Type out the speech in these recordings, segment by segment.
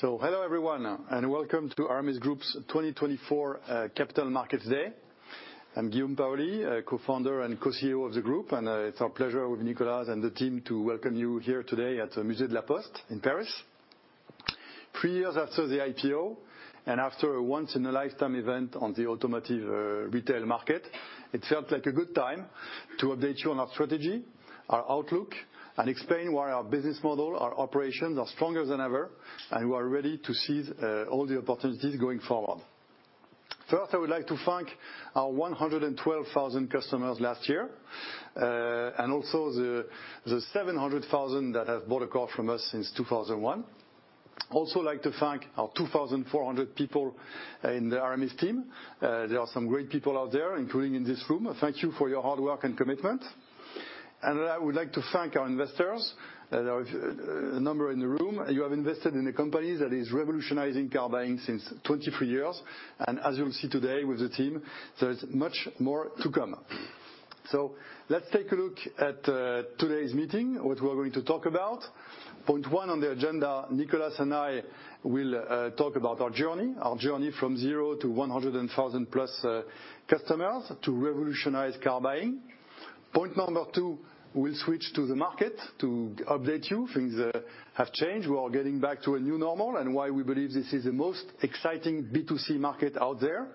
Hello everyone, and welcome to Aramis Group's 2024 Capital Markets Day. I'm Guillaume Paoli, co-founder and co-CEO of the group, and it's our pleasure with Nicolas and the team to welcome you here today at the Musée de la Poste in Paris. Three years after the IPO, and after a once-in-a-lifetime event on the automotive retail market, it felt like a good time to update you on our strategy, our outlook, and explain why our business model, our operations are stronger than ever, and we are ready to seize all the opportunities going forward. First, I would like to thank our 112,000 customers last year, and also the 700,000 that have bought a car from us since 2001. I'd also like to thank our 2,400 people in the Aramis team. There are some great people out there, including in this room. Thank you for your hard work and commitment. I would like to thank our investors. There are a number in the room. You have invested in a company that is revolutionizing car buying since 23 years. As you'll see today with the team, there is much more to come. Let's take a look at today's meeting, what we're going to talk about. Point one on the agenda, Nicolas and I will talk about our journey, our journey from zero to 100,000 plus customers to revolutionize car buying. Point number two, we'll switch to the market to update you. Things have changed. We're getting back to a new normal and why we believe this is the most exciting B2C market out there.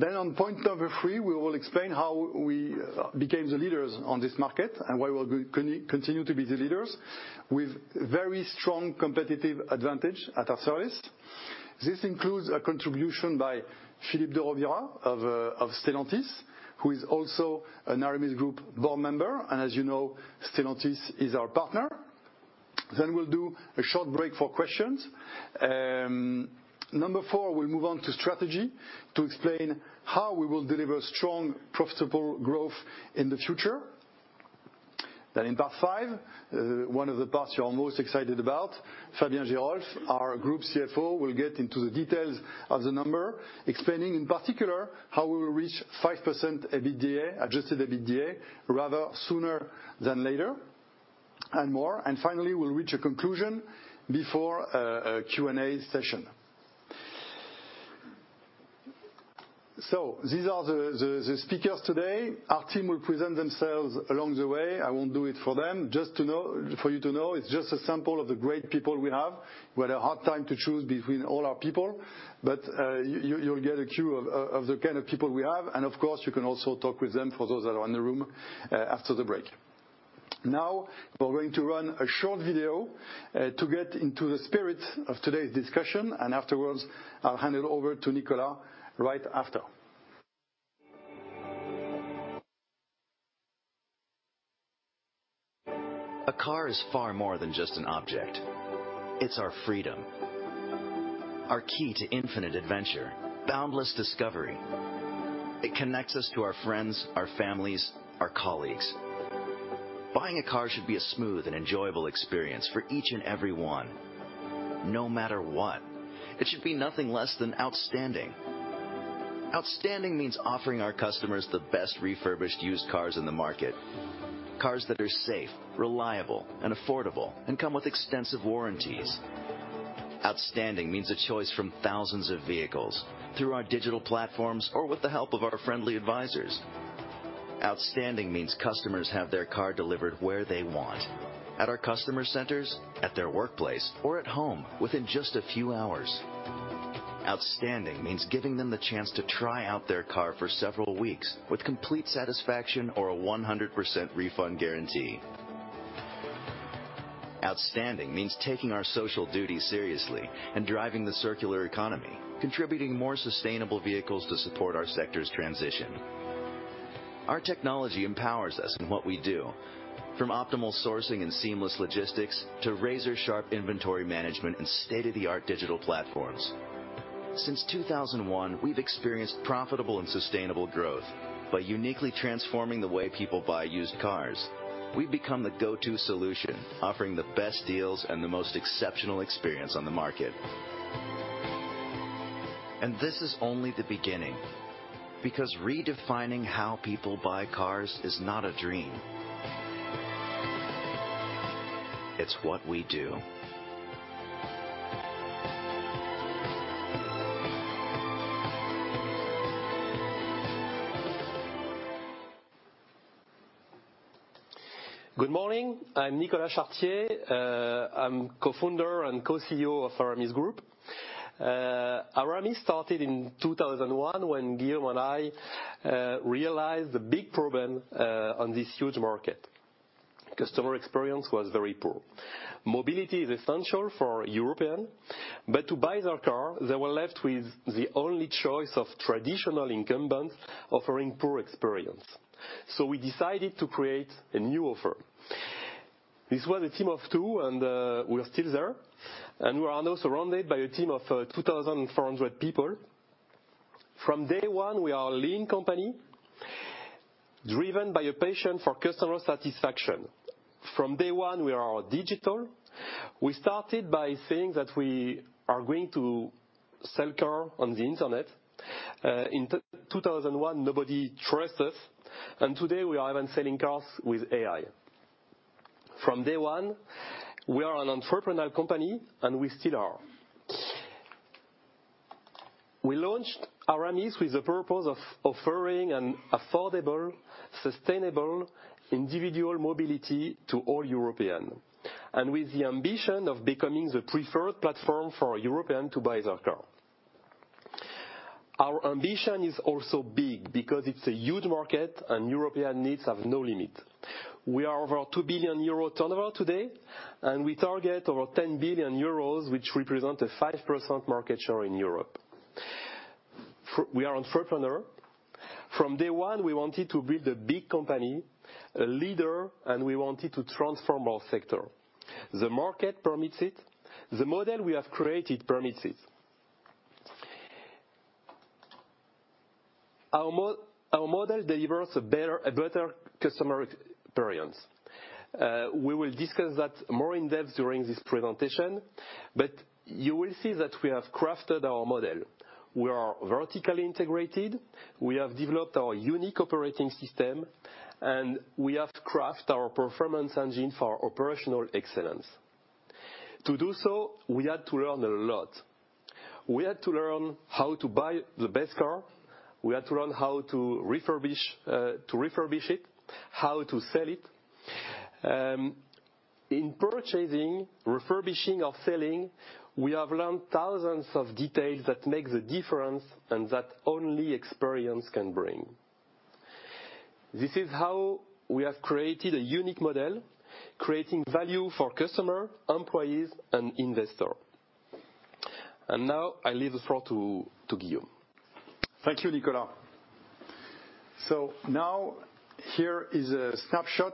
On point number three, we will explain how we became the leaders on this market and why we'll continue to be the leaders with very strong competitive advantage at our service. This includes a contribution by Philippe de Rovira of Stellantis, who is also an Aramis Group board member, and as you know, Stellantis is our partner. Then we'll do a short break for questions. Number four, we'll move on to strategy to explain how we will deliver strong, profitable growth in the future. Then in part five, one of the parts you're most excited about, Fabien Geerolf, our Group CFO, will get into the details of the number, explaining in particular how we will reach 5% EBITDA, adjusted EBITDA, rather sooner than later and more. And finally, we'll reach a conclusion before a Q&A session. So, these are the speakers today. Our team will present themselves along the way. I won't do it for them. Just for you to know, it's just a sample of the great people we have. We had a hard time to choose between all our people, but you'll get a clue of the kind of people we have, and of course, you can also talk with them for those that are in the room after the break. Now, we're going to run a short video to get into the spirit of today's discussion, and afterwards, I'll hand it over to Nicolas right after. A car is far more than just an object. It's our freedom, our key to infinite adventure, boundless discovery. It connects us to our friends, our families, our colleagues. Buying a car should be a smooth and enjoyable experience for each and every one, no matter what. It should be nothing less than outstanding. Outstanding means offering our customers the best refurbished used cars in the market, cars that are safe, reliable, and affordable, and come with extensive warranties. Outstanding means a choice from thousands of vehicles through our digital platforms or with the help of our friendly advisors. Outstanding means customers have their car delivered where they want, at our customer centers, at their workplace, or at home within just a few hours. Outstanding means giving them the chance to try out their car for several weeks with complete satisfaction or a 100% refund guarantee. Outstanding means taking our social duty seriously and driving the circular economy, contributing more sustainable vehicles to support our sector's transition. Our technology empowers us in what we do, from optimal sourcing and seamless logistics to razor-sharp inventory management and state-of-the-art digital platforms. Since 2001, we've experienced profitable and sustainable growth by uniquely transforming the way people buy used cars. We've become the go-to solution, offering the best deals and the most exceptional experience on the market. And this is only the beginning, because redefining how people buy cars is not a dream. It's what we do. Good morning. I'm Nicolas Chartier. I'm Co-founder and Co-CEO of Aramis Group. Aramis started in 2001 when Guillaume and I realized the big problem on this huge market. Customer experience was very poor. Mobility is essential for Europeans, but to buy their car, they were left with the only choice of traditional incumbents offering poor experience. So we decided to create a new offer. This was a team of two, and we're still there and we are now surrounded by a team of 2,400 people. From day one, we are a lean company, driven by a passion for customer satisfaction. From day one, we are digital. We started by saying that we are going to sell cars on the internet. In 2001, nobody trusted us, and today we are even selling cars with AI. From day one, we are an entrepreneurial company, and we still are. We launched Aramis with the purpose of offering an affordable, sustainable, individual mobility to all Europeans, and with the ambition of becoming the preferred platform for Europeans to buy their car. Our ambition is also big because it's a huge market, and European needs have no limit. We are over €2 billion turnover today, and we target over €10 billion, which represents a 5% market share in Europe. We are entrepreneurs. From day one, we wanted to build a big company, a leader, and we wanted to transform our sector. The market permits it. The model we have created permits it. Our model delivers a better customer experience. We will discuss that more in depth during this presentation, but you will see that we have crafted our model. We are vertically integrated. We have developed our unique operating system, and we have crafted our performance engine for operational excellence. To do so, we had to learn a lot. We had to learn how to buy the best car. We had to learn how to refurbish it, how to sell it. In purchasing, refurbishing, or selling, we have learned thousands of details that make the difference and that only experience can bring. This is how we have created a unique model, creating value for customers, employees, and investors. And now, I leave the floor to Guillaume. Thank you, Nicolas. So now, here is a snapshot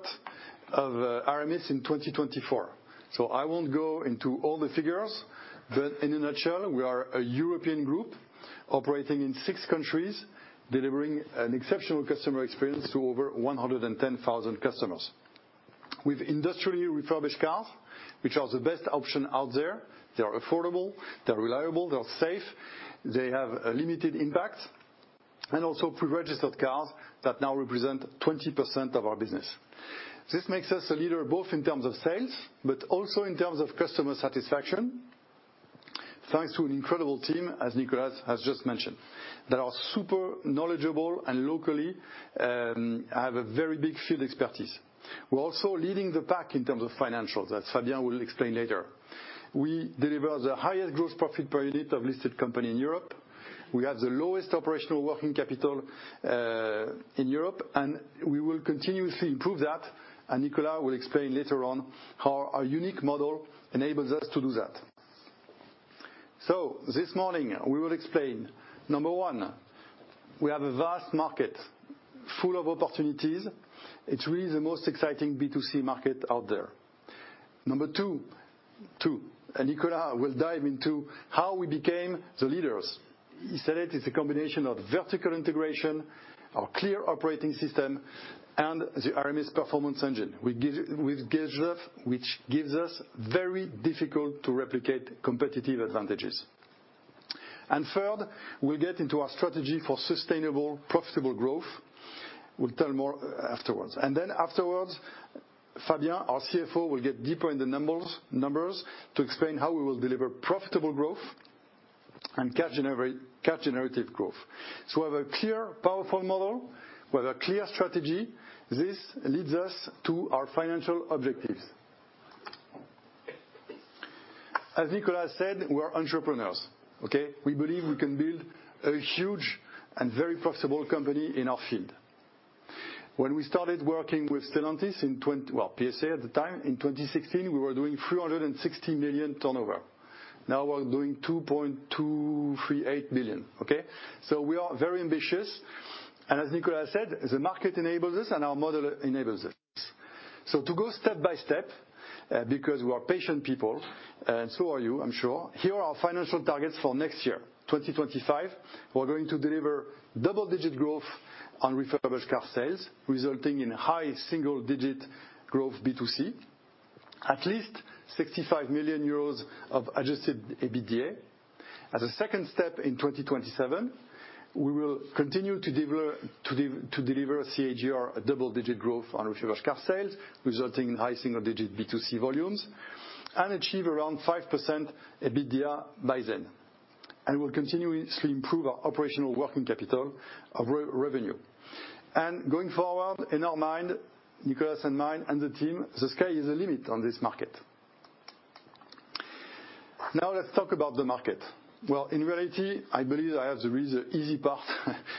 of Aramis in 2024. So I won't go into all the figures, but in a nutshell, we are a European group operating in six countries, delivering an exceptional customer experience to over 110,000 customers. We've industrially refurbished cars, which are the best option out there. They are affordable. They're reliable. They're safe. They have a limited impact. And also pre-registered cars that now represent 20% of our business. This makes us a leader both in terms of sales, but also in terms of customer satisfaction, thanks to an incredible team, as Nicolas has just mentioned, that are super knowledgeable and locally have a very big field expertise. We're also leading the pack in terms of financials, as Fabien will explain later. We deliver the highest gross profit per unit of listed companies in Europe. We have the lowest operating working capital in Europe, and we will continuously improve that. And Nicolas will explain later on how our unique model enables us to do that. So this morning, we will explain, number one, we have a vast market full of opportunities. It's really the most exciting B2C market out there. Number two, and Nicolas will dive into how we became the leaders. He said it is a combination of vertical integration, our clear operating system, and the Aramis Performance Engine, which gives us very difficult-to-replicate competitive advantages. And third, we'll get into our strategy for sustainable, profitable growth. We'll tell more afterwards. And then afterwards, Fabien, our CFO, will get deeper in the numbers to explain how we will deliver profitable growth and cash-generative growth. So we have a clear, powerful model. We have a clear strategy. This leads us to our financial objectives. As Nicolas said, we are entrepreneurs. We believe we can build a huge and very profitable company in our field. When we started working with Stellantis in, well, PSA at the time, in 2016, we were doing €360 million turnover. Now we're doing €2.238 billion. So we are very ambitious. And as Nicolas said, the market enables us, and our model enables us. So to go step by step, because we are patient people, and so are you, I'm sure, here are our financial targets for next year, 2025. We're going to deliver double-digit growth on refurbished car sales, resulting in high single-digit growth B2C, at least €65 million of adjusted EBITDA. As a second step in 2027, we will continue to deliver CAGR, double-digit growth on refurbished car sales, resulting in high single-digit B2C volumes, and achieve around 5% EBITDA by then. We'll continuously improve our operational working capital revenue. Going forward, in our mind, Nicolas and mine and the team, the sky is the limit on this market. Now, let's talk about the market. In reality, I believe I have the easy part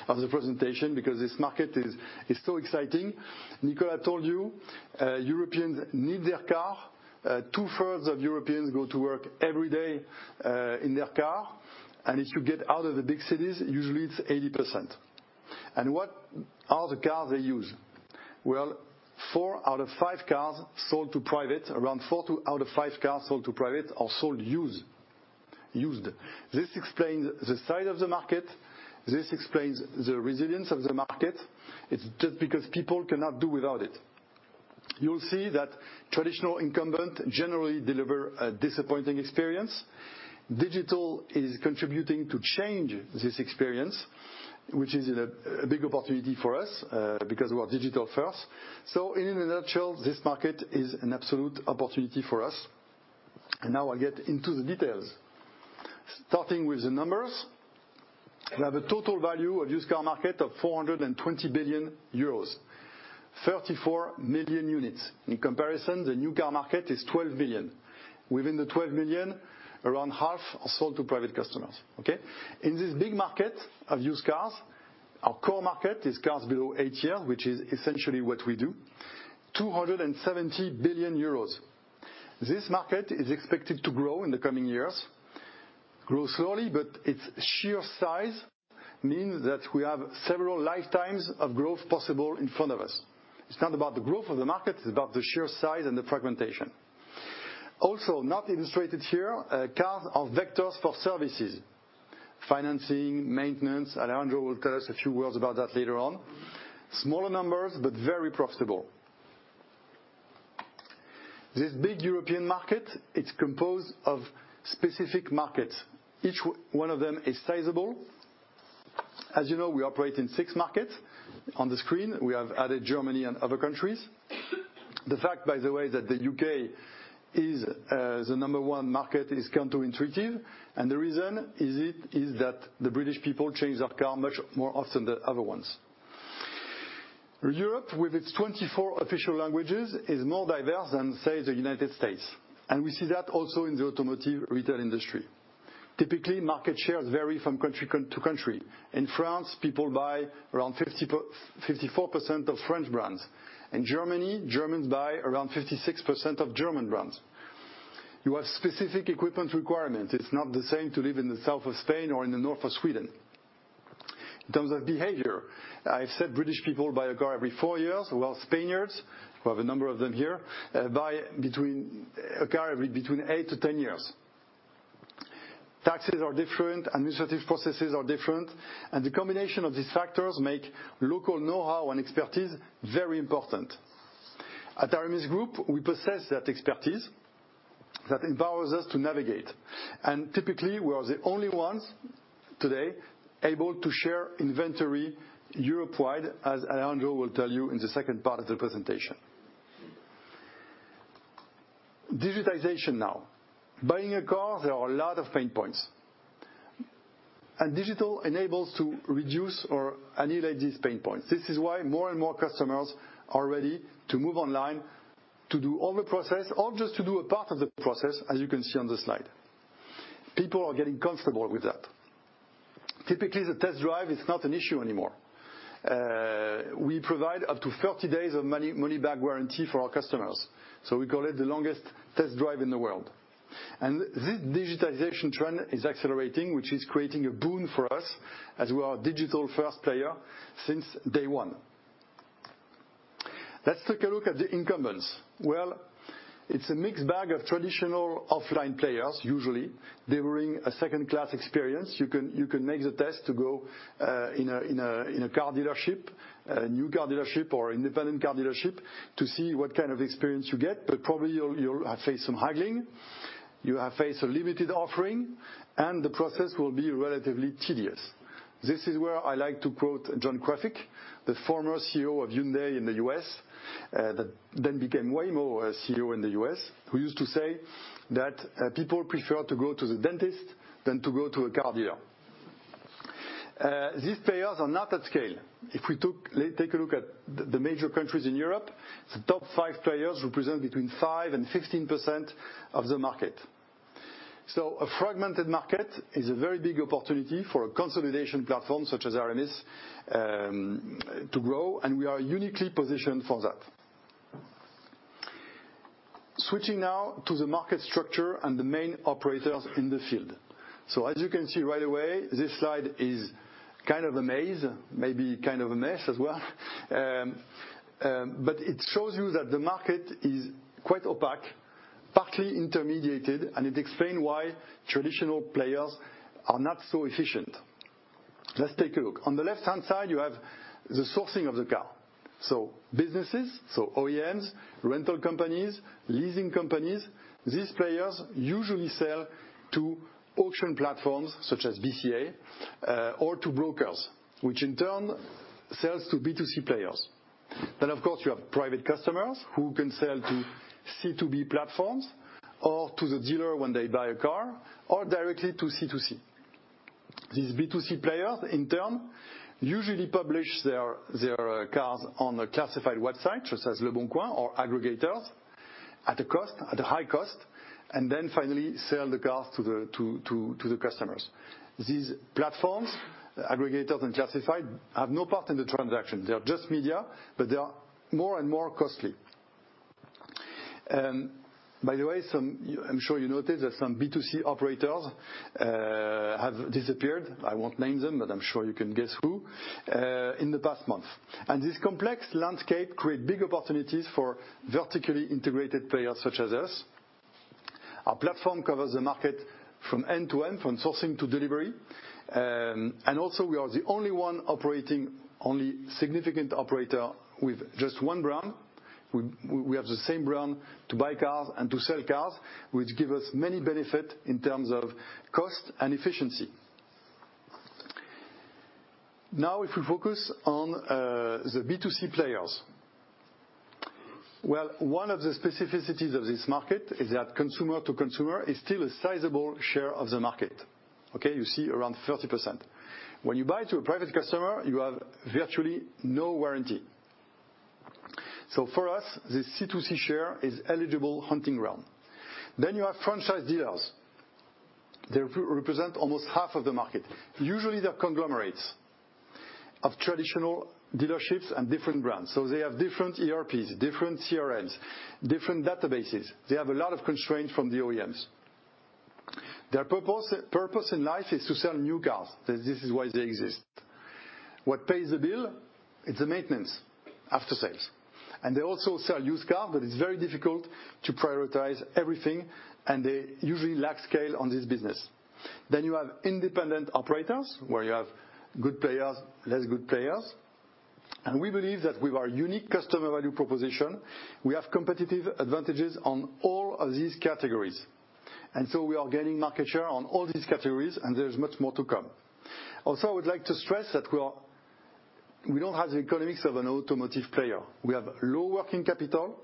of the presentation because this market is so exciting. Nicolas told you, Europeans need their car. Two-thirds of Europeans go to work every day in their car. If you get out of the big cities, usually it's 80%. What are the cars they use? Four out of five cars sold to private, around four out of five cars sold to private are sold used. This explains the size of the market. This explains the resilience of the market. It's just because people cannot do without it. You'll see that traditional incumbents generally deliver a disappointing experience. Digital is contributing to change this experience, which is a big opportunity for us because we are digital first, so in a nutshell, this market is an absolute opportunity for us, and now I'll get into the details, starting with the numbers. We have a total value of used car market of €420 billion, 34 million units. In comparison, the new car market is 12 million. Within the 12 million, around half are sold to private customers. In this big market of used cars, our core market is cars below eight years, which is essentially what we do, €270 billion. This market is expected to grow in the coming years, grow slowly, but its sheer size means that we have several lifetimes of growth possible in front of us. It's not about the growth of the market. It's about the sheer size and the fragmentation. Also, not illustrated here, cars are vectors for services, financing, maintenance. Alejandro will tell us a few words about that later on. Smaller numbers, but very profitable. This big European market, it's composed of specific markets. Each one of them is sizable. As you know, we operate in six markets. On the screen, we have added Germany and other countries. The fact, by the way, that the U.K. is the number one market is counterintuitive. And the reason is that the British people change their car much more often than other ones. Europe, with its 24 official languages, is more diverse than, say, the United States. And we see that also in the automotive retail industry. Typically, market shares vary from country to country. In France, people buy around 54% of French brands. In Germany, Germans buy around 56% of German brands. You have specific equipment requirements. It's not the same to live in the south of Spain or in the north of Sweden. In terms of behavior, I've said British people buy a car every four years. Well, Spaniards, who have a number of them here, buy a car every between 8 to 10 years. Taxes are different. Administrative processes are different. And the combination of these factors makes local know-how and expertise very important. At Aramis Group, we possess that expertise that empowers us to navigate. And typically, we are the only ones today able to share inventory Europe-wide, as Alejandro will tell you in the second part of the presentation. Digitization now. Buying a car, there are a lot of pain points. And digital enables us to reduce or annihilate these pain points. This is why more and more customers are ready to move online to do all the process or just to do a part of the process, as you can see on the slide. People are getting comfortable with that. Typically, the test drive is not an issue anymore. We provide up to 30 days of money-back guarantee for our customers. So we call it the longest test drive in the world. And this digitization trend is accelerating, which is creating a boon for us as we are a digital first player since day one. Let's take a look at the incumbents. Well, it's a mixed bag of traditional offline players, usually delivering a second-class experience. You can make the test to go in a car dealership, a new car dealership, or independent car dealership to see what kind of experience you get. But probably you'll face some haggling. You have faced a limited offering, and the process will be relatively tedious. This is where I like to quote John Krafcik, the former CEO of Hyundai in the U.S., that then became Waymo CEO in the U.S., who used to say that people prefer to go to the dentist than to go to a car dealer. These players are not at scale. If we take a look at the major countries in Europe, the top five players represent between 5% and 15% of the market. So a fragmented market is a very big opportunity for a consolidation platform such as Aramis to grow. And we are uniquely positioned for that. Switching now to the market structure and the main operators in the field. So as you can see right away, this slide is kind of a maze, maybe kind of a mess as well. But it shows you that the market is quite opaque, partly intermediated, and it explains why traditional players are not so efficient. Let's take a look. On the left-hand side, you have the sourcing of the car. So businesses, so OEMs, rental companies, leasing companies, these players usually sell to auction platforms such as BCA or to brokers, which in turn sells to B2C players. Then, of course, you have private customers who can sell to C2B platforms or to the dealer when they buy a car or directly to C2C. These B2C players, in turn, usually publish their cars on a classified website such as Leboncoin or aggregators at a high cost, and then finally sell the cars to the customers. These platforms, aggregators and classified, have no part in the transaction. They're just media, but they are more and more costly. By the way, I'm sure you noticed that some B2C operators have disappeared. I won't name them, but I'm sure you can guess who in the past month, and this complex landscape creates big opportunities for vertically integrated players such as us. Our platform covers the market from end to end, from sourcing to delivery, and also, we are the only significant operator operating with just one brand. We have the same brand to buy cars and to sell cars, which gives us many benefits in terms of cost and efficiency. Now, if we focus on the B2C players, well, one of the specificities of this market is that consumer to consumer is still a sizable share of the market. You see around 30%. When you buy to a private customer, you have virtually no warranty. So for us, the C2C share is eligible hunting ground. Then you have franchise dealers. They represent almost half of the market. Usually, they're conglomerates of traditional dealerships and different brands. So they have different ERPs, different CRMs, different databases. They have a lot of constraints from the OEMs. Their purpose in life is to sell new cars. This is why they exist. What pays the bill? It's the maintenance after sales. And they also sell used cars, but it's very difficult to prioritize everything, and they usually lack scale on this business. Then you have independent operators where you have good players, less good players. And we believe that with our unique customer value proposition, we have competitive advantages on all of these categories. And so we are gaining market share on all these categories, and there's much more to come. Also, I would like to stress that we don't have the economics of an automotive player. We have low working capital.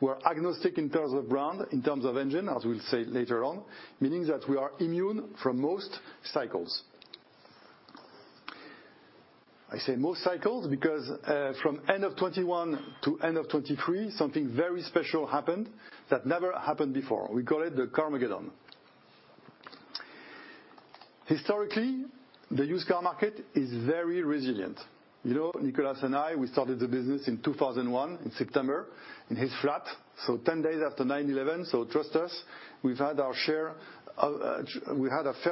We're agnostic in terms of brand, in terms of engine, as we'll say later on, meaning that we are immune from most cycles. I say most cycles because from end of 2021 to end of 2023, something very special happened that never happened before. We call it the Carmageddon. Historically, the used car market is very resilient. Nicolas and I, we started the business in 2001 in September in his flat. So 10 days after 9/11, so trust us, we've had our fair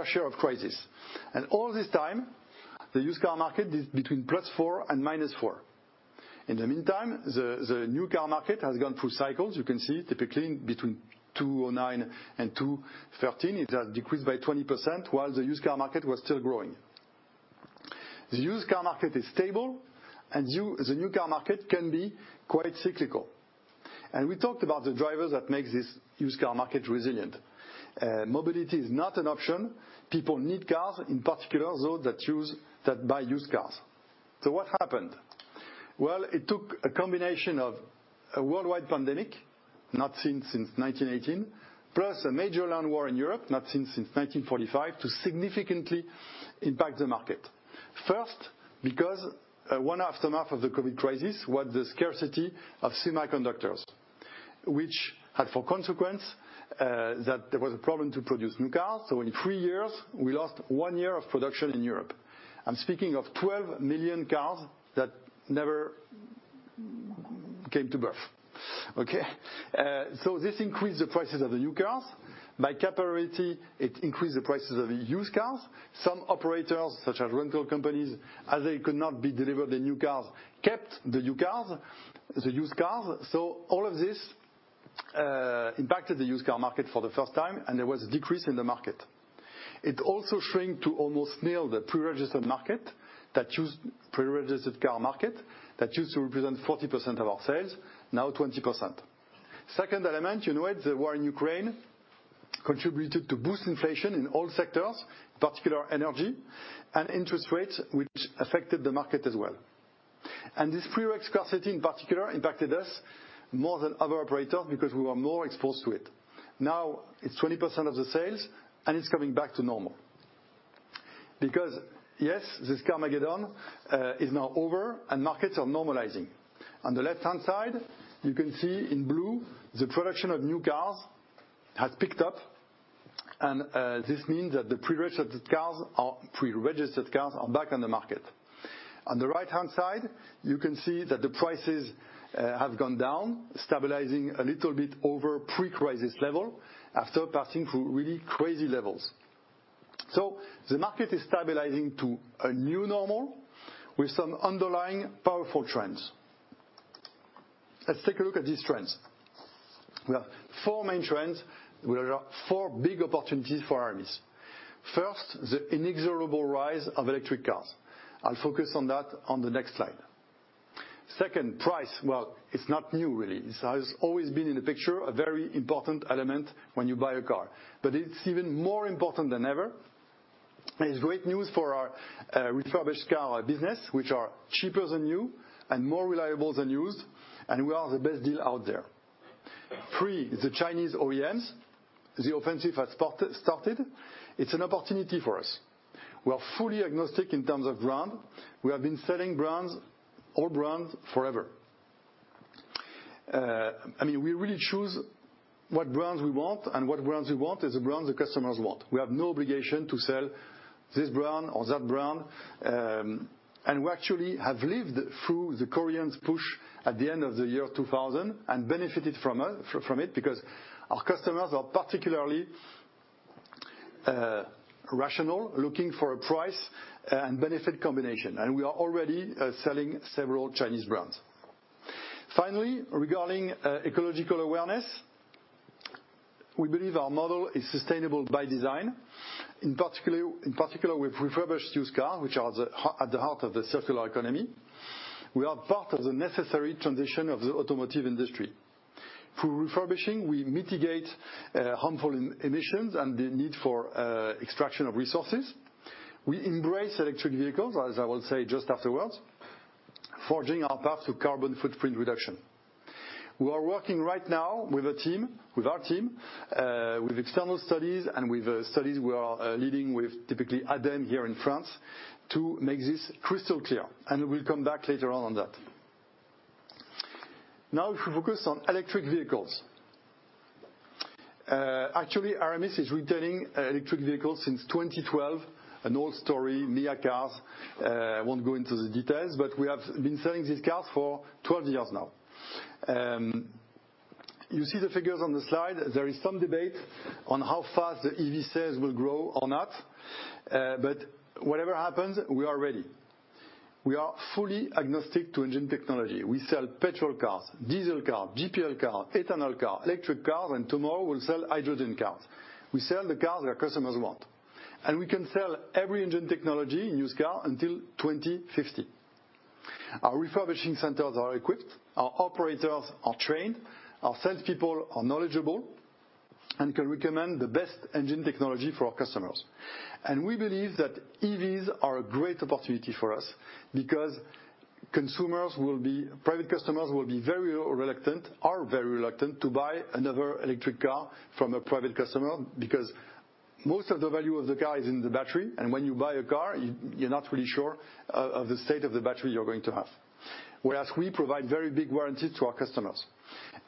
share of crises. And all this time, the used car market is between +4% and -4%. In the meantime, the new car market has gone through cycles. You can see typically between 2009 and 2013, it has decreased by 20% while the used car market was still growing. The used car market is stable, and the new car market can be quite cyclical. And we talked about the drivers that make this used car market resilient. Mobility is not an option. People need cars, in particular, those that buy used cars. So what happened? Well, it took a combination of a worldwide pandemic, not seen since 1918, plus a major land war in Europe, not seen since 1945, to significantly impact the market. First, because one aftermath of the COVID crisis was the scarcity of semiconductors, which had for consequence that there was a problem to produce new cars. So in three years, we lost one year of production in Europe. I'm speaking of 12 million cars that never came to birth. So this increased the prices of the new cars. By capability, it increased the prices of the used cars. Some operators, such as rental companies, as they could not be delivered the new cars, kept the used cars, so all of this impacted the used car market for the first time, and there was a decrease in the market. It also shrink to almost near the pre-registered market, that used pre-registered car market that used to represent 40% of our sales, now 20%. Second element, you know it, the war in Ukraine contributed to boost inflation in all sectors, in particular energy and interest rates, which affected the market as well, and this pre-reg scarcity, in particular, impacted us more than other operators because we were more exposed to it. Now it's 20% of the sales, and it's coming back to normal. Because yes, this Carmageddon is now over, and markets are normalizing. On the left-hand side, you can see in blue the production of new cars has picked up and this means that the pre-registered cars are back on the market. On the right-hand side, you can see that the prices have gone down, stabilizing a little bit over pre-crisis level after passing through really crazy levels, so the market is stabilizing to a new normal with some underlying powerful trends. Let's take a look at these trends. We have four main trends. We have four big opportunities for Aramis. First, the inexorable rise of electric cars. I'll focus on that on the next slide. Second, price. Well, it's not new, really. It has always been in the picture, a very important element when you buy a car. But it's even more important than ever. It's great news for our refurbished car business, which are cheaper than new and more reliable than used. And we are the best deal out there. Three, the Chinese OEMs. The offensive has started. It's an opportunity for us. We are fully agnostic in terms of brand. We have been selling brands, all brands, forever. I mean, we really choose what brands we want, and what brands we want is the brands the customers want. We have no obligation to sell this brand or that brand. And we actually have lived through the Koreans' push at the end of the year 2000 and benefited from it because our customers are particularly rational, looking for a price and benefit combination. And we are already selling several Chinese brands. Finally, regarding ecological awareness, we believe our model is sustainable by design. In particular, with refurbished used cars, which are at the heart of the circular economy, we are part of the necessary transition of the automotive industry. Through refurbishing, we mitigate harmful emissions and the need for extraction of resources. We embrace electric vehicles, as I will say just afterwards, forging our path to carbon footprint reduction. We are working right now with our team, with external studies and with studies we are leading with typically ADEME here in France to make this crystal clear. And we'll come back later on that. Now, if we focus on electric vehicles. Actually, Aramis is retailing electric vehicles since 2012, an old story, Mia cars. I won't go into the details, but we have been selling these cars for 12 years now. You see the figures on the slide. There is some debate on how fast the EV sales will grow or not. But whatever happens, we are ready. We are fully agnostic to engine technology. We sell petrol cars, diesel cars, GPL cars, ethanol cars, electric cars, and tomorrow we'll sell hydrogen cars. We sell the cars that our customers want. And we can sell every engine technology in used car until 2050. Our refurbishing centers are equipped. Our operators are trained. Our salespeople are knowledgeable and can recommend the best engine technology for our customers. And we believe that EVs are a great opportunity for us because private customers will be very reluctant, are very reluctant to buy another electric car from a private customer because most of the value of the car is in the battery. And when you buy a car, you're not really sure of the state of the battery you're going to have. Whereas we provide very big warranties to our customers.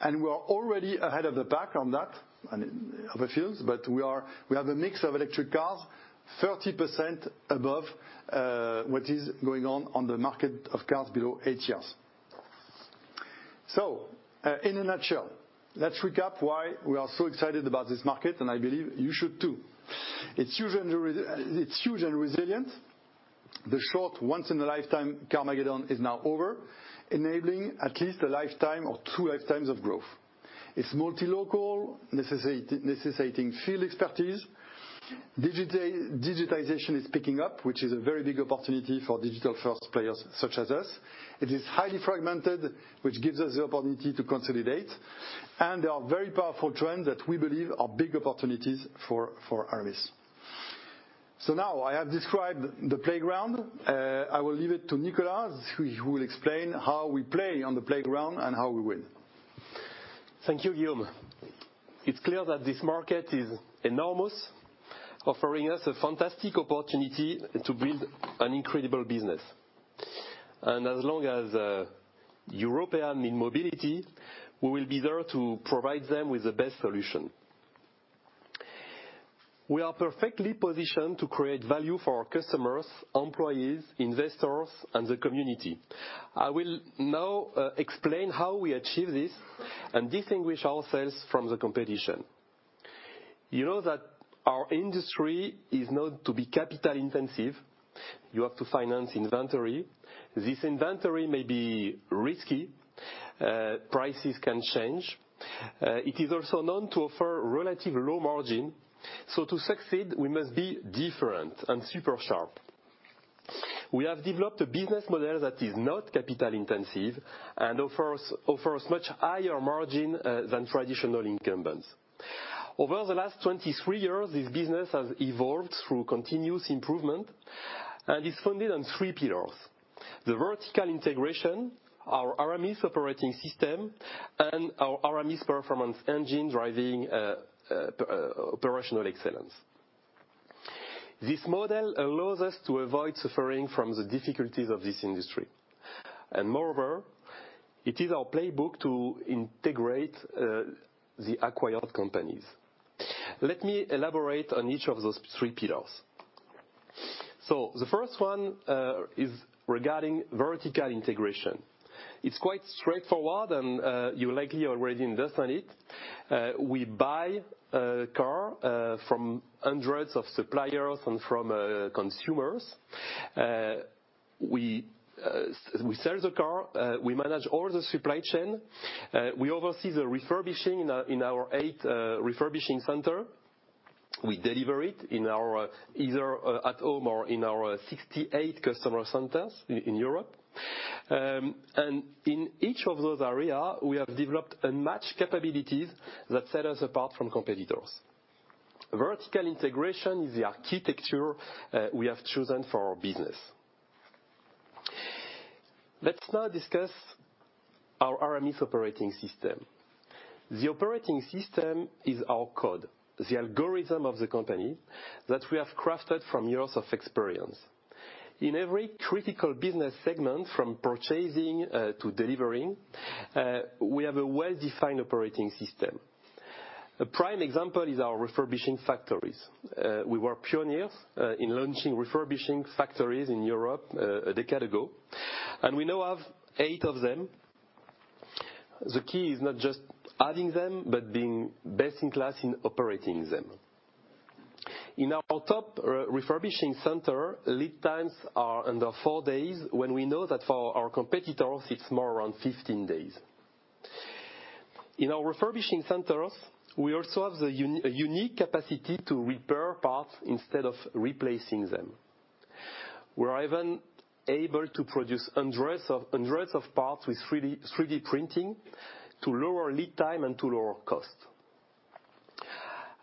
We are already ahead of the pack in that field, but we have a mix of electric cars, 30% above what is going on in the market for cars below eight years. In a nutshell, let's recap why we are so excited about this market, and I believe you should too. It's huge and resilient. The short once-in-a-lifetime Carmageddon is now over, enabling at least a lifetime or two lifetimes of growth. It's multilocal, necessitating field expertise. Digitization is picking up, which is a very big opportunity for digital-first players such as us. It is highly fragmented, which gives us the opportunity to consolidate. There are very powerful trends that we believe are big opportunities for Aramis. Now I have described the playground. I will leave it to Nicolas, who will explain how we play on the playground and how we win. Thank you, Guillaume. It's clear that this market is enormous, offering us a fantastic opportunity to build an incredible business. And as long as Europeans need mobility, we will be there to provide them with the best solution. We are perfectly positioned to create value for our customers, employees, investors, and the community. I will now explain how we achieve this and distinguish ourselves from the competition. You know that our industry is known to be capital-intensive. You have to finance inventory. This inventory may be risky. Prices can change. It is also known to offer relatively low margin, so to succeed, we must be different and super sharp. We have developed a business model that is not capital-intensive and offers much higher margin than traditional incumbents. Over the last 23 years, this business has evolved through continuous improvement and is founded on three pillars: the vertical integration, our Aramis Operating System, and our Aramis Performance Engine driving operational excellence. This model allows us to avoid suffering from the difficulties of this industry, and moreover, it is our playbook to integrate the acquired companies. Let me elaborate on each of those three pillars, so the first one is regarding vertical integration. It's quite straightforward, and you likely are already invested in it. We buy a car from hundreds of suppliers and from consumers. We sell the car. We manage all the supply chain. We oversee the refurbishing in our eight refurbishing centers. We deliver it either at home or in our 68 customer centers in Europe, and in each of those areas, we have developed unmatched capabilities that set us apart from competitors. Vertical integration is the architecture we have chosen for our business. Let's now discuss our Aramis Operating System. The Operating System is our code, the algorithm of the company that we have crafted from years of experience. In every critical business segment, from purchasing to delivering, we have a well-defined operating system. A prime example is our refurbishing factories. We were pioneers in launching refurbishing factories in Europe a decade ago, and we now have eight of them. The key is not just adding them, but being best in class in operating them. In our top refurbishing center, lead times are under four days, when we know that for our competitors, it's more around 15 days. In our refurbishing centers, we also have the unique capacity to repair parts instead of replacing them. We are even able to produce hundreds of parts with 3D printing to lower lead time and to lower cost.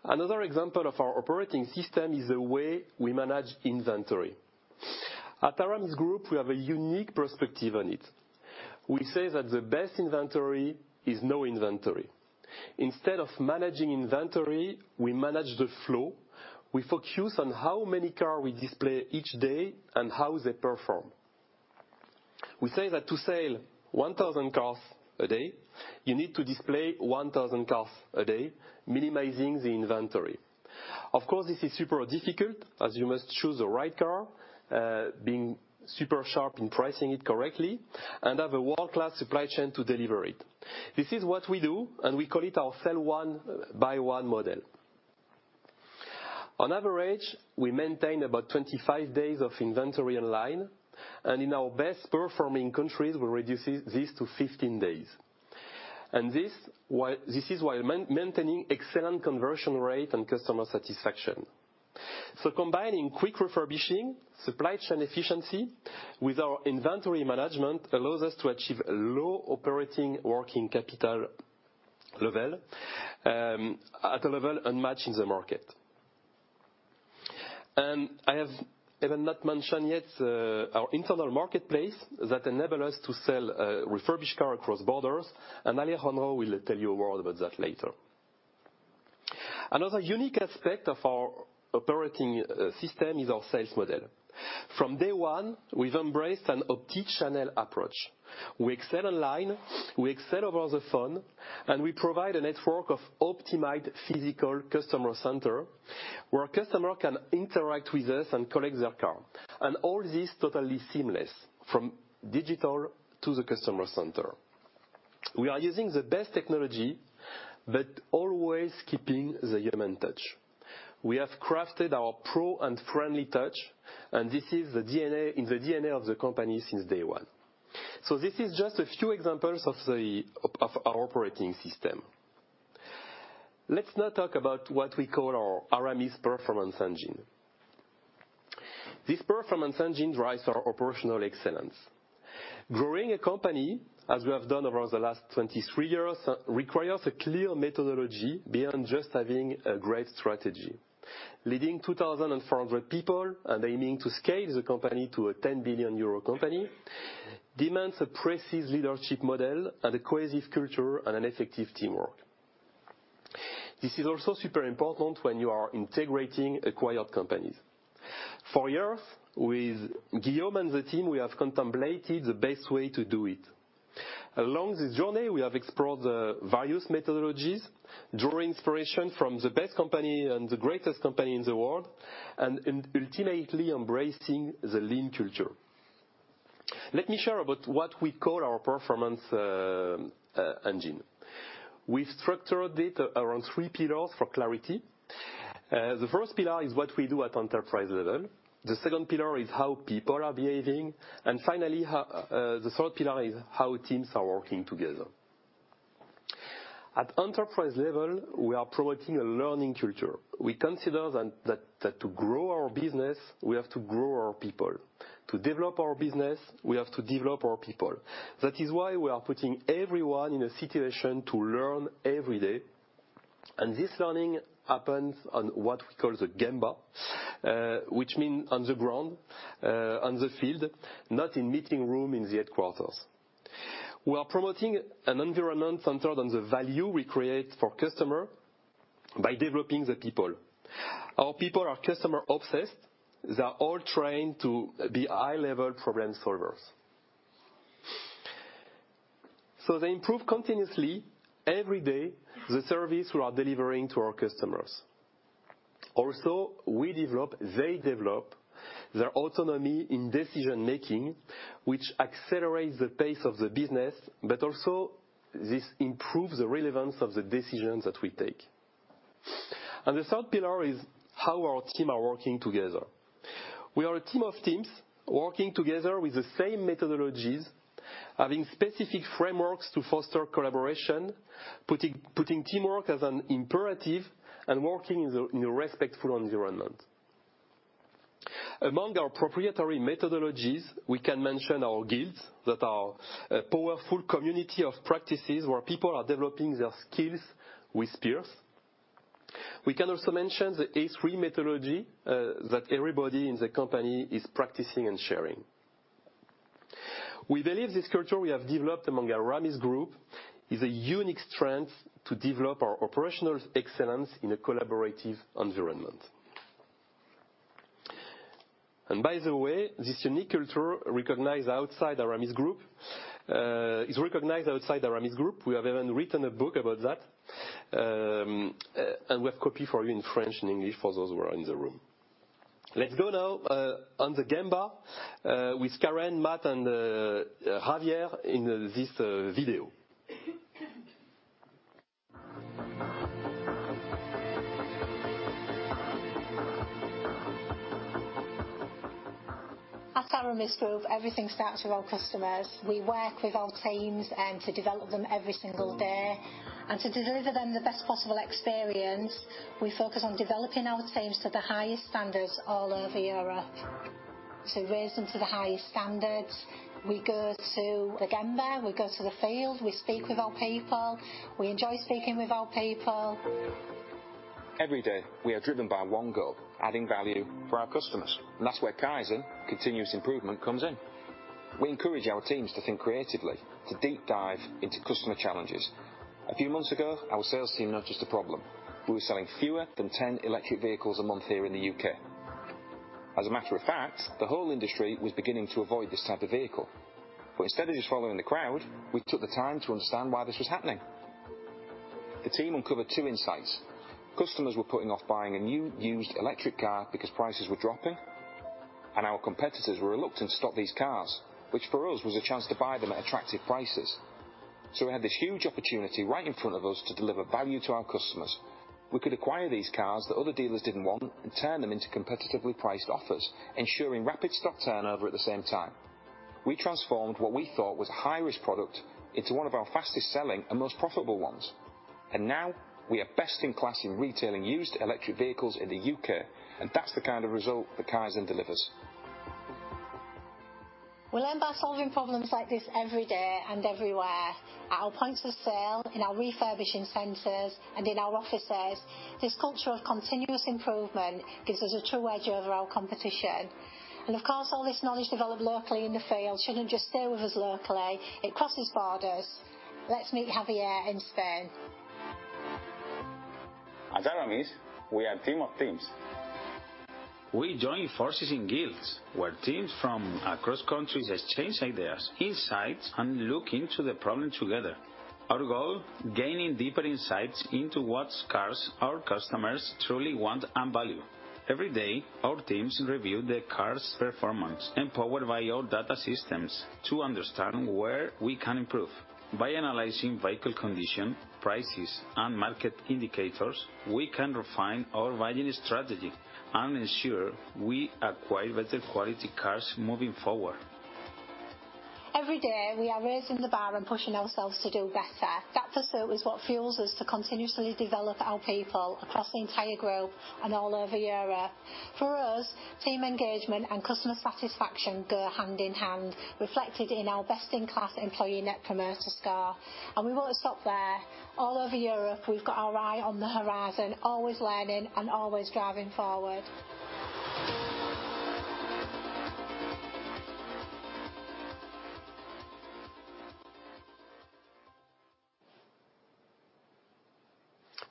Another example of our operating system is the way we manage inventory. At Aramis Group, we have a unique perspective on it. We say that the best inventory is no inventory. Instead of managing inventory, we manage the flow. We focus on how many cars we display each day and how they perform. We say that to sell 1,000 cars a day, you need to display 1,000 cars a day, minimizing the inventory. Of course, this is super difficult, as you must choose the right car, being super sharp in pricing it correctly, and have a world-class supply chain to deliver it. This is what we do, and we call it our sell-one-buy-one model. On average, we maintain about 25 days of inventory online. And in our best-performing countries, we reduce this to 15 days. And this is while maintaining excellent conversion rate and customer satisfaction. So combining quick refurbishing, supply chain efficiency with our inventory management allows us to achieve a low operating working capital level at a level unmatched in the market. And I have not mentioned yet our internal marketplace that enables us to sell refurbished cars across borders. And Alejandro will tell you a word about that later. Another unique aspect of our operating system is our sales model. From day one, we've embraced an Optichannel approach. We excel online. We excel over the phone. And we provide a network of optimized physical customer centers where customers can interact with us and collect their car. And all this is totally seamless, from digital to the customer center. We are using the best technology, but always keeping the human touch. We have crafted our pro and friendly touch, and this is in the DNA of the company since day one. So this is just a few examples of our operating system. Let's now talk about what we call our Aramis Performance Engine. This performance engine drives our operational excellence. Growing a company, as we have done over the last 23 years, requires a clear methodology beyond just having a great strategy. Leading 2,400 people and aiming to scale the company to a 10 billion euro company demands a precise leadership model and a cohesive culture and an effective teamwork. This is also super important when you are integrating acquired companies. For years, with Guillaume and the team, we have contemplated the best way to do it. Along this journey, we have explored various methodologies, drawing inspiration from the best company and the greatest company in the world, and ultimately embracing the Lean Culture. Let me share about what we call our performance engine. We've structured it around three pillars for clarity. The first pillar is what we do at enterprise level. The second pillar is how people are behaving. And finally, the third pillar is how teams are working together. At enterprise level, we are promoting a learning culture. We consider that to grow our business, we have to grow our people. To develop our business, we have to develop our people. That is why we are putting everyone in a situation to learn every day, and this learning happens on what we call the Gemba, which means on the ground, on the field, not in the meeting room in the headquarters. We are promoting an environment centered on the value we create for customers by developing the people. Our people are customer-obsessed. They are all trained to be high-level problem solvers, so they improve continuously, every day, the service we are delivering to our customers. Also, they develop their autonomy in decision-making, which accelerates the pace of the business, but also this improves the relevance of the decisions that we take, and the third pillar is how our teams are working together. We are a team of teams working together with the same methodologies, having specific frameworks to foster collaboration, putting teamwork as an imperative, and working in a respectful environment. Among our proprietary methodologies, we can mention our guilds, that are a powerful community of practice where people are developing their skills with peers. We can also mention the A3 Methodology that everybody in the company is practicing and sharing. We believe this culture we have developed among Aramis Group is a unique strength to develop our operational excellence in a collaborative environment. And by the way, this unique culture is recognized outside Aramis Group. We have even written a book about that. And we have copies for you in French and English for those who are in the room. Let's go now on the Gemba with Karen, Matt, and Javier in this video. At Aramis Group, everything starts with our customers. We work with our teams to develop them every single day, and to deliver them the best possible experience, we focus on developing our teams to the highest standards all over Europe. To raise them to the highest standards, we go to the Gemba, we go to the field, we speak with our people, we enjoy speaking with our people. Every day, we are driven by one goal: adding value for our customers. And that's where Kaizen, continuous improvement, comes in. We encourage our teams to think creatively, to deep dive into customer challenges. A few months ago, our sales team noticed a problem. We were selling fewer than 10 electric vehicles a month here in the U.K. As a matter of fact, the whole industry was beginning to avoid this type of vehicle. But instead of just following the crowd, we took the time to understand why this was happening. The team uncovered two insights. Customers were putting off buying a new used electric car because prices were dropping. And our competitors were reluctant to stop these cars, which for us was a chance to buy them at attractive prices. So we had this huge opportunity right in front of us to deliver value to our customers. We could acquire these cars that other dealers didn't want and turn them into competitively priced offers, ensuring rapid stock turnover at the same time. We transformed what we thought was a high-risk product into one of our fastest-selling and most profitable ones. And now we are best in class in retailing used electric vehicles in the UK. And that's the kind of result that Kaizen delivers. We learn by solving problems like this every day and everywhere, at our points of sale, in our refurbishing centers, and in our offices. This culture of continuous improvement gives us a true edge over our competition. And of course, all this knowledge developed locally in the field shouldn't just stay with us locally. It crosses borders. Let's meet Javier in Spain. At Aramis, we are a team of teams. We join forces in guilds, where teams from across countries exchange ideas, insights, and look into the problem together. Our goal: gaining deeper insights into what cars our customers truly want and value. Every day, our teams review the car's performance and power via our data systems to understand where we can improve. By analyzing vehicle condition, prices, and market indicators, we can refine our value strategy and ensure we acquire better-quality cars moving forward. Every day, we are raising the bar and pushing ourselves to do better. That pursuit is what fuels us to continuously develop our people across the entire group and all over Europe. For us, team engagement and customer satisfaction go hand in hand, reflected in our best-in-class employee net promoter score. We won't stop there. All over Europe, we've got our eye on the horizon, always learning and always driving forward.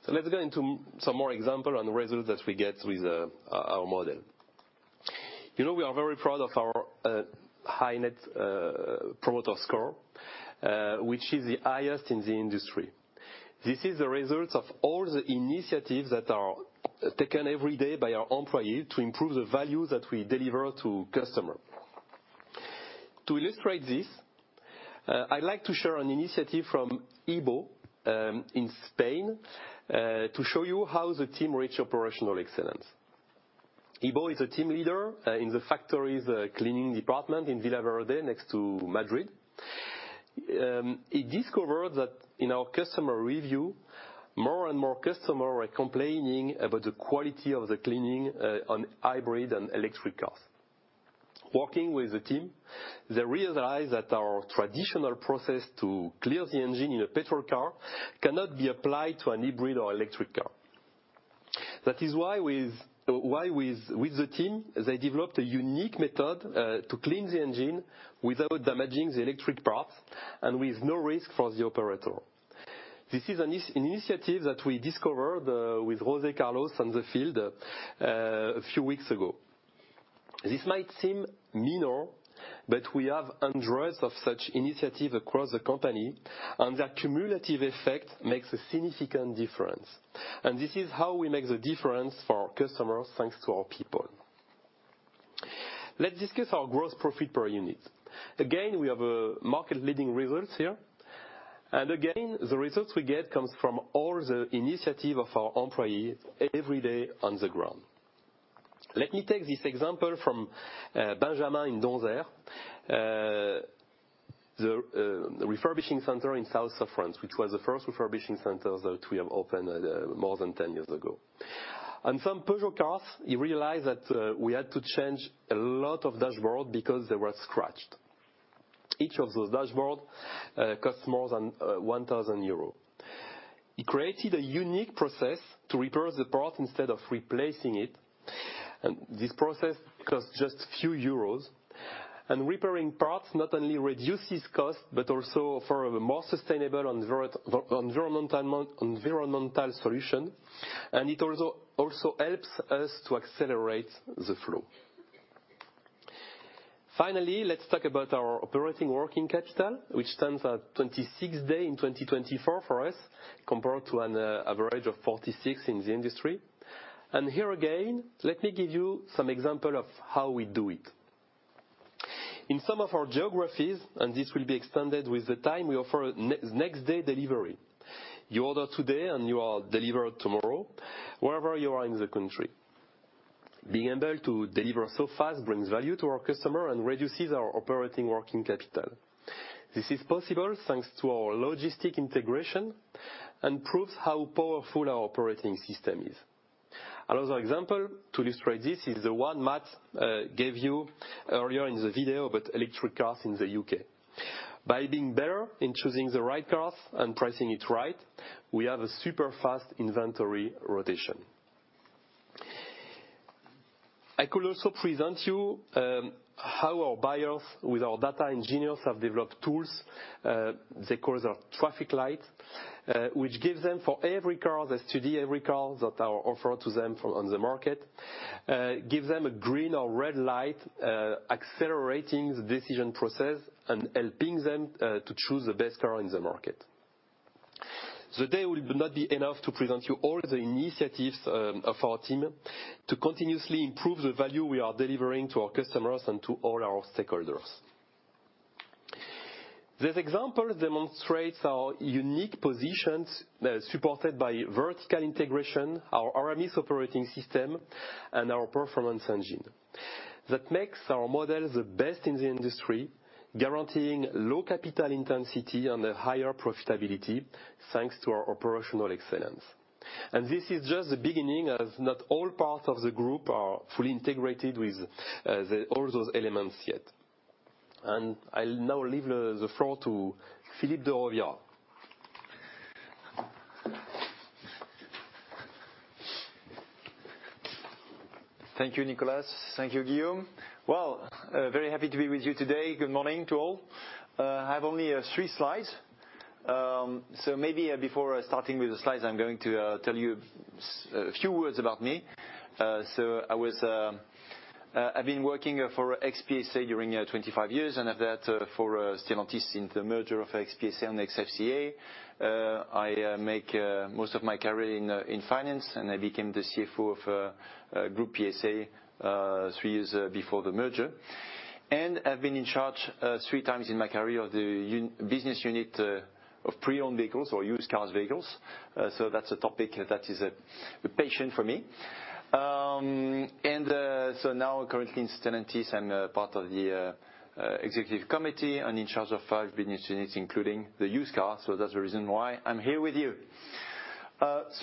Let's go into some more examples on the results that we get with our model. We are very proud of our high Net Promoter Score, which is the highest in the industry. This is the result of all the initiatives that are taken every day by our employees to improve the value that we deliver to customers. To illustrate this, I'd like to share an initiative from Ibo in Spain to show you how the team reached operational excellence. Ibo is a team leader in the factories' cleaning department in Villaverde, next to Madrid. It discovered that in our customer review, more and more customers were complaining about the quality of the cleaning on hybrid and electric cars. Working with the team, they realized that our traditional process to clean the engine in a gasoline car cannot be applied to a hybrid or electric car. That is why, with the team, they developed a unique method to clean the engine without damaging the electric parts and with no risk for the operator. This is an initiative that we discovered with José Carlos on the field a few weeks ago. This might seem minor, but we have hundreds of such initiatives across the company, and their cumulative effect makes a significant difference. And this is how we make the difference for our customers, thanks to our people. Let's discuss our gross profit per unit. Again, we have market-leading results here. And again, the results we get come from all the initiatives of our employees every day on the ground. Let me take this example from Benjamin in Donzère, the refurbishing center in the south of France, which was the first refurbishing center that we have opened more than 10 years ago. On some Peugeot cars, you realize that we had to change a lot of dashboards because they were scratched. Each of those dashboards costs more than €1,000. It created a unique process to repair the part instead of replacing it. And this process costs just a few euros. And repairing parts not only reduces costs, but also offers a more sustainable environmental solution. And it also helps us to accelerate the flow. Finally, let's talk about our Operating Working Capital, which stands at 26 days in 2024 for us, compared to an average of 46 in the industry. And here again, let me give you some examples of how we do it. In some of our geographies, and this will be extended with the time, we offer next-day delivery. You order today, and you are delivered tomorrow, wherever you are in the country. Being able to deliver so fast brings value to our customers and reduces our operating working capital. This is possible thanks to our logistic integration and proves how powerful our operating system is. Another example to illustrate this is the one Matt gave you earlier in the video about electric cars in the U.K. By being better in choosing the right cars and pricing it right, we have a super fast inventory rotation. I could also present to you how our buyers, with our data engineers, have developed tools that cause a traffic light, which gives them, for every car they study, every car that are offered to them on the market, gives them a green or red light, accelerating the decision process and helping them to choose the best car in the market. Today, it will not be enough to present to you all the initiatives of our team to continuously improve the value we are delivering to our customers and to all our stakeholders. This example demonstrates our unique position supported by vertical integration, our Aramis Operating System, and our Performance Engine. That makes our model the best in the industry, guaranteeing low capital intensity and a higher profitability thanks to our operational excellence. And this is just the beginning, as not all parts of the group are fully integrated with all those elements yet. And I'll now leave the floor to Philippe de Rovira. Thank you, Nicolas. Thank you, Guillaume. Well, very happy to be with you today. Good morning to all. I have only three slides. So maybe before starting with the slides, I'm going to tell you a few words about me. So I've been working for PSA during 25 years and have that for Stellantis since the merger of PSA and FCA. I make most of my career in finance, and I became the CFO of Group PSA three years before the merger. And I've been in charge three times in my career of the business unit of pre-owned vehicles or used cars vehicles. So that's a topic that is a passion for me. And so now, currently in Stellantis, I'm part of the executive committee and in charge of five business units, including the used cars. So that's the reason why I'm here with you.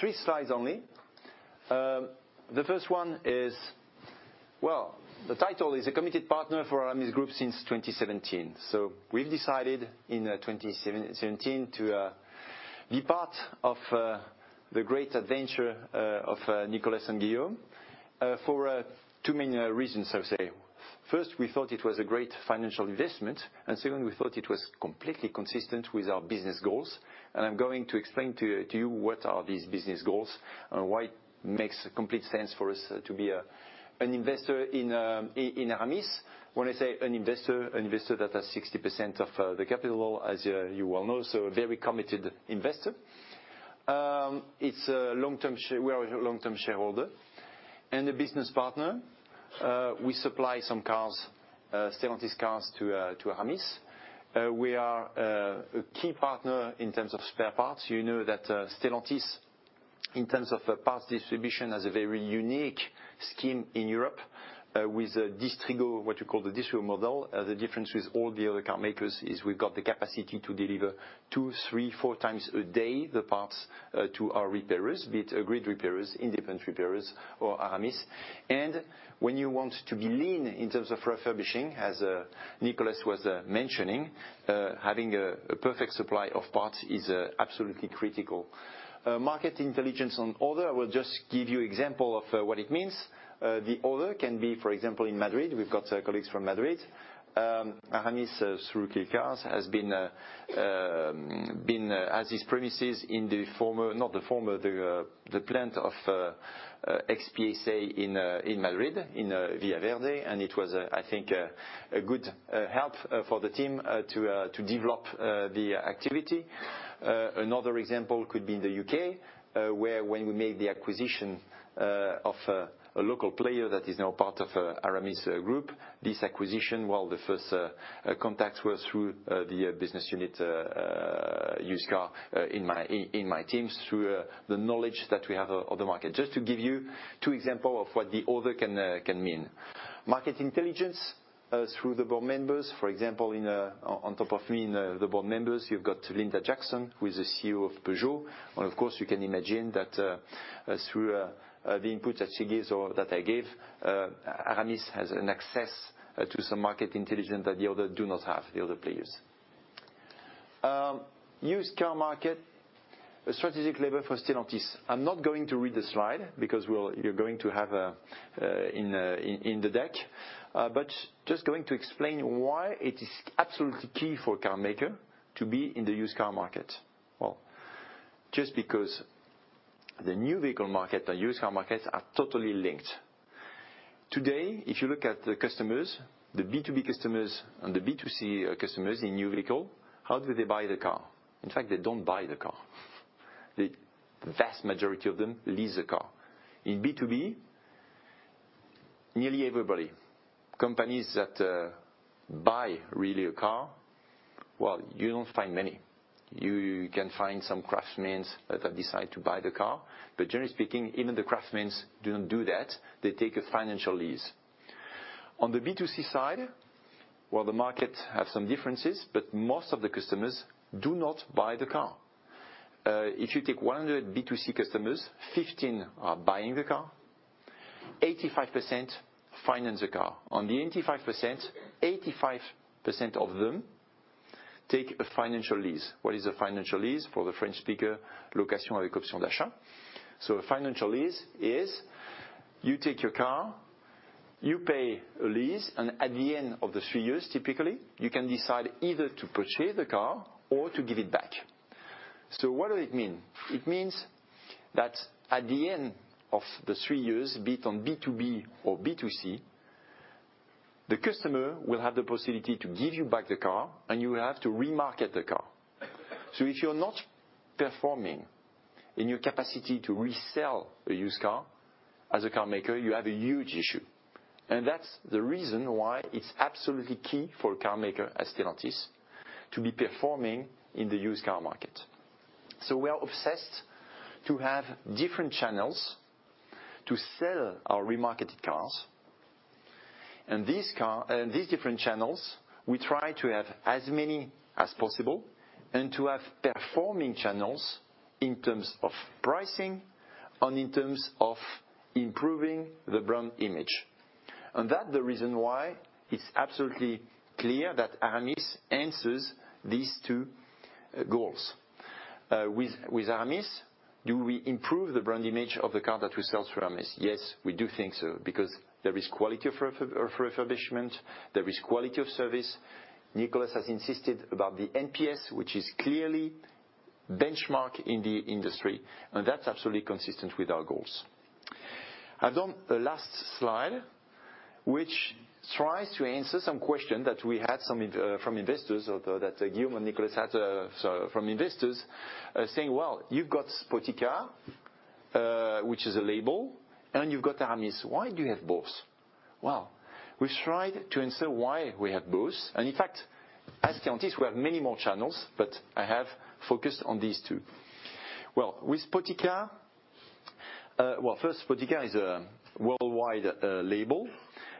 Three slides only. The first one is, well, the title is a committed partner for Aramis Group since 2017. We've decided in 2017 to be part of the great adventure of Nicolas and Guillaume for two main reasons, I would say. First, we thought it was a great financial investment. Second, we thought it was completely consistent with our business goals. I'm going to explain to you what these business goals are and why it makes complete sense for us to be an investor in Aramis. When I say an investor, an investor that has 60% of the capital, as you well know, so a very committed investor. We are a long-term shareholder and a business partner. We supply some cars, Stellantis cars, to Aramis. We are a key partner in terms of spare parts. You know that Stellantis, in terms of parts distribution, has a very unique scheme in Europe with what we call the distributor model. The difference with all the other car makers is we've got the capacity to deliver two, three, four times a day the parts to our repairers, be it agreed repairers, independent repairers, or Aramis. And when you want to be lean in terms of refurbishing, as Nicolas was mentioning, having a perfect supply of parts is absolutely critical. Market intelligence on order, I will just give you an example of what it means. The order can be, for example, in Madrid. We've got colleagues from Madrid. Aramis Clicars has its premises in the former, not the former, the plant of PSA in Madrid, in Villaverde. And it was, I think, a good help for the team to develop the activity. Another example could be in the UK, where when we made the acquisition of a local player that is now part of Aramis Group, this acquisition, well, the first contacts were through the business unit used car in my teams through the knowledge that we have of the market. Just to give you two examples of what the order can mean. Market intelligence through the board members. For example, on top of me, in the board members, you've got Linda Jackson, who is the CEO of Peugeot. And of course, you can imagine that through the input that she gives or that I give, Aramis has access to some market intelligence that the other do not have, the other players. Used car market, strategic lever for Stellantis. I'm not going to read the slide because you're going to have in the deck, but just going to explain why it is absolutely key for a car maker to be in the used car market, well, just because the new vehicle market and used car markets are totally linked. Today, if you look at the customers, the B2B customers and the B2C customers in new vehicles, how do they buy the car? In fact, they don't buy the car. The vast majority of them lease a car. In B2B, nearly everybody, companies that buy really a car, well, you don't find many. You can find some craftsmen that decide to buy the car. But generally speaking, even the craftsmen do not do that. They take a financial lease. On the B2C side, well, the market has some differences, but most of the customers do not buy the car. If you take 100 B2C customers, 15 are buying the car. 85% finance the car. On the 85%, 85% of them take a financial lease. What is a financial lease? For the French speaker, location with option d'achat. So a financial lease is you take your car, you pay a lease, and at the end of the three years, typically, you can decide either to purchase the car or to give it back. So what does it mean? It means that at the end of the three years, be it on B2B or B2C, the customer will have the possibility to give you back the car, and you will have to remarket the car. So if you're not performing in your capacity to resell a used car as a car maker, you have a huge issue. That's the reason why it's absolutely key for a car maker at Stellantis to be performing in the used car market. So we are obsessed to have different channels to sell our remarketed cars. And these different channels, we try to have as many as possible and to have performing channels in terms of pricing and in terms of improving the brand image. And that's the reason why it's absolutely clear that Aramis answers these two goals. With Aramis, do we improve the brand image of the car that we sell through Aramis? Yes, we do think so because there is quality of refurbishment, there is quality of service. Nicolas has insisted about the NPS, which is clearly benchmark in the industry. And that's absolutely consistent with our goals. I've done the last slide, which tries to answer some questions that we had from investors, that Guillaume and Nicolas had from investors, saying, "Well, you've got Spoticar, which is a label, and you've got Aramis. Why do you have both?" Well, we've tried to answer why we have both. In fact, as Stellantis, we have many more channels, but I have focused on these two. With Spoticar, first, Spoticar is a worldwide label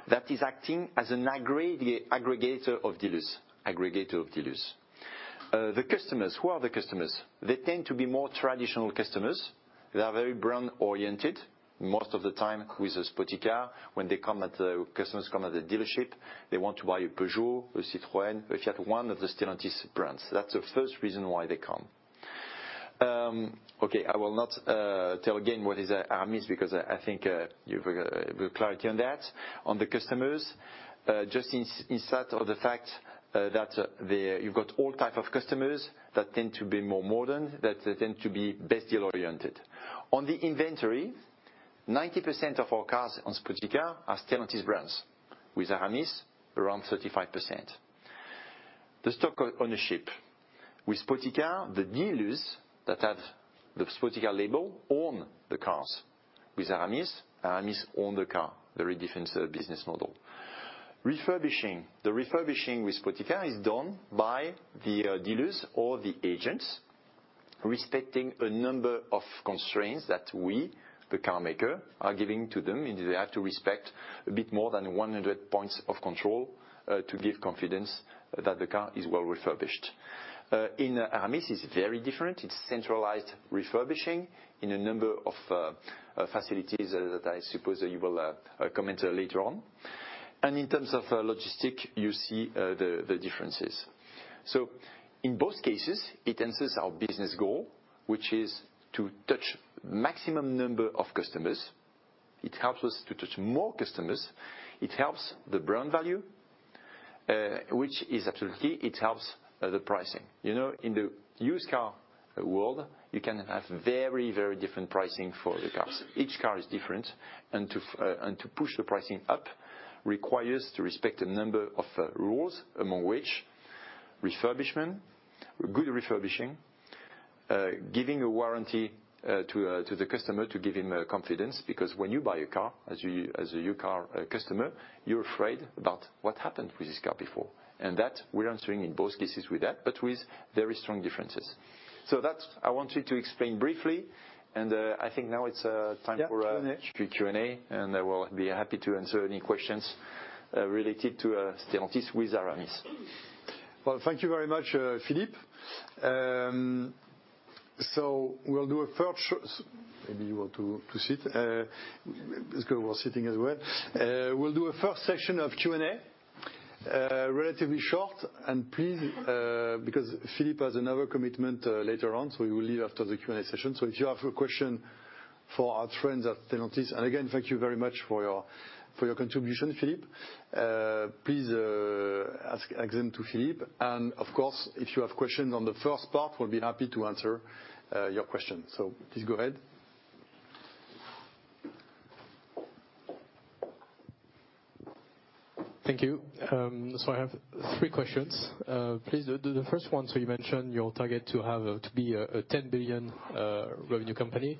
that is acting as an aggregator of dealers. The customers, who are the customers? They tend to be more traditional customers. They are very brand-oriented, most of the time with Spoticar. When the customers come at the dealership, they want to buy a Peugeot, a Citroën, a Fiat, one of the Stellantis brands. That's the first reason why they come. Okay, I will not tell again what is Aramis because I think you have clarity on that. On the customers, just in light of the fact that you've got all types of customers that tend to be more modern, that they tend to be best deal-oriented. On the inventory, 90% of our cars on Spoticar are Stellantis brands, with Aramis around 35%. The stock ownership, with Spoticar, the dealers that have the Spoticar label own the cars. With Aramis, Aramis owns the car. Very different business model. Refurbishing, the refurbishing with Spoticar is done by the dealers or the agents, respecting a number of constraints that we, the car maker, are giving to them. They have to respect a bit more than 100 points of control to give confidence that the car is well refurbished. In Aramis, it's very different. It's centralized refurbishing in a number of facilities that I suppose you will comment later on. And in terms of logistics, you see the differences. So in both cases, it answers our business goal, which is to touch the maximum number of customers. It helps us to touch more customers. It helps the brand value, which is absolutely it helps the pricing. In the used car world, you can have very, very different pricing for the cars. Each car is different. And to push the pricing up requires to respect a number of rules, among which refurbishment, good refurbishing, giving a warranty to the customer to give him confidence, because when you buy a car as a used car customer, you're afraid about what happened with this car before. And that we're answering in both cases with that, but with very strong differences. So that's I wanted to explain briefly. And I think now it's time for Q&A. And I will be happy to answer any questions related to Stellantis with Aramis. Well, thank you very much, Philippe. So we'll do a first maybe you want to sit. Let's go to our seating as well. We'll do a first session of Q&A, relatively short. And please, because Philippe has another commitment later on, so he will leave after the Q&A session. So if you have a question for our friends at Stellantis, and again, thank you very much for your contribution, Philippe. Please ask them to Philippe. And of course, if you have questions on the first part, we'll be happy to answer your question. So please go ahead. Thank you. So I have three questions. Please, the first one, so you mentioned your target to be a 10 billion revenue company.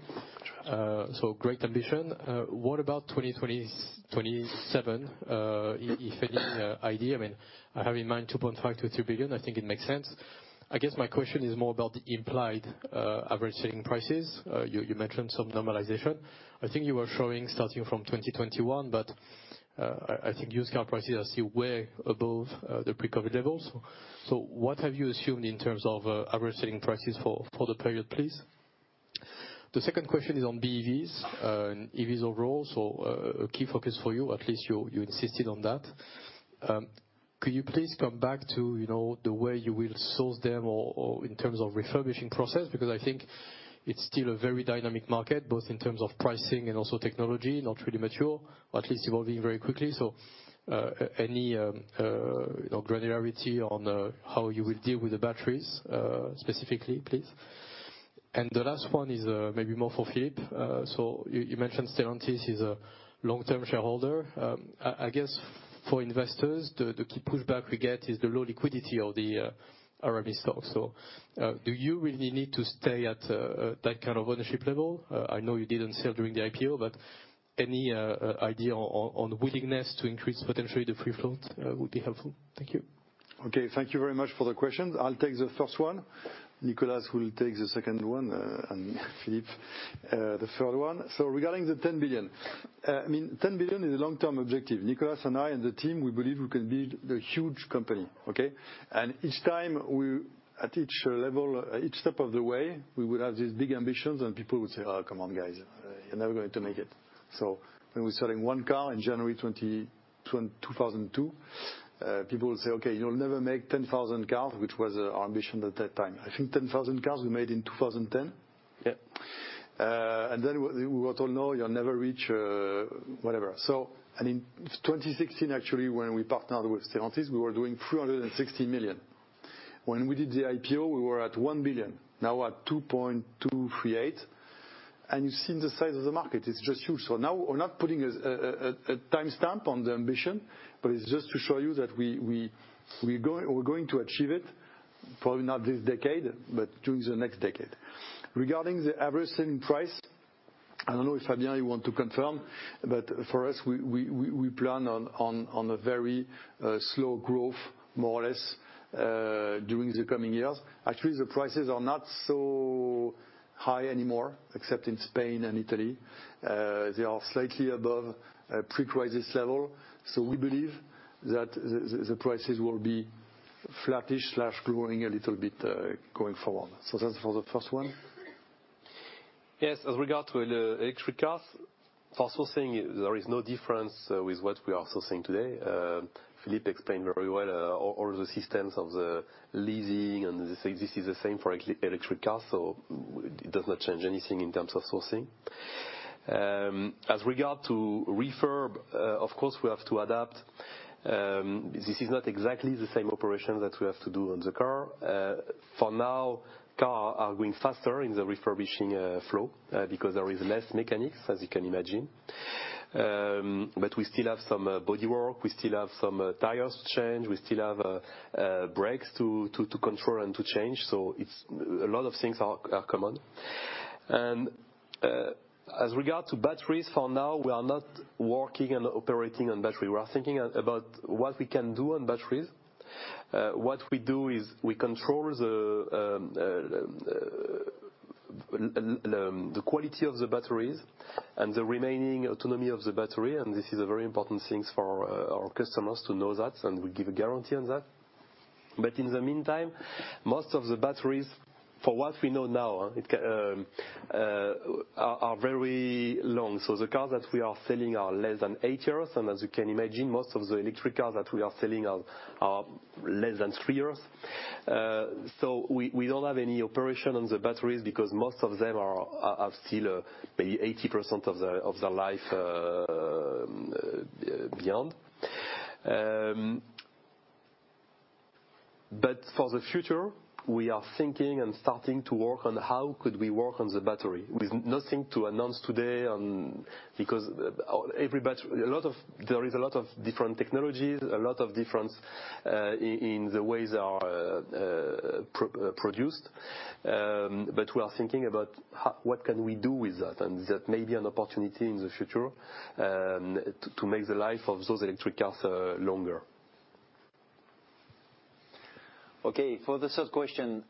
So great ambition. What about 2027, if any idea? I mean, I have in mind 2.5-3 billion. I think it makes sense. I guess my question is more about the implied average selling prices. You mentioned some normalization. I think you were showing starting from 2021, but I think used car prices are still way above the pre-COVID levels. So what have you assumed in terms of average selling prices for the period, please? The second question is on BEVs, EVs overall. So a key focus for you, at least you insisted on that. Could you please come back to the way you will source them in terms of refurbishing process? Because I think it's still a very dynamic market, both in terms of pricing and also technology, not really mature, or at least evolving very quickly. So any granularity on how you will deal with the batteries specifically, please? And the last one is maybe more for Philippe. So you mentioned Stellantis is a long-term shareholder. I guess for investors, the key pushback we get is the low liquidity of the Aramis stock. So do you really need to stay at that kind of ownership level? I know you didn't sell during the IPO, but any idea on willingness to increase potentially the free float would be helpful. Thank you. Okay, thank you very much for the questions. I'll take the first one. Nicolas will take the second one, and Philippe the third one. So regarding the 10 billion, I mean, 10 billion is a long-term objective. Nicolas and I and the team, we believe we can build a huge company. Okay? And each time we at each level, each step of the way, we would have these big ambitions, and people would say, "Oh, come on, guys. You're never going to make it." So when we sold one car in January 2002, people would say, "Okay, you'll never make 10,000 cars," which was our ambition at that time. I think 10,000 cars we made in 2010. Yeah. And then we were told, "No, you'll never reach whatever." So I mean, 2016, actually, when we partnered with Stellantis, we were doing 360 million. When we did the IPO, we were at €1 billion. Now we're at €2.238 billion. And you've seen the size of the market. It's just huge. So now we're not putting a timestamp on the ambition, but it's just to show you that we're going to achieve it, probably not this decade, but during the next decade. Regarding the average selling price, I don't know if Fabien, you want to confirm, but for us, we plan on a very slow growth, more or less, during the coming years. Actually, the prices are not so high anymore, except in Spain and Italy. They are slightly above pre-crisis level. So we believe that the prices will be flattish/growing a little bit going forward. So that's for the first one. Yes, as regards to electric cars, for sourcing, there is no difference with what we are sourcing today. Philippe explained very well all the systems of the leasing, and this is the same for electric cars. So it does not change anything in terms of sourcing. As regards to refurb, of course, we have to adapt. This is not exactly the same operation that we have to do on the car. For now, cars are going faster in the refurbishing flow because there is less mechanics, as you can imagine. But we still have some bodywork. We still have some tires to change. We still have brakes to control and to change. So a lot of things are common. And as regards to batteries, for now, we are not working and operating on batteries. We are thinking about what we can do on batteries. What we do is we control the quality of the batteries and the remaining autonomy of the battery. And this is a very important thing for our customers to know that, and we give a guarantee on that. But in the meantime, most of the batteries, for what we know now, are very long. So the cars that we are selling are less than eight years. And as you can imagine, most of the electric cars that we are selling are less than three years. So we don't have any operation on the batteries because most of them have still maybe 80% of their life beyond. But for the future, we are thinking and starting to work on how could we work on the battery. With nothing to announce today because there is a lot of different technologies, a lot of difference in the ways they are produced. But we are thinking about what can we do with that, and that may be an opportunity in the future to make the life of those electric cars longer. Okay, for the third question,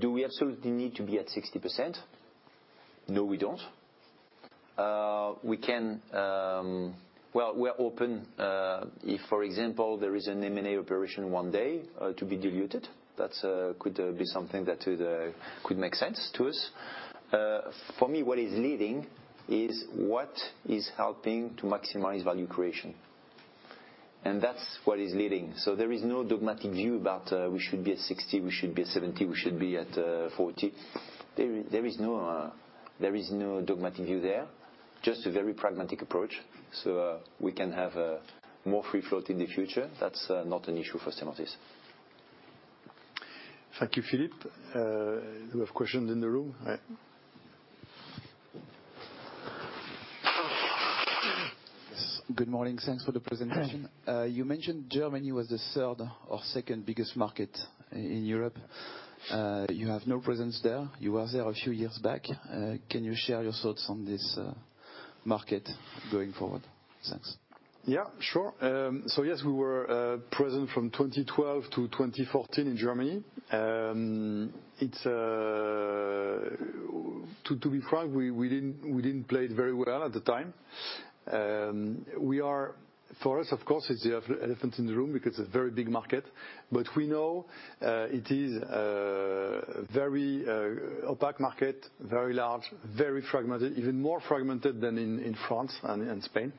do we absolutely need to be at 60%? No, we don't. Well, we're open if, for example, there is an M&A operation one day to be diluted. That could be something that could make sense to us. For me, what is leading is what is helping to maximize value creation. And that's what is leading. So there is no dogmatic view about we should be at 60%, we should be at 70%, we should be at 40%. There is no dogmatic view there. Just a very pragmatic approach so we can have more free float in the future. That's not an issue for Stellantis. Thank you, Philippe. Do we have questions in the room? Good morning. Thanks for the presentation. You mentioned Germany was the third or second biggest market in Europe. You have no presence there. You were there a few years back. Can you share your thoughts on this market going forward? Thanks. Yeah, sure. So yes, we were present from 2012 to 2014 in Germany. To be frank, we didn't play very well at the time. For us, of course, it's the elephant in the room because it's a very big market. But we know it is a very opaque market, very large, very fragmented, even more fragmented than in France and Spain.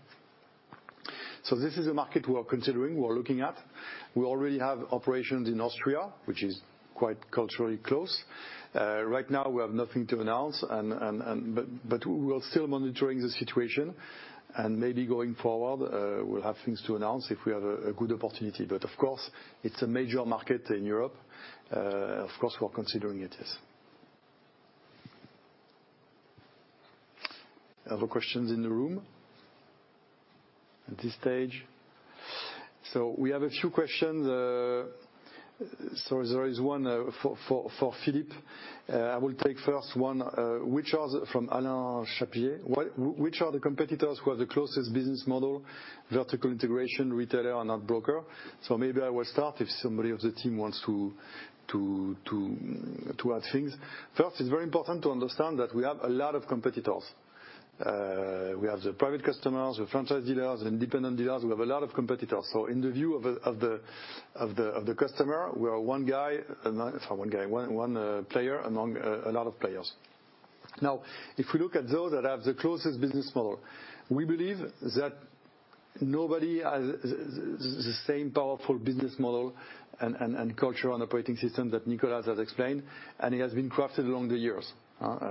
So this is a market we are considering, we are looking at. We already have operations in Austria, which is quite culturally close. Right now, we have nothing to announce, but we are still monitoring the situation. And maybe going forward, we'll have things to announce if we have a good opportunity. But of course, it's a major market in Europe. Of course, we are considering it, yes. Other questions in the room at this stage? So we have a few questions. So there is one for Philippe. I will take first one, which are from Alain Charpier. Which are the competitors who have the closest business model: vertical integration, retailer, and ad broker? So maybe I will start if somebody of the team wants to add things. First, it's very important to understand that we have a lot of competitors. We have the private customers, the franchise dealers, the independent dealers. We have a lot of competitors. So in the view of the customer, we are one guy, one player, among a lot of players. Now, if we look at those that have the closest business model, we believe that nobody has the same powerful business model and culture and operating system that Nicolas has explained, and it has been crafted along the years.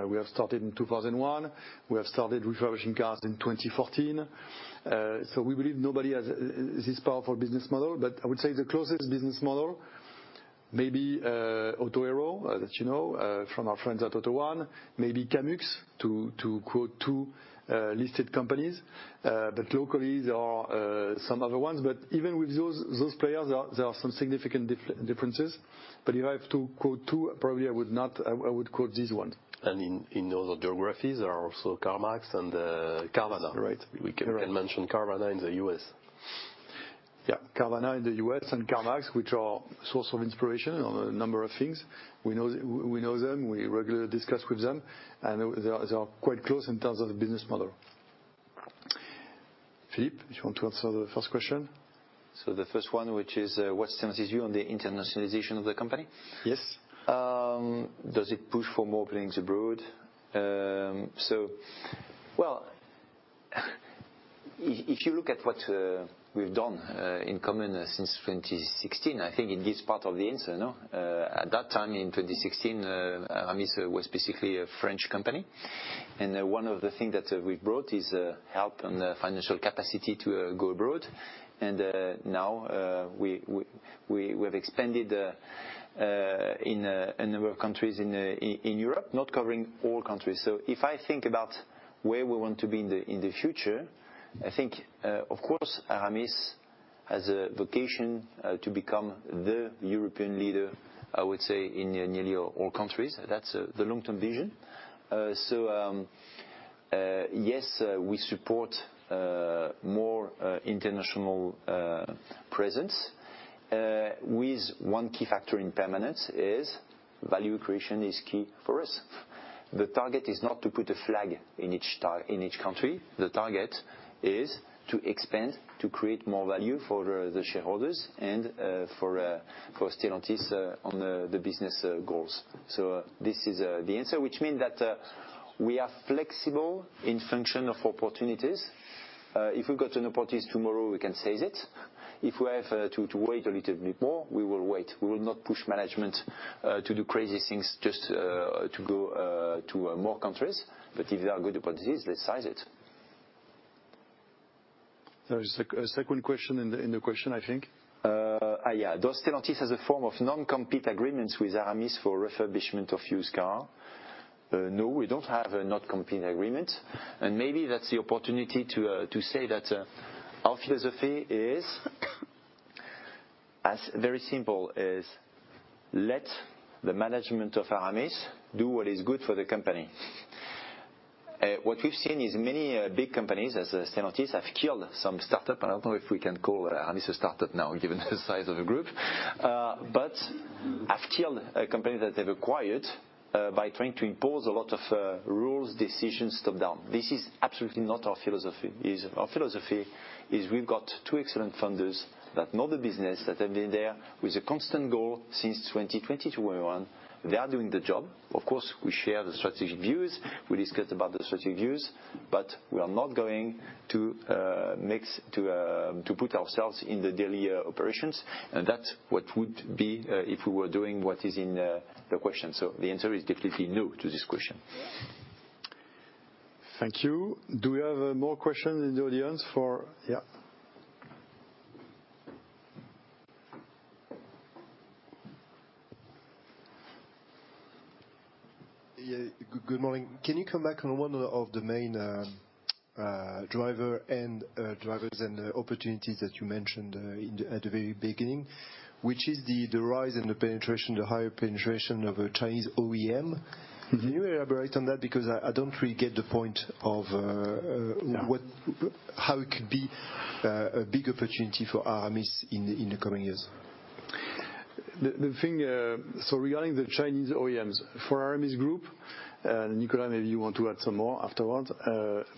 We have started in 2001. We have started refurbishing cars in 2014. So we believe nobody has this powerful business model. But I would say the closest business model may be Autohero, as you know, from our friends at Auto1, maybe Kamux to quote two listed companies. But locally, there are some other ones. But even with those players, there are some significant differences. But if I have to quote two, probably I would not quote these ones. In other geographies, there are also CarMax and Carvana. We can mention Carvana in the U.S. Yeah, Carvana in the U.S. and CarMax, which are a source of inspiration on a number of things. We know them. We regularly discuss with them. And they are quite close in terms of business model. Philippe, if you want to answer the first question. The first one, which is, what's your sense on the internationalization of the company? Yes. Does it push for more openings abroad? Well, if you look at what we've done in common since 2016, I think it gives part of the answer. At that time, in 2016, Aramis was basically a French company. And one of the things that we've brought is help and financial capacity to go abroad. And now we have expanded in a number of countries in Europe, not covering all countries. So if I think about where we want to be in the future, I think, of course, Aramis has a vocation to become the European leader, I would say, in nearly all countries. That's the long-term vision. So yes, we support more international presence. One key factor in permanence is value creation is key for us. The target is not to put a flag in each country. The target is to expand, to create more value for the shareholders and for Stellantis on the business goals. So this is the answer, which means that we are flexible in function of opportunities. If we've got an opportunity tomorrow, we can seize it. If we have to wait a little bit more, we will wait. We will not push management to do crazy things just to go to more countries. But if there are good opportunities, let's seize it. There is a second question in the question, I think. Yeah. Does Stellantis have a form of non-compete agreements with Aramis for refurbishment of used cars? No, we don't have a non-compete agreement, and maybe that's the opportunity to say that our philosophy is as very simple as let the management of Aramis do what is good for the company. What we've seen is many big companies as Stellantis have killed some startups. I don't know if we can call Aramis a startup now, given the size of the group, but have killed companies that they've acquired by trying to impose a lot of rules, decisions, top-down. This is absolutely not our philosophy. Our philosophy is we've got two excellent founders that know the business, that have been there with a constant goal since 2022, 2021. They are doing the job. Of course, we share the strategic views. We discussed about the strategic views. But we are not going to put ourselves in the daily operations. And that's what would be if we were doing what is in the question. So the answer is definitely no to this question. Thank you. Do we have more questions in the audience for yeah? Good morning. Can you come back on one of the main drivers and opportunities that you mentioned at the very beginning, which is the rise and the higher penetration of Chinese OEM? Can you elaborate on that? Because I don't really get the point of how it could be a big opportunity for Aramis in the coming years. Regarding the Chinese OEMs, for Aramis Group, Nicolas, maybe you want to add some more afterwards.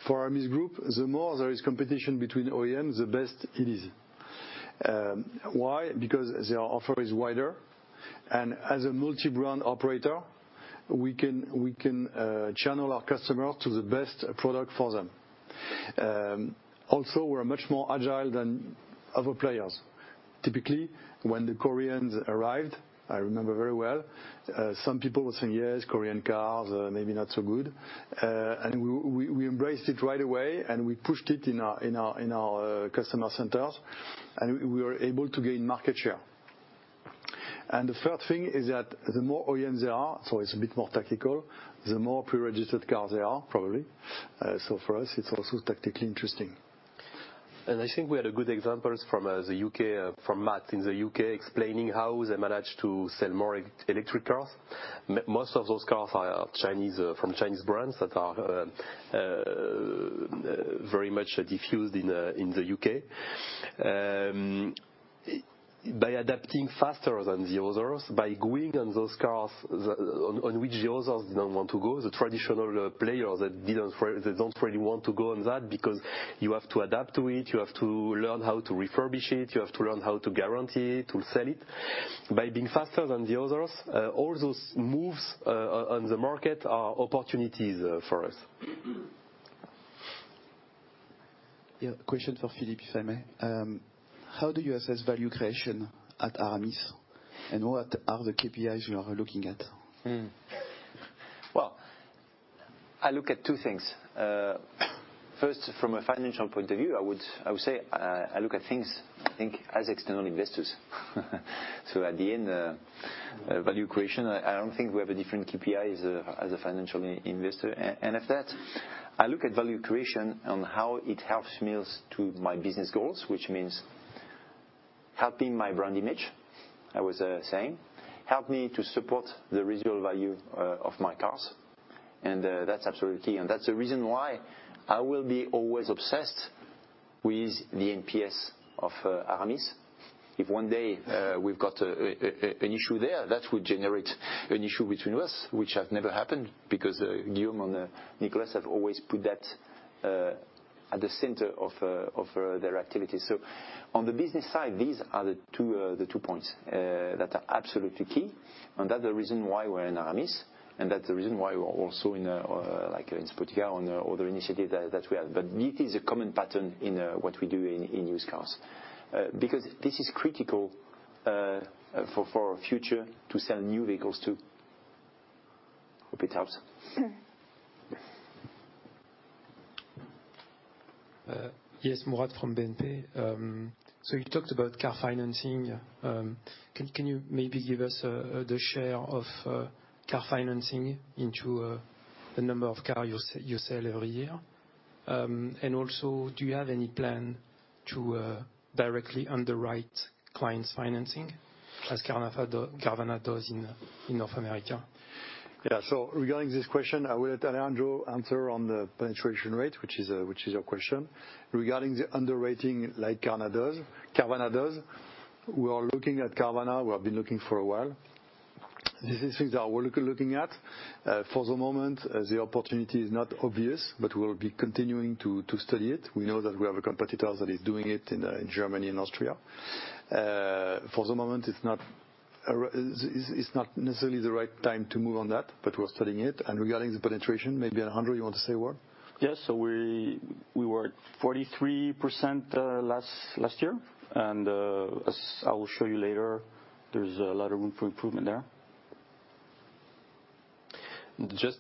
For Aramis Group, the more there is competition between OEMs, the best it is. Why? Because their offer is wider. And as a multi-brand operator, we can channel our customers to the best product for them. Also, we're much more agile than other players. Typically, when the Koreans arrived, I remember very well, some people were saying, "Yes, Korean cars, maybe not so good." And we embraced it right away, and we pushed it in our customer centers. And we were able to gain market share. And the third thing is that the more OEMs there are, so it's a bit more tactical, the more pre-registered cars there are, probably. So for us, it's also tactically interesting. I think we had a good example from the UK, from Matt in the UK, explaining how they managed to sell more electric cars. Most of those cars are from Chinese brands that are very much diffused in the UK. By adapting faster than the others, by going on those cars on which the others did not want to go, the traditional players that don't really want to go on that because you have to adapt to it, you have to learn how to refurbish it, you have to learn how to guarantee it, to sell it. By being faster than the others, all those moves on the market are opportunities for us. Yeah, question for Philippe, if I may. How do you assess value creation at Aramis? And what are the KPIs you are looking at? I look at two things. First, from a financial point of view, I would say I look at things, I think, as external investors. At the end, value creation, I don't think we have a different KPI as a financial investor. After that, I look at value creation on how it helps me to my business goals, which means helping my brand image, I was saying, help me to support the resale value of my cars. That's absolutely key. That's the reason why I will be always obsessed with the NPS of Aramis. If one day we've got an issue there, that would generate an issue between us, which has never happened because Guillaume and Nicolas have always put that at the center of their activity. On the business side, these are the two points that are absolutely key. And that's the reason why we're in Aramis. And that's the reason why we're also in Spoticar on other initiatives that we have. But it is a common pattern in what we do in used cars because this is critical for our future to sell new vehicles too. Hope it helps. Yes, Mourad from BNP. So you talked about car financing. Can you maybe give us the share of car financing into the number of cars you sell every year? And also, do you have any plan to directly underwrite clients' financing as Carvana does in North America? Yeah. So regarding this question, I will let Alejandro answer on the penetration rate, which is your question. Regarding the underwriting like Carvana does, we are looking at Carvana. We have been looking for a while. These are things that we're looking at. For the moment, the opportunity is not obvious, but we'll be continuing to study it. We know that we have a competitor that is doing it in Germany and Austria. For the moment, it's not necessarily the right time to move on that, but we're studying it. And regarding the penetration, maybe Alejandro, you want to say a word? Yeah. So we were at 43% last year. And as I will show you later, there's a lot of room for improvement there. Just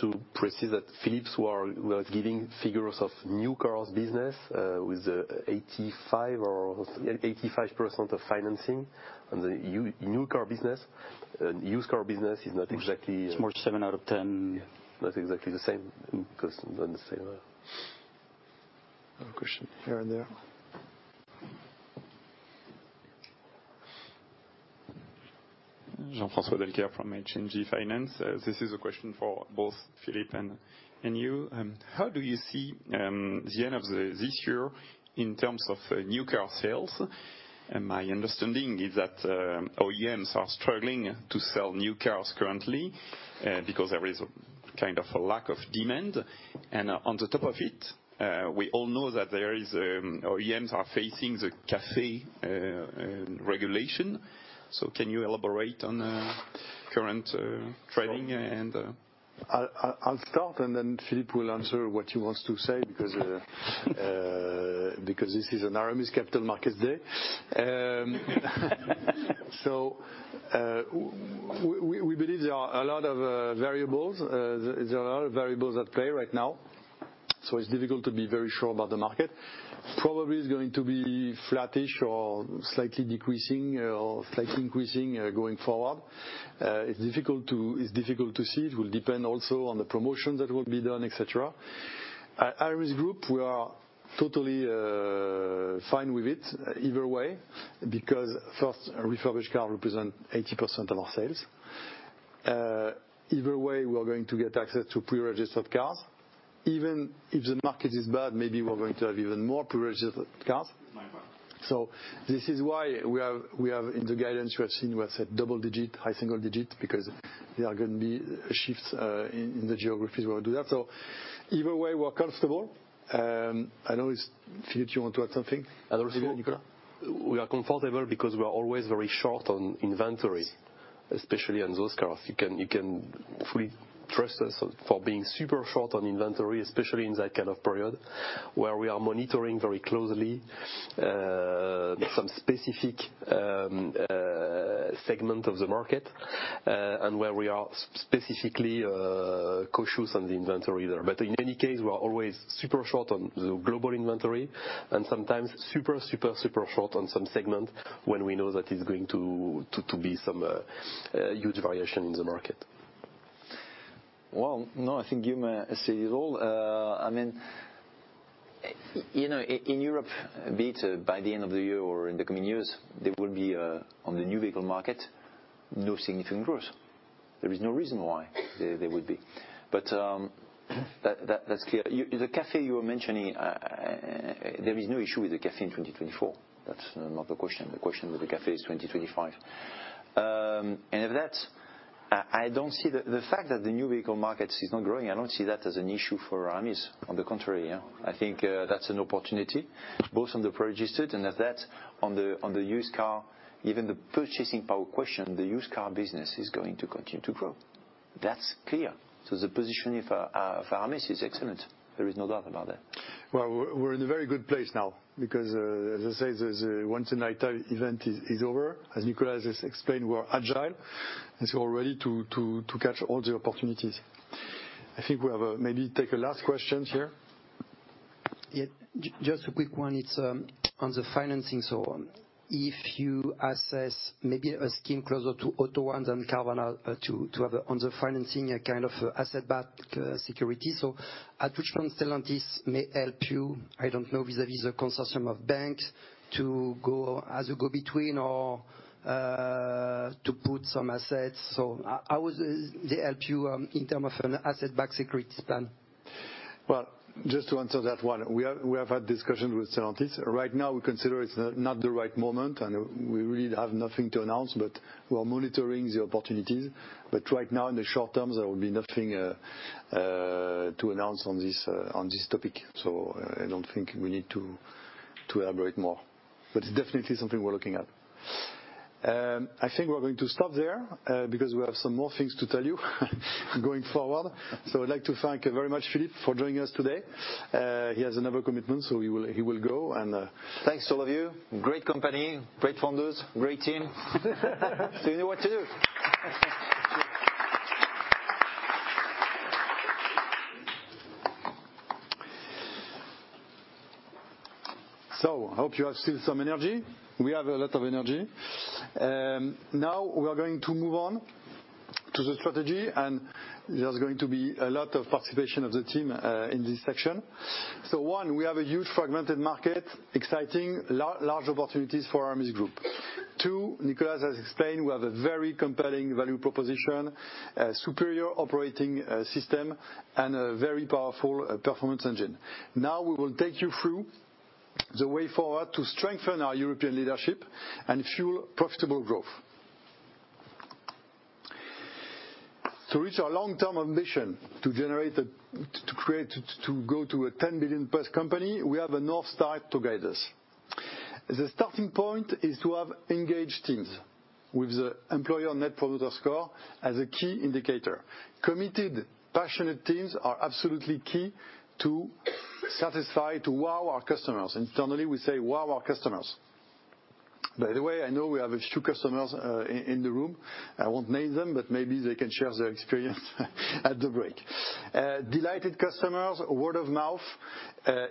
to specify that Philippe was giving figures of new cars business with 85% of financing on the new car business. Used car business is not exactly. Smart seven out of 10. Yeah. That's exactly the same because on the same level. Another question here and there. Jean-François Delcaire from HMG Finance. This is a question for both Philippe and you. How do you see the end of this year in terms of new car sales? My understanding is that OEMs are struggling to sell new cars currently because there is kind of a lack of demand. And on top of it, we all know that OEMs are facing the CAFE regulation. So can you elaborate on current trending? I'll start, and then Philippe will answer what he wants to say because this is an Aramis Capital Markets Day. So we believe there are a lot of variables. There are a lot of variables at play right now. So it's difficult to be very sure about the market. Probably it's going to be flattish or slightly decreasing or slightly increasing going forward. It's difficult to see. It will depend also on the promotions that will be done, etc. Aramis Group, we are totally fine with it either way because first, refurbished cars represent 80% of our sales. Either way, we're going to get access to pre-registered cars. Even if the market is bad, maybe we're going to have even more pre-registered cars. So this is why we have in the guidance you have seen, we have said double digit, high single digit because there are going to be shifts in the geographies where we do that. So either way, we're comfortable. I know, Philippe, you want to add something. I'll also add, Nicolas. We are comfortable because we are always very short on inventory, especially on those cars. You can fully trust us for being super short on inventory, especially in that kind of period where we are monitoring very closely some specific segment of the market and where we are specifically cautious on the inventory there. But in any case, we are always super short on the global inventory and sometimes super, super, super short on some segment when we know that it's going to be some huge variation in the market. No, I think Guillaume said it all. I mean, in Europe, be it by the end of the year or in the coming years, there will be on the new vehicle market no significant growth. There is no reason why there would be, but that's clear. The CAFE you were mentioning, there is no issue with the CAFE in 2024. That's not the question. The question with the CAFE is 2025, and of that, I don't see the fact that the new vehicle market is not growing. I don't see that as an issue for Aramis. On the contrary, I think that's an opportunity both on the pre-registered and of that on the used car, even the purchasing power question, the used car business is going to continue to grow. That's clear. So the position of Aramis is excellent. There is no doubt about that. Well, we're in a very good place now because, as I say, the one tonight event is over. As Nicolas has explained, we're agile. And so we're ready to catch all the opportunities. I think we have maybe take a last question here. Yeah. Just a quick one. It's on the financing. So if you assess maybe a scheme closer to Auto1 than Carvana to have on the financing a kind of asset-backed security. So at which point Stellantis may help you? I don't know vis-à-vis the consortium of banks to go as a go-between or to put some assets. So how would they help you in terms of an asset-backed securities plan? Well, just to answer that one, we have had discussions with Stellantis. Right now, we consider it's not the right moment, and we really have nothing to announce, but we're monitoring the opportunities, but right now, in the short term, there will be nothing to announce on this topic, so I don't think we need to elaborate more, but it's definitely something we're looking at. I think we're going to stop there because we have some more things to tell you going forward, so I'd like to thank very much Philippe for joining us today. He has another commitment, so he will go. And. Thanks to all of you. Great company, great founders, great team. So you know what to do. I hope you have still some energy. We have a lot of energy. Now we are going to move on to the strategy. There's going to be a lot of participation of the team in this section. One, we have a huge fragmented market, exciting, large opportunities for Aramis Group. Two, Nicolas has explained, we have a very compelling value proposition, a superior operating system, and a very powerful performance engine. Now we will take you through the way forward to strengthen our European leadership and fuel profitable growth. To reach our long-term ambition to generate to go to a €10 billion-plus company, we have a North Star to guide us. The starting point is to have engaged teams with the Employer Net Promoter Score as a key indicator. Committed, passionate teams are absolutely key to satisfy, to wow our customers. Internally, we say, "Wow our customers." By the way, I know we have a few customers in the room. I won't name them, but maybe they can share their experience at the break. Delighted customers, word of mouth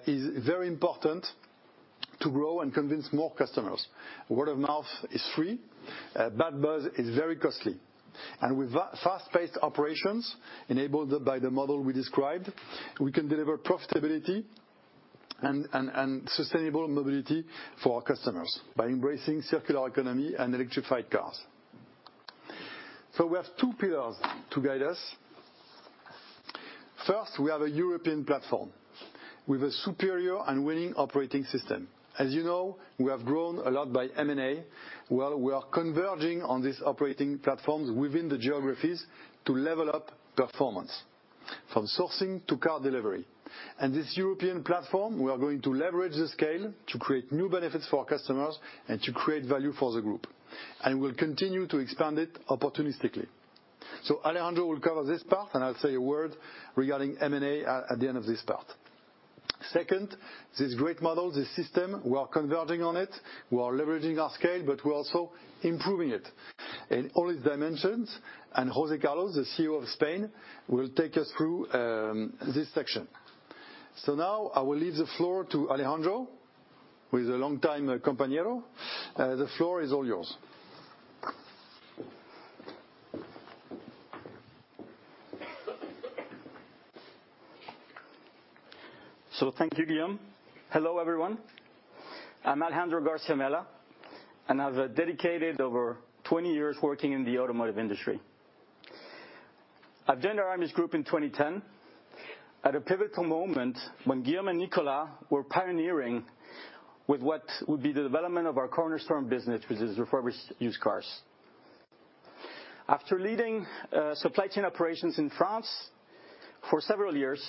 is very important to grow and convince more customers. Word of mouth is free. Bad buzz is very costly, and with fast-paced operations enabled by the model we described, we can deliver profitability and sustainable mobility for our customers by embracing circular economy and electrified cars, so we have two pillars to guide us. First, we have a European platform with a superior and winning operating system. As you know, we have grown a lot by M&A, well, we are converging on these operating platforms within the geographies to level up performance from sourcing to car delivery. And this European platform, we are going to leverage the scale to create new benefits for our customers and to create value for the group. And we'll continue to expand it opportunistically. So Alejandro will cover this part, and I'll say a word regarding M&A at the end of this part. Second, this great model, this system, we are converging on it. We are leveraging our scale, but we're also improving it. And all its dimensions. And José Carlos, the CEO of Spain, will take us through this section. So now I will leave the floor to Alejandro with a long-time compañero. The floor is all yours. So thank you, Guillaume. Hello, everyone. I'm Alejandro Garcia-Mella, and I have dedicated over 20 years working in the automotive industry. I joined Aramis Group in 2010 at a pivotal moment when Guillaume and Nicolas were pioneering with what would be the development of our cornerstone business, which is refurbished used cars. After leading supply chain operations in France for several years,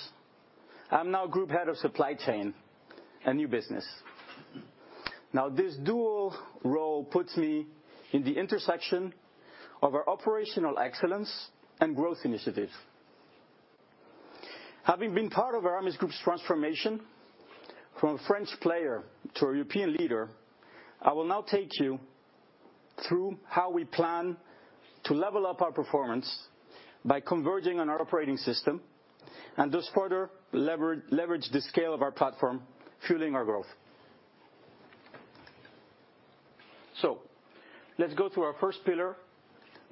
I'm now group head of supply chain and new business. Now, this dual role puts me in the intersection of our operational excellence and growth initiative. Having been part of Aramis Group's transformation from a French player to a European leader, I will now take you through how we plan to level up our performance by converging on our operating system and thus further leverage the scale of our platform, fueling our growth. So let's go through our first pillar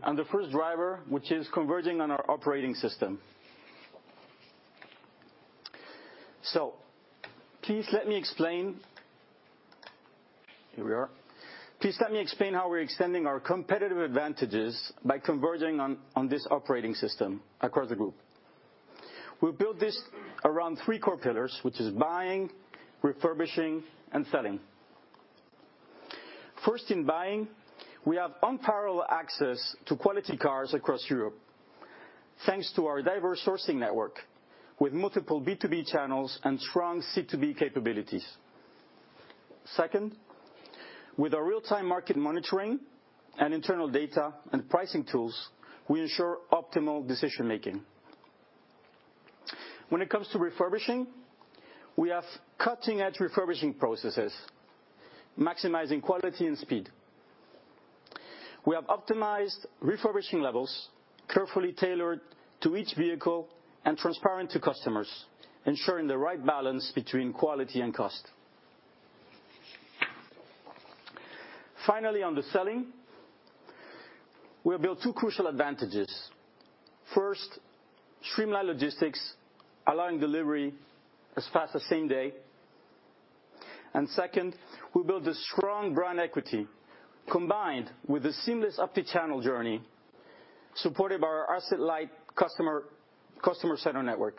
and the first driver, which is converging on our operating system. So please let me explain. Here we are. Please let me explain how we're extending our competitive advantages by converging on this operating system across the group. We've built this around three core pillars, which is buying, refurbishing, and selling. First, in buying, we have unparalleled access to quality cars across Europe thanks to our diverse sourcing network with multiple B2B channels and strong C2B capabilities. Second, with our real-time market monitoring and internal data and pricing tools, we ensure optimal decision-making. When it comes to refurbishing, we have cutting-edge refurbishing processes, maximizing quality and speed. We have optimized refurbishing levels, carefully tailored to each vehicle and transparent to customers, ensuring the right balance between quality and cost. Finally, on the selling, we have built two crucial advantages. First, streamlined logistics, allowing delivery as fast as same day. And second, we built a strong brand equity combined with a seamless omni-channel journey supported by our asset-light customer center network.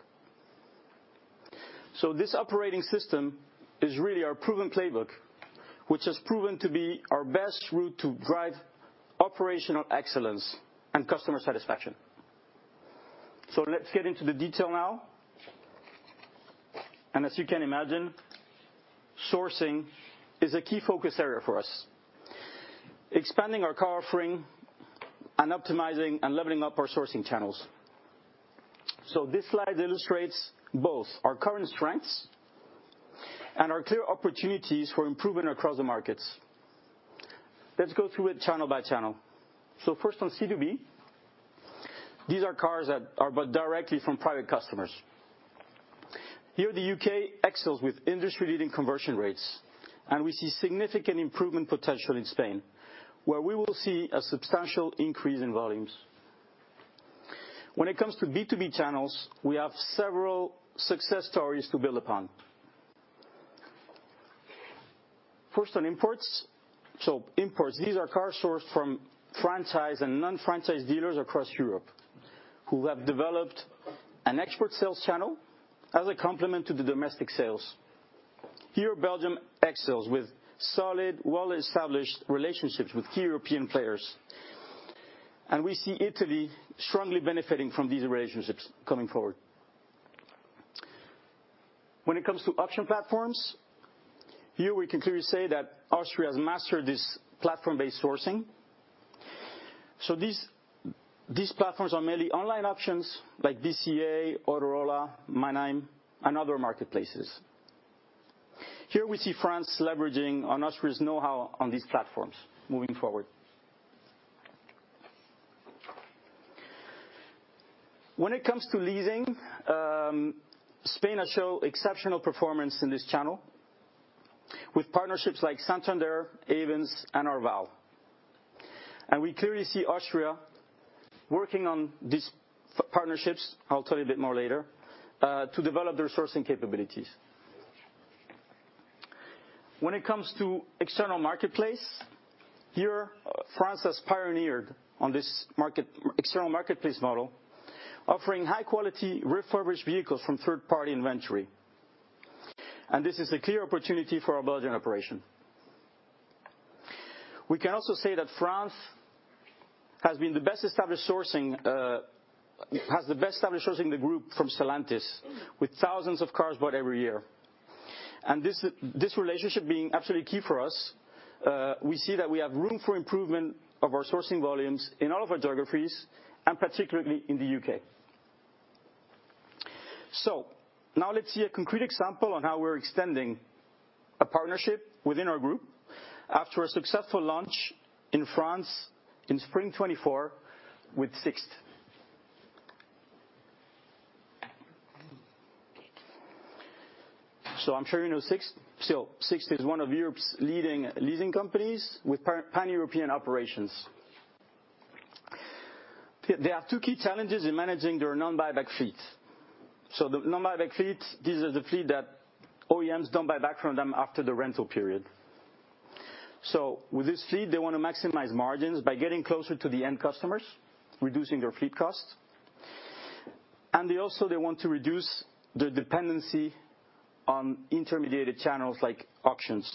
So this operating system is really our proven playbook, which has proven to be our best route to drive operational excellence and customer satisfaction. So let's get into the detail now. And as you can imagine, sourcing is a key focus area for us, expanding our car offering and optimizing and leveling up our sourcing channels. So this slide illustrates both our current strengths and our clear opportunities for improvement across the markets. Let's go through it channel by channel. So first, on C2B, these are cars that are bought directly from private customers. Here, the UK excels with industry-leading conversion rates, and we see significant improvement potential in Spain, where we will see a substantial increase in volumes. When it comes to B2B channels, we have several success stories to build upon. First, on imports, so imports, these are cars sourced from franchise and non-franchise dealers across Europe who have developed an export sales channel as a complement to the domestic sales. Here, Belgium excels with solid, well-established relationships with key European players, and we see Italy strongly benefiting from these relationships coming forward. When it comes to auction platforms, here we can clearly say that Austria has mastered this platform-based sourcing, so these platforms are mainly online auctions like BCA, Autorola, Manheim, and other marketplaces. Here we see France leveraging on Austria's know-how on these platforms moving forward. When it comes to leasing, Spain has shown exceptional performance in this channel with partnerships like Santander, Ayvens, and Arval, and we clearly see Austria working on these partnerships. I'll tell you a bit more later to develop their sourcing capabilities. When it comes to external marketplace, here, France has pioneered on this external marketplace model, offering high-quality refurbished vehicles from third-party inventory, and this is a clear opportunity for our Belgian operation. We can also say that France has been the best established sourcing in the group from Stellantis, with thousands of cars bought every year, and this relationship being absolutely key for us, we see that we have room for improvement of our sourcing volumes in all of our geographies, and particularly in the U.K. Now let's see a concrete example on how we're extending a partnership within our group after a successful launch in France in spring 2024 with Sixt. I'm sure you know Sixt. Sixt is one of Europe's leading leasing companies with pan-European operations. They have two key challenges in managing their non-buyback fleet. The non-buyback fleet, these are the fleet that OEMs don't buy back from them after the rental period. With this fleet, they want to maximize margins by getting closer to the end customers, reducing their fleet cost. They also want to reduce their dependency on intermediated channels like auctions.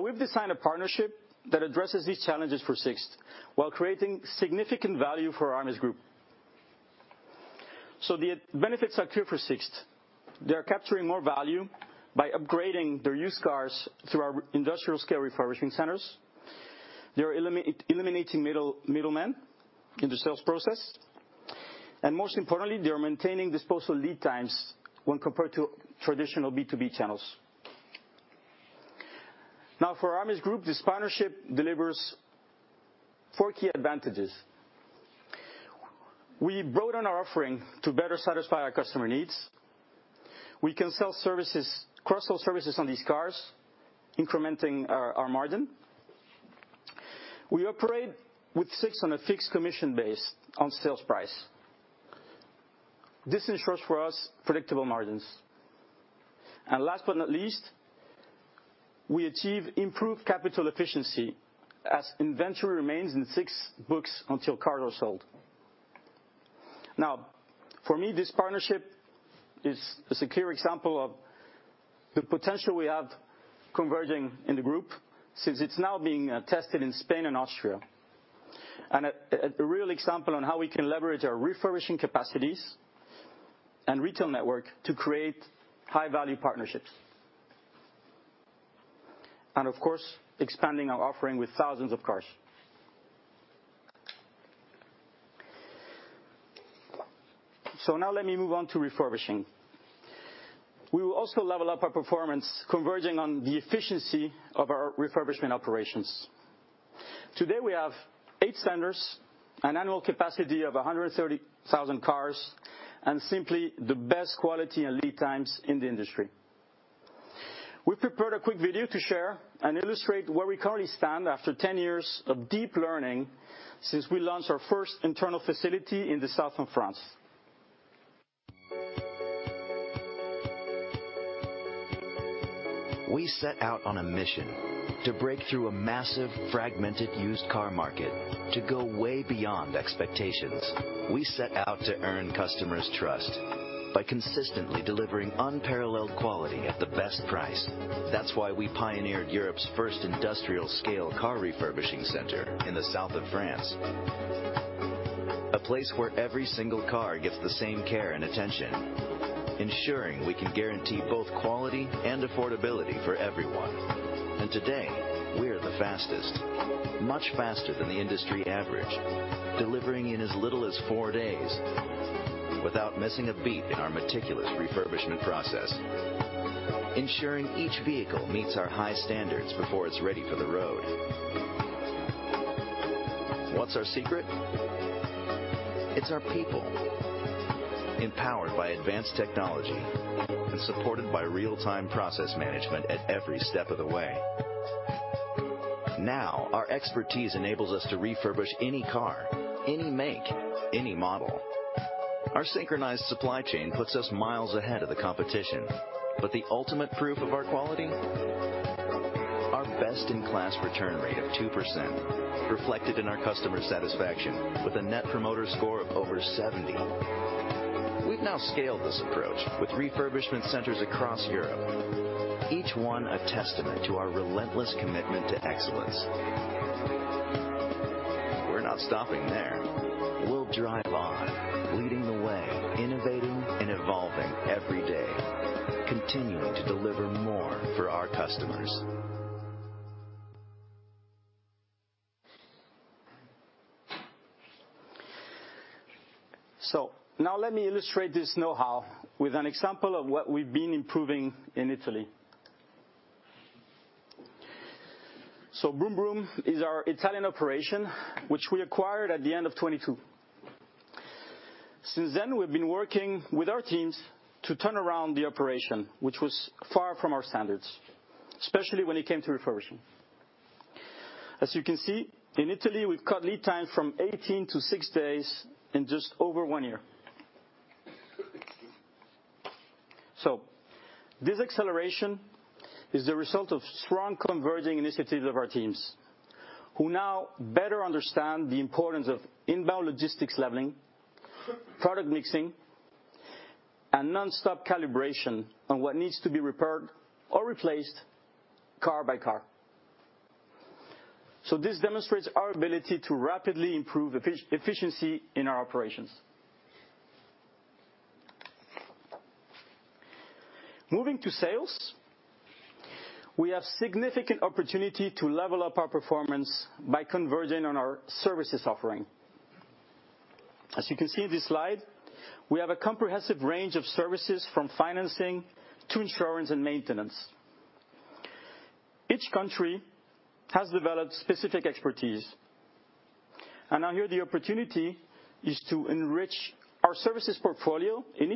We've designed a partnership that addresses these challenges for Sixt while creating significant value for Aramis Group. The benefits are clear for Sixt. They are capturing more value by upgrading their used cars through our industrial-scale refurbishing centers. They are eliminating middlemen in the sales process. And most importantly, they are maintaining disposal lead times when compared to traditional B2B channels. Now, for Aramis Group, this partnership delivers four key advantages. We broaden our offering to better satisfy our customer needs. We can sell services, cross-sell services on these cars, incrementing our margin. We operate with Sixt on a fixed commission-based sales price. This ensures for us predictable margins. And last but not least, we achieve improved capital efficiency as inventory remains in Sixt's books until cars are sold. Now, for me, this partnership is a clear example of the potential we have converging in the group since it's now being tested in Spain and Austria. And a real example on how we can leverage our refurbishing capacities and retail network to create high-value partnerships. And of course, expanding our offering with thousands of cars. So now let me move on to refurbishing. We will also level up our performance, converging on the efficiency of our refurbishment operations. Today, we have eight centers, an annual capacity of 130,000 cars, and simply the best quality and lead times in the industry. We've prepared a quick video to share and illustrate where we currently stand after 10 years of deep learning since we launched our first internal facility in the south of France. We set out on a mission to break through a massive fragmented used car market to go way beyond expectations. We set out to earn customers' trust by consistently delivering unparalleled quality at the best price. That's why we pioneered Europe's first industrial-scale car refurbishing center in the south of France, a place where every single car gets the same care and attention, ensuring we can guarantee both quality and affordability for everyone, and today, we're the fastest, much faster than the industry average, delivering in as little as four days without missing a beat in our meticulous refurbishment process, ensuring each vehicle meets our high standards before it's ready for the road. What's our secret? It's our people, empowered by advanced technology and supported by real-time process management at every step of the way. Now, our expertise enables us to refurbish any car, any make, any model. Our synchronized supply chain puts us miles ahead of the competition. But the ultimate proof of our quality? Our best-in-class return rate of 2%, reflected in our customer satisfaction with a net promoter score of over 70. We've now scaled this approach with refurbishment centers across Europe, each one a testament to our relentless commitment to excellence. We're not stopping there. We'll drive on, leading the way, innovating, and evolving every day, continuing to deliver more for our customers. So now let me illustrate this know-how with an example of what we've been improving in Italy. So Brumbrum is our Italian operation, which we acquired at the end of 2022. Since then, we've been working with our teams to turn around the operation, which was far from our standards, especially when it came to refurbishing. As you can see, in Italy, we've cut lead times from 18 to six days in just over one year. So this acceleration is the result of strong converging initiatives of our teams, who now better understand the importance of inbound logistics leveling, product mixing, and nonstop calibration on what needs to be repaired or replaced car by car. So this demonstrates our ability to rapidly improve efficiency in our operations. Moving to sales, we have significant opportunity to level up our performance by converging on our services offering. As you can see in this slide, we have a comprehensive range of services from financing to insurance and maintenance. Each country has developed specific expertise. And now here, the opportunity is to enrich our services portfolio in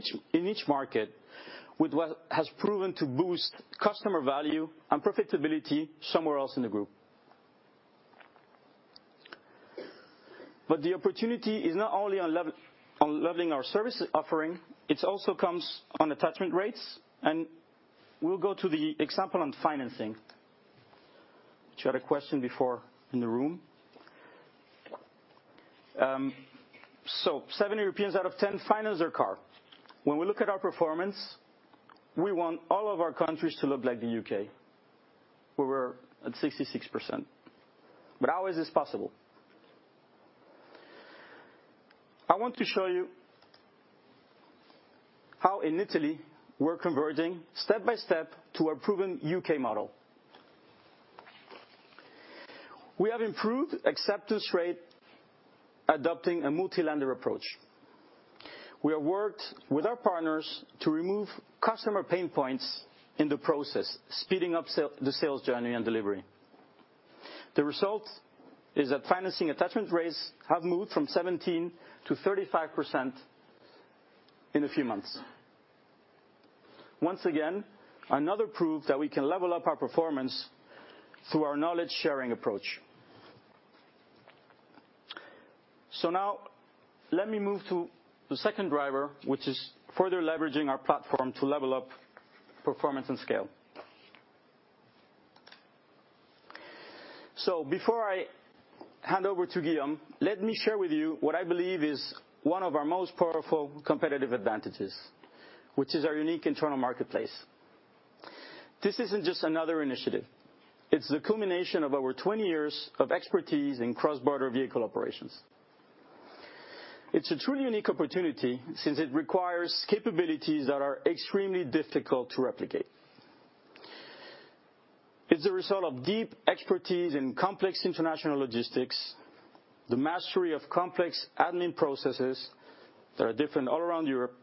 each market with what has proven to boost customer value and profitability somewhere else in the group. But the opportunity is not only on leveling our services offering. It also comes on attachment rates. And we'll go to the example on financing, which had a question before in the room. So seven Europeans out of 10 finance their car. When we look at our performance, we want all of our countries to look like the U.K., where we're at 66%. But how is this possible? I want to show you how in Italy, we're converging step by step to our proven U.K. model. We have improved acceptance rate, adopting a multi-lender approach. We have worked with our partners to remove customer pain points in the process, speeding up the sales journey and delivery. The result is that financing attachment rates have moved from 17%-35% in a few months. Once again, another proof that we can level up our performance through our knowledge-sharing approach. So now let me move to the second driver, which is further leveraging our platform to level up performance and scale. So before I hand over to Guillaume, let me share with you what I believe is one of our most powerful competitive advantages, which is our unique internal marketplace. This isn't just another initiative. It's the culmination of over 20 years of expertise in cross-border vehicle operations. It's a truly unique opportunity since it requires capabilities that are extremely difficult to replicate. It's the result of deep expertise in complex international logistics, the mastery of complex admin processes that are different all around Europe,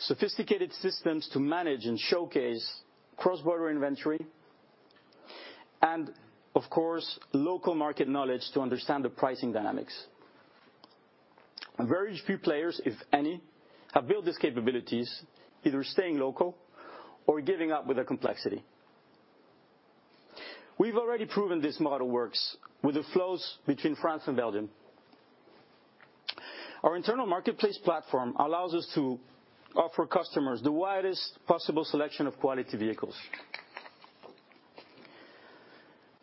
sophisticated systems to manage and showcase cross-border inventory, and, of course, local market knowledge to understand the pricing dynamics. Very few players, if any, have built these capabilities, either staying local or giving up with the complexity. We've already proven this model works with the flows between France and Belgium. Our internal marketplace platform allows us to offer customers the widest possible selection of quality vehicles.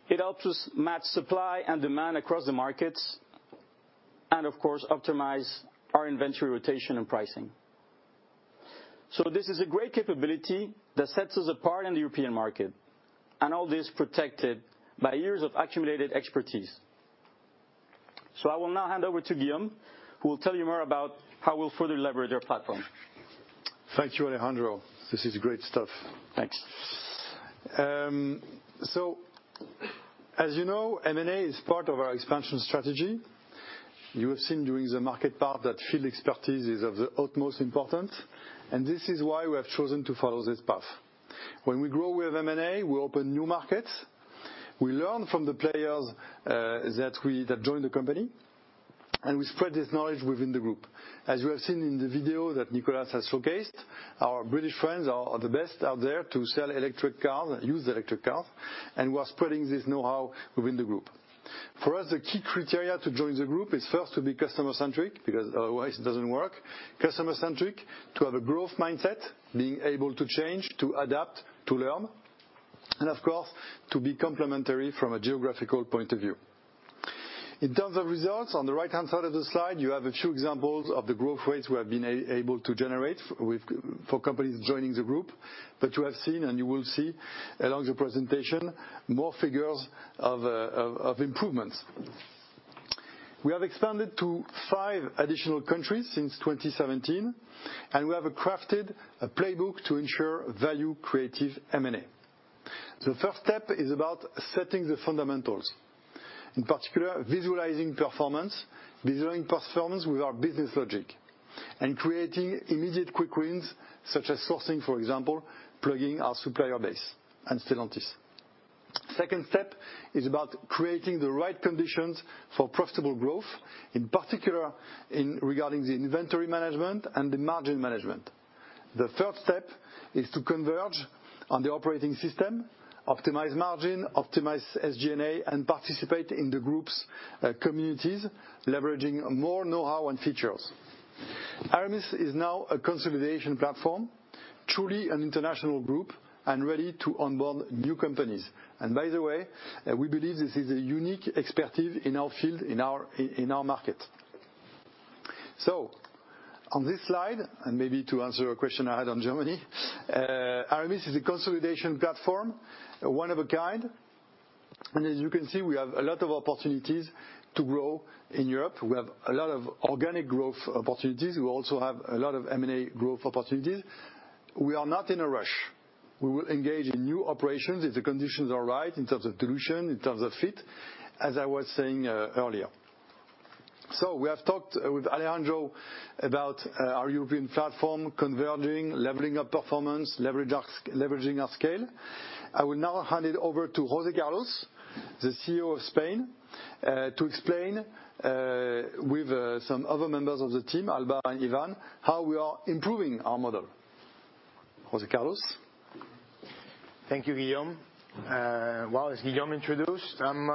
It helps us match supply and demand across the markets and, of course, optimize our inventory rotation and pricing. So this is a great capability that sets us apart in the European market, and all this protected by years of accumulated expertise. So I will now hand over to Guillaume, who will tell you more about how we'll further leverage our platform. Thank you, Alejandro. This is great stuff. Thanks. So, as you know, M&A is part of our expansion strategy. You have seen during the market part that field expertise is of the utmost importance. And this is why we have chosen to follow this path. When we grow with M&A, we open new markets. We learn from the players that joined the company, and we spread this knowledge within the group. As you have seen in the video that Nicolas has showcased, our British friends are the best out there to sell electric cars, use the electric cars, and we're spreading this know-how within the group. For us, the key criteria to join the group is first to be customer-centric because otherwise it doesn't work, customer-centric, to have a growth mindset, being able to change, to adapt, to learn, and, of course, to be complementary from a geographical point of view. In terms of results, on the right-hand side of the slide, you have a few examples of the growth rates we have been able to generate for companies joining the group. But you have seen, and you will see along the presentation, more figures of improvements. We have expanded to five additional countries since 2017, and we have crafted a playbook to ensure value-creative M&A. The first step is about setting the fundamentals, in particular, visualizing performance, visualizing performance with our business logic, and creating immediate quick wins, such as sourcing, for example, plugging our supplier base and Stellantis. The second step is about creating the right conditions for profitable growth, in particular, regarding the inventory management and the margin management. The third step is to converge on the operating system, optimize margin, optimize SG&A, and participate in the group's communities, leveraging more know-how and features. Aramis is now a consolidation platform, truly an international group, and ready to onboard new companies, and by the way, we believe this is a unique expertise in our field, in our market. On this slide, and maybe to answer a question I had on Germany, Aramis is a consolidation platform, one of a kind, and as you can see, we have a lot of opportunities to grow in Europe. We have a lot of organic growth opportunities. We also have a lot of M&A growth opportunities. We are not in a rush. We will engage in new operations if the conditions are right in terms of dilution, in terms of fit, as I was saying earlier, so we have talked with Alejandro about our European platform, converging, leveling up performance, leveraging our scale. I will now hand it over to José Carlos, the CEO of Spain, to explain with some other members of the team, Alba and Ivan, how we are improving our model. José Carlos. Thank you, Guillaume. Well, as Guillaume introduced, I'm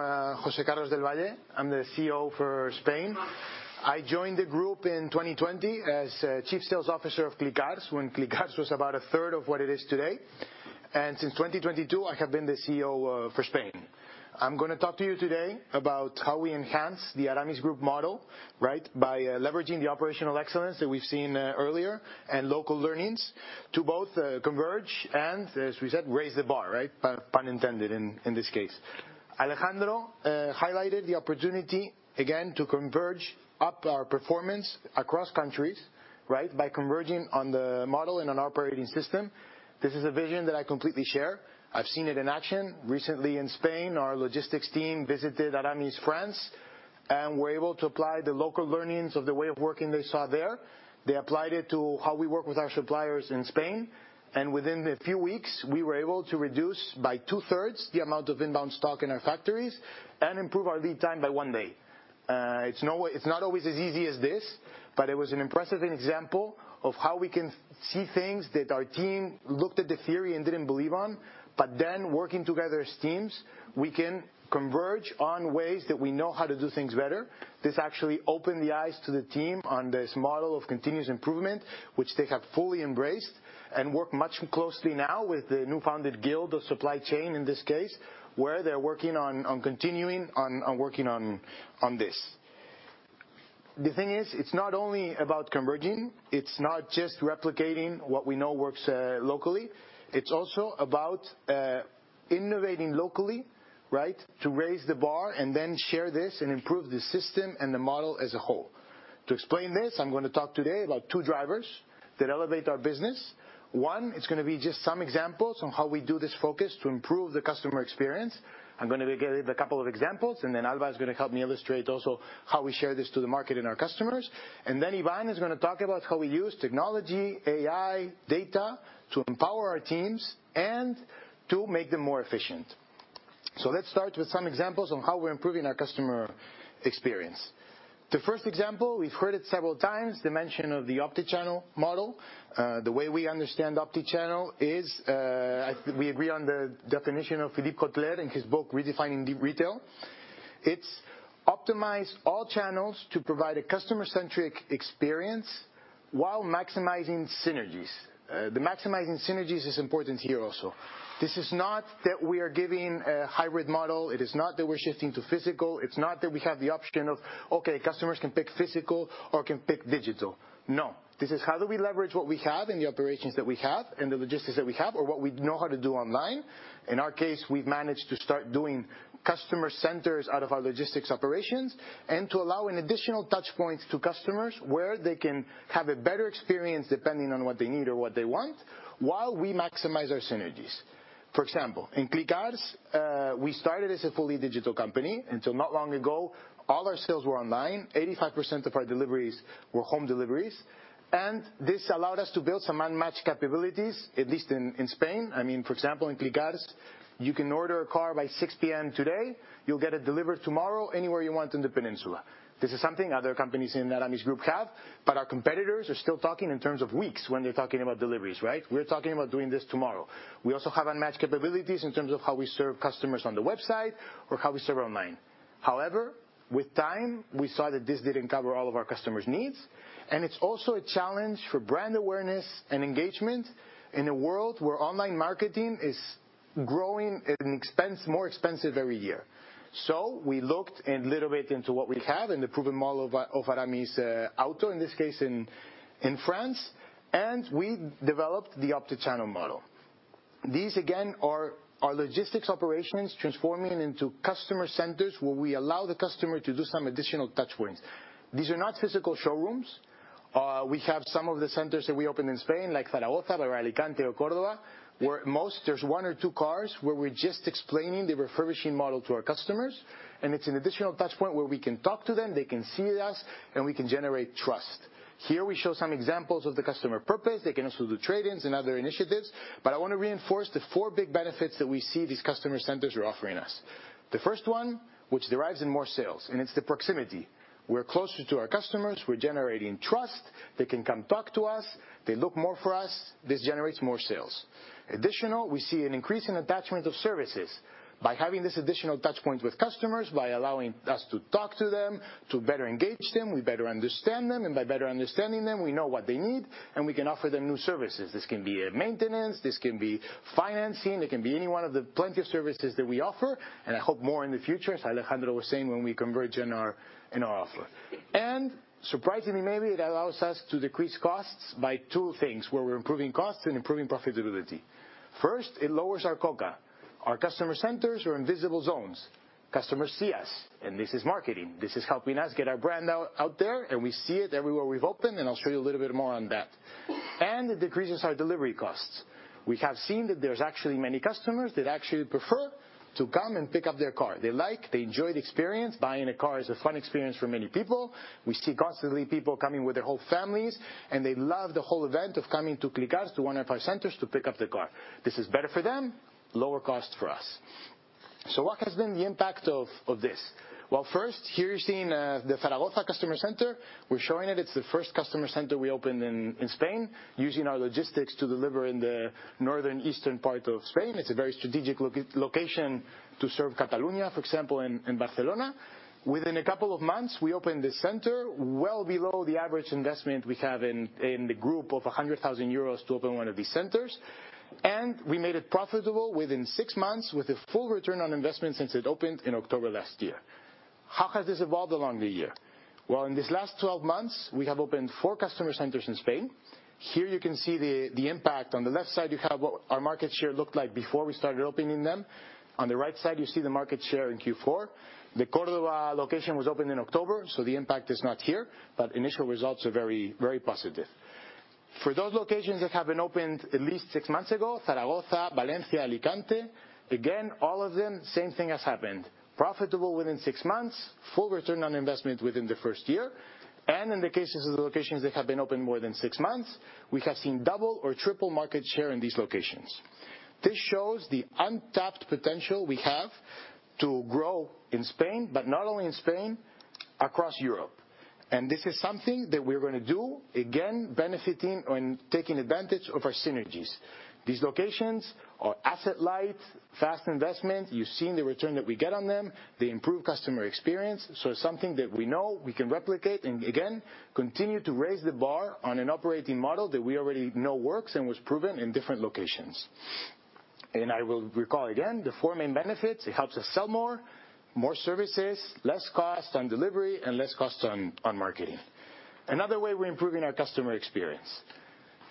Jose Carlos Del Valle. I'm the CEO for Spain. I joined the group in 2020 as Chief Sales Officer of Clicars, when Clicars was about a third of what it is today, and since 2022, I have been the CEO for Spain. I'm going to talk to you today about how we enhance the Aramis Group model, right, by leveraging the operational excellence that we've seen earlier and local learnings to both converge and, as we said, raise the bar, right, pun intended in this case. Alejandro highlighted the opportunity, again, to converge up our performance across countries, right, by converging on the model and on operating system. This is a vision that I completely share. I've seen it in action. Recently, in Spain, our logistics team visited Aramis, France, and were able to apply the local learnings of the way of working they saw there. They applied it to how we work with our suppliers in Spain. and within a few weeks, we were able to reduce by two-thirds the amount of inbound stock in our factories and improve our lead time by one day. It's not always as easy as this, but it was an impressive example of how we can see things that our team looked at the theory and didn't believe on. but then, working together as teams, we can converge on ways that we know how to do things better. This actually opened the eyes to the team on this model of continuous improvement, which they have fully embraced and work much closely now with the newly founded Guild of Supply Chain in this case, where they're working on continuing on working on this. The thing is, it's not only about converging. It's not just replicating what we know works locally. It's also about innovating locally, right, to raise the bar and then share this and improve the system and the model as a whole. To explain this, I'm going to talk today about two drivers that elevate our business. One, it's going to be just some examples on how we do this focus to improve the customer experience. I'm going to give a couple of examples, and then Alba is going to help me illustrate also how we share this to the market and our customers. Then Ivan is going to talk about how we use technology, AI, data to empower our teams and to make them more efficient. Let's start with some examples on how we're improving our customer experience. The first example, we've heard it several times, the mention of the Optichannel model. The way we understand Optichannel is we agree on the definition of Philip Kotler in his book, Redefining Retail. It's optimized all channels to provide a customer-centric experience while maximizing synergies. The maximizing synergies is important here also. This is not that we are giving a hybrid model. It is not that we're shifting to physical. It's not that we have the option of, okay, customers can pick physical or can pick digital. No. This is how do we leverage what we have and the operations that we have and the logistics that we have or what we know how to do online. In our case, we've managed to start doing customer centers out of our logistics operations and to allow an additional touchpoint to customers where they can have a better experience depending on what they need or what they want while we maximize our synergies. For example, in Clicars, we started as a fully digital company. Until not long ago, all our sales were online. 85% of our deliveries were home deliveries, and this allowed us to build some unmatched capabilities, at least in Spain. I mean, for example, in Clicars, you can order a car by 6:00 P.M. today. You'll get it delivered tomorrow anywhere you want in the peninsula. This is something other companies in the Aramis Group have, but our competitors are still talking in terms of weeks when they're talking about deliveries, right? We're talking about doing this tomorrow. We also have unmatched capabilities in terms of how we serve customers on the website or how we serve online. However, with time, we saw that this didn't cover all of our customers' needs. And it's also a challenge for brand awareness and engagement in a world where online marketing is growing and more expensive every year. So we looked a little bit into what we have and the proven model of Aramis Auto, in this case in France, and we developed the Optichannel model. These, again, are our logistics operations transforming into customer centers where we allow the customer to do some additional touchpoints. These are not physical showrooms. We have some of the centers that we opened in Spain, like Zaragoza, Valencia, Alicante, or Córdoba, where mostly there's one or two cars where we're just explaining the refurbishing model to our customers, and it's an additional touchpoint where we can talk to them. They can see us, and we can generate trust. Here, we show some examples of the customer purpose. They can also do trade-ins and other initiatives, but I want to reinforce the four big benefits that we see these customer centers are offering us. The first one, which derives in more sales, and it's the proximity. We're closer to our customers. We're generating trust. They can come talk to us. They look more for us. This generates more sales. Additionally, we see an increase in attachment of services by having this additional touchpoint with customers, by allowing us to talk to them, to better engage them. We better understand them, and by better understanding them, we know what they need, and we can offer them new services. This can be maintenance. This can be financing. It can be any one of the plenty of services that we offer, and I hope more in the future, as Alejandro was saying, when we converge in our offer, and surprisingly, maybe it allows us to decrease costs by two things where we're improving costs and improving profitability. First, it lowers our COCA. Our customer centers are in visible zones. Customers see us, and this is marketing. This is helping us get our brand out there, and we see it everywhere we've opened, and I'll show you a little bit more on that. It decreases our delivery costs. We have seen that there's actually many customers that actually prefer to come and pick up their car. They like, they enjoy the experience. Buying a car is a fun experience for many people. We see constantly people coming with their whole families, and they love the whole event of coming to Clicars, to one of our centers to pick up the car. This is better for them, lower cost for us. What has been the impact of this? First, here you're seeing the Zaragoza customer center. We're showing it. It's the first customer center we opened in Spain, using our logistics to deliver in the northeastern part of Spain. It's a very strategic location to serve Catalonia, for example, and Barcelona. Within a couple of months, we opened the center well below the average investment we have in the group of 100,000 euros to open one of these centers, and we made it profitable within six months with a full return on investment since it opened in October last year. How has this evolved along the year? Well, in these last 12 months, we have opened four customer centers in Spain. Here you can see the impact. On the left side, you have what our market share looked like before we started opening them. On the right side, you see the market share in Q4. The Córdoba location was opened in October, so the impact is not here, but initial results are very positive. For those locations that have been opened at least six months ago, Zaragoza, Valencia, Alicante, again, all of them, same thing has happened. Profitable within six months, full return on investment within the first year. And in the cases of the locations that have been opened more than six months, we have seen double or triple market share in these locations. This shows the untapped potential we have to grow in Spain, but not only in Spain, across Europe. And this is something that we're going to do, again, benefiting and taking advantage of our synergies. These locations are asset-light, fast investment. You've seen the return that we get on them. They improve customer experience. So it's something that we know we can replicate and, again, continue to raise the bar on an operating model that we already know works and was proven in different locations. And I will recall, again, the four main benefits. It helps us sell more, more services, less cost on delivery, and less cost on marketing. Another way we're improving our customer experience.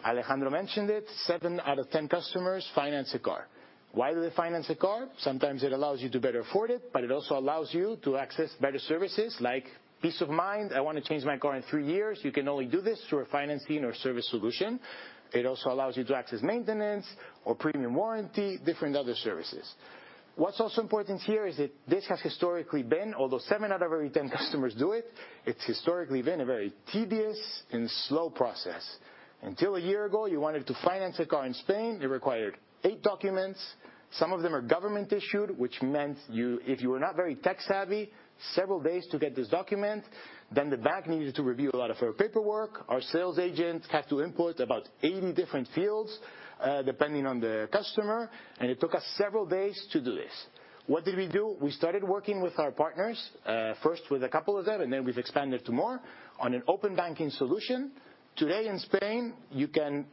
Alejandro mentioned it. Seven out of ten customers finance a car. Why do they finance a car? Sometimes it allows you to better afford it, but it also allows you to access better services like peace of mind. I want to change my car in three years. You can only do this through a financing or service solution. It also allows you to access maintenance or premium warranty, different other services. What's also important here is that this has historically been, although seven out of every ten customers do it, it's historically been a very tedious and slow process. Until a year ago, you wanted to finance a car in Spain. It required eight documents. Some of them are government-issued, which meant if you were not very tech-savvy, several days to get this document. Then the bank needed to review a lot of our paperwork. Our sales agent had to input about 80 different fields depending on the customer. And it took us several days to do this. What did we do? We started working with our partners, first with a couple of them, and then we've expanded to more on an open banking solution. Today, in Spain, you can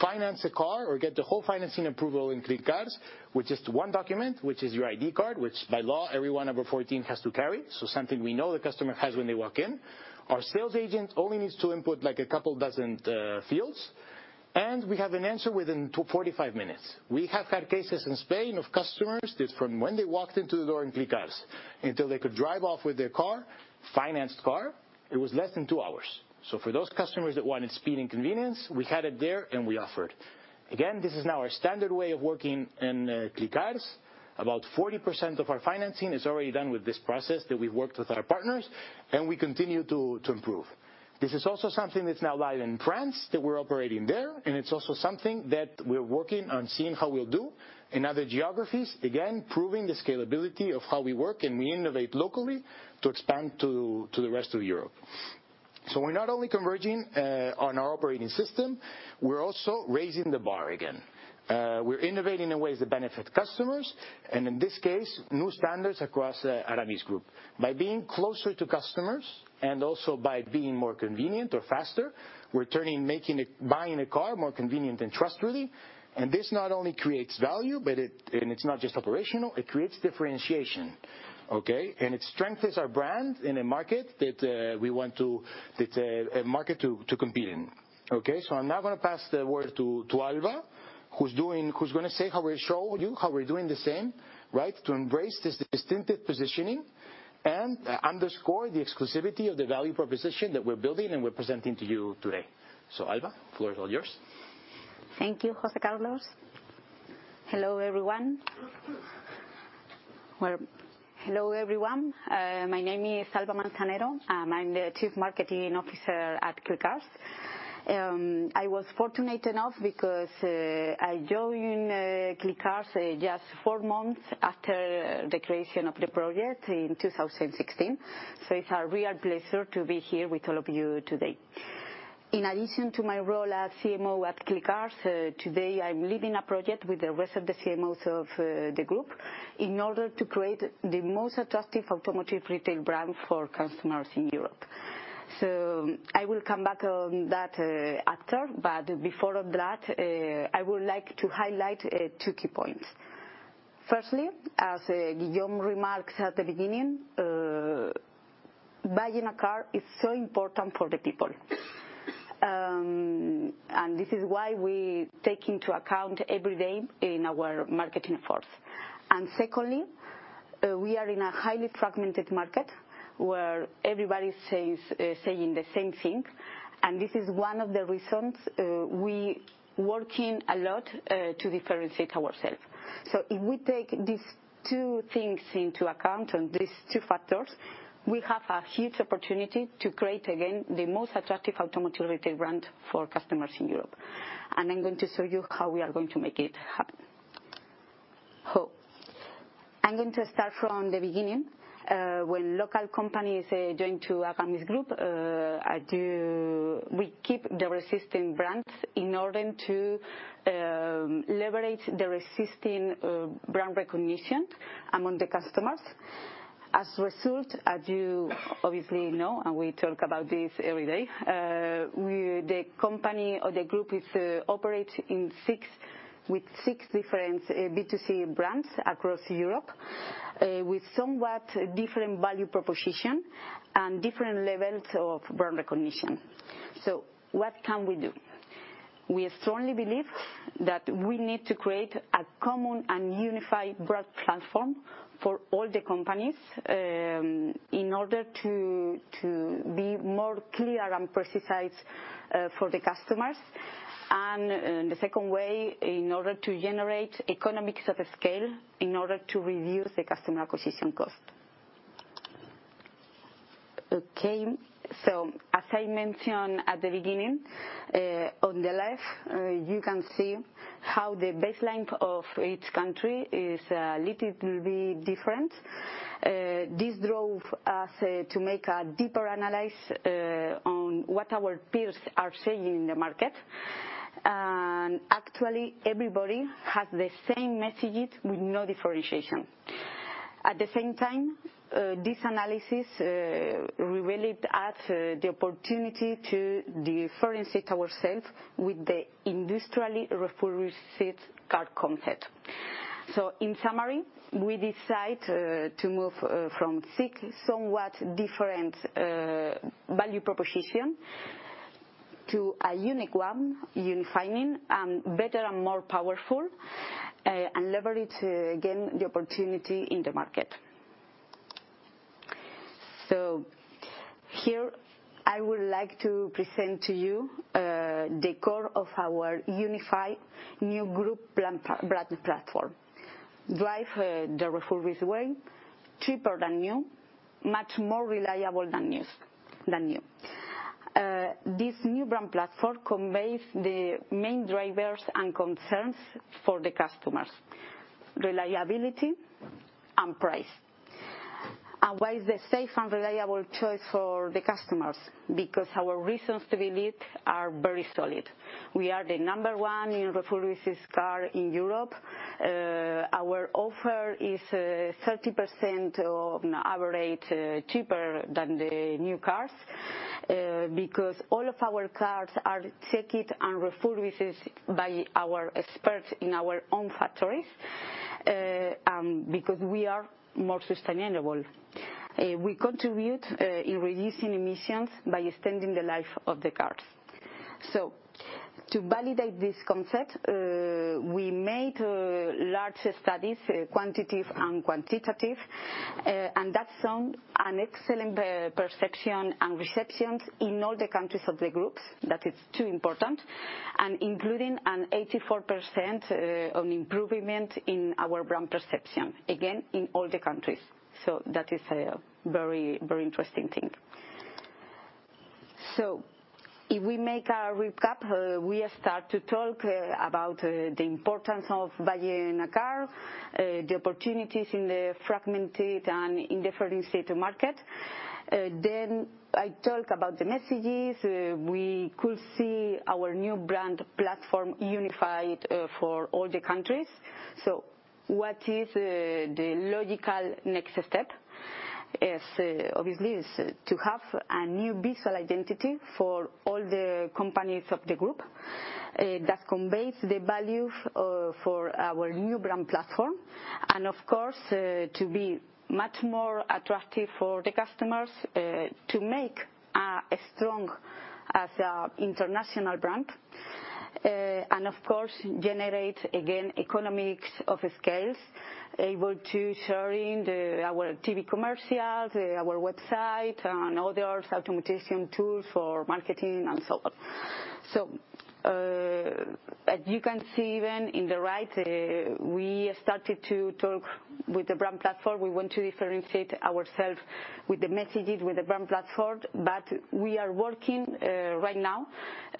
finance a car or get the whole financing approval in Clicars, which is one document, which is your ID card, which by law, everyone over 14 has to carry. So something we know the customer has when they walk in. Our sales agent only needs to input like a couple dozen fields, and we have an answer within 45 minutes. We have had cases in Spain of customers that from when they walked into the door in Clicars, until they could drive off with their car, financed car, it was less than two hours. For those customers that wanted speed and convenience, we had it there, and we offered. Again, this is now our standard way of working in Clicars. About 40% of our financing is already done with this process that we've worked with our partners, and we continue to improve. This is also something that's now live in France that we're operating there, and it's also something that we're working on seeing how we'll do in other geographies, again, proving the scalability of how we work and we innovate locally to expand to the rest of Europe. We're not only converging on our operating system. We're also raising the bar again. We're innovating in ways that benefit customers, and in this case, new standards across Aramis Group. By being closer to customers and also by being more convenient or faster, we're turning buying a car more convenient and trustworthy. And this not only creates value, and it's not just operational, it creates differentiation, okay? And it strengthens our brand in a market that we want to that's a market to compete in, okay? So I'm now going to pass the word to Alba, who's going to show you how we're doing the same, right, to embrace this distinctive positioning and underscore the exclusivity of the value proposition that we're building and we're presenting to you today. So, Alba, floor is all yours. Thank you, José Carlos. Hello, everyone. Hello, everyone. My name is Alba Manzanero. I'm the Chief Marketing Officer at Clicars. I was fortunate enough because I joined Clicars just four months after the creation of the project in 2016. So it's a real pleasure to be here with all of you today. In addition to my role as CMO at Clicars, today I'm leading a project with the rest of the CMOs of the group in order to create the most attractive automotive retail brand for customers in Europe. So I will come back on that after, but before that, I would like to highlight two key points. Firstly, as Guillaume remarked at the beginning, buying a car is so important for the people, and this is why we take into account every day in our marketing efforts. And secondly, we are in a highly fragmented market where everybody is saying the same thing, and this is one of the reasons we're working a lot to differentiate ourselves. So if we take these two things into account and these two factors, we have a huge opportunity to create, again, the most attractive automotive retail brand for customers in Europe, and I'm going to show you how we are going to make it happen. I'm going to start from the beginning. When local companies join Aramis Group, we keep the existing brands in order to leverage the existing brand recognition among the customers. As a result, as you obviously know, and we talk about this every day, the company or the group operates with six different B2C brands across Europe with somewhat different value proposition and different levels of brand recognition, so what can we do? We strongly believe that we need to create a common and unified brand platform for all the companies in order to be more clear and precise for the customers. And the second way, in order to generate economies of scale in order to reduce the customer acquisition cost. Okay. So as I mentioned at the beginning, on the left, you can see how the baseline of each country is a little bit different. This drove us to make a deeper analysis on what our peers are saying in the market. And actually, everybody has the same messages with no differentiation. At the same time, this analysis revealed us the opportunity to differentiate ourselves with the industrially refurbished car concept. So in summary, we decided to move from six somewhat different value propositions to a unique one, unifying and better and more powerful, and leverage, again, the opportunity in the market. So here, I would like to present to you the core of our unified new group brand platform. Drive the refurbished way, cheaper than new, much more reliable than new. This new brand platform conveys the main drivers and concerns for the customers: reliability and price. And why is it a safe and reliable choice for the customers? Because our reasons to believe are very solid. We are the number one in refurbished cars in Europe. Our offer is 30% cheaper on average than the new cars because all of our cars are checked and refurbished by our experts in our own factories because we are more sustainable. We contribute to reducing emissions by extending the life of the cars. So to validate this concept, we made large studies, quantitative and qualitative, and that's an excellent perception and reception in all the countries of the group. That is so important, including an 84% improvement in our brand perception, again, in all the countries. That is a very interesting thing. If we make a recap, we start to talk about the importance of buying a car, the opportunities in the fragmented and indifferent market. Then I talk about the messages. We could see our new brand platform unified for all the countries. What is the logical next step? Obviously, it is to have a new visual identity for all the companies of the group that conveys the value for our new brand platform. And of course, to be much more attractive for the customers, to make a strong international brand. And of course, generate, again, economies of scale able to share in our TV commercials, our website, and other automation tools for marketing and so on. As you can see even on the right, we started to talk with the brand platform. We want to differentiate ourselves with the messages with the brand platform, but we are working right now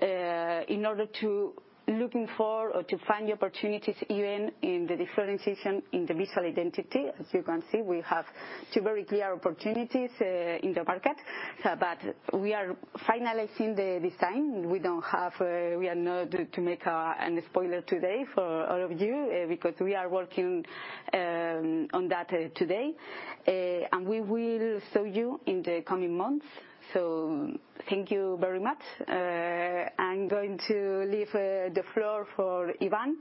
in order to look for or to find the opportunities even in the differentiation in the visual identity. As you can see, we have two very clear opportunities in the market, but we are finalizing the design. We are not to make a spoiler today for all of you because we are working on that today, and we will show you in the coming months. So thank you very much. I'm going to leave the floor for Ivan,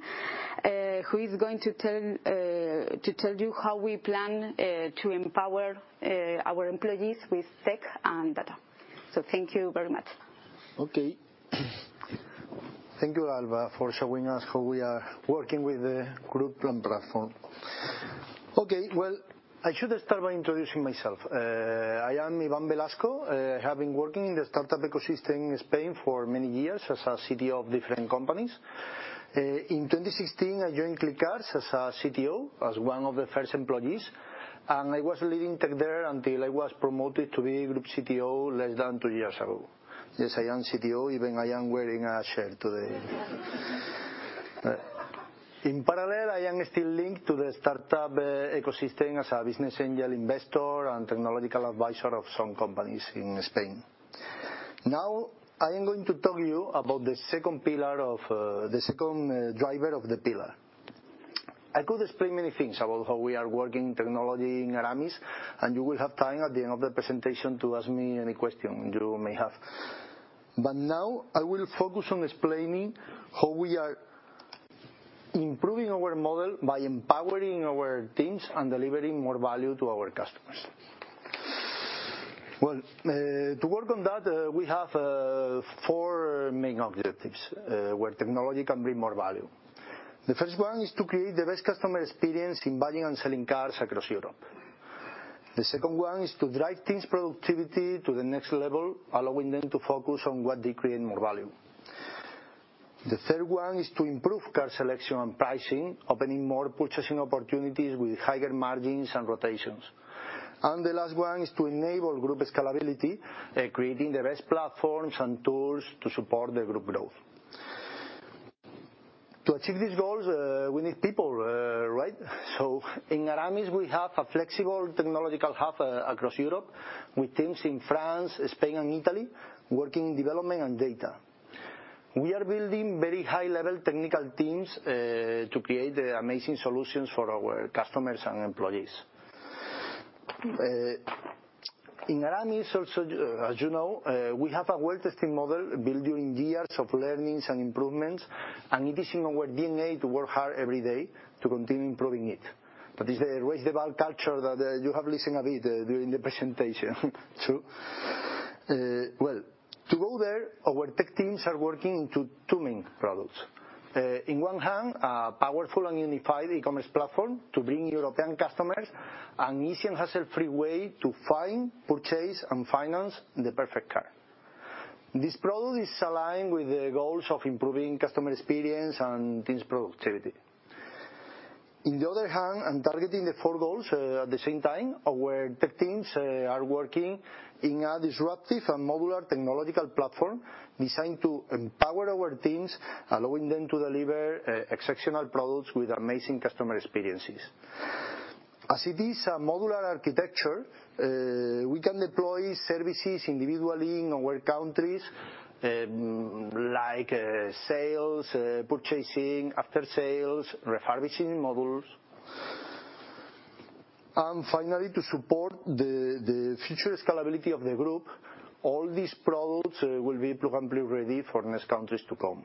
who is going to tell you how we plan to empower our employees with tech and data. So thank you very much. Okay. Thank you, Alba, for showing us how we are working with the group and platform. Okay. Well, I should start by introducing myself. I am Ivan Velasco. I have been working in the startup ecosystem in Spain for many years as a CTO of different companies. In 2016, I joined Clicars as a CTO, as one of the first employees, and I was leading tech there until I was promoted to be group CTO less than two years ago. Yes, I am CTO. Even I am wearing a shirt today. In parallel, I am still linked to the startup ecosystem as a business angel investor and technological advisor of some companies in Spain. Now, I am going to talk to you about the second pillar of the second driver of the pillar. I could explain many things about how we are working technology in Aramis, and you will have time at the end of the presentation to ask me any question you may have. Now, I will focus on explaining how we are improving our model by empowering our teams and delivering more value to our customers. To work on that, we have four main objectives where technology can bring more value. The first one is to create the best customer experience in buying and selling cars across Europe. The second one is to drive teams' productivity to the next level, allowing them to focus on what they create more value. The third one is to improve car selection and pricing, opening more purchasing opportunities with higher margins and rotations. The last one is to enable group scalability, creating the best platforms and tools to support the group growth. To achieve these goals, we need people, right? In Aramis, we have a flexible technological hub across Europe with teams in France, Spain, and Italy working in development and data. We are building very high-level technical teams to create amazing solutions for our customers and employees. In Aramis, as you know, we have a well-tested model built during years of learnings and improvements, and it is in our DNA to work hard every day to continue improving it. That is the raise the bar culture that you have listened a bit during the presentation, too. To go there, our tech teams are working on two main products. On one hand, a powerful and unified e-commerce platform to bring European customers an easy and hassle-free way to find, purchase, and finance the perfect car. This product is aligned with the goals of improving customer experience and teams' productivity. On the other hand, and targeting the four goals at the same time, our tech teams are working in a disruptive and modular technological platform designed to empower our teams, allowing them to deliver exceptional products with amazing customer experiences. As it is a modular architecture, we can deploy services individually in our countries like sales, purchasing, after-sales, refurbishing modules. Finally, to support the future scalability of the group, all these products will be plug-and-play ready for next countries to come.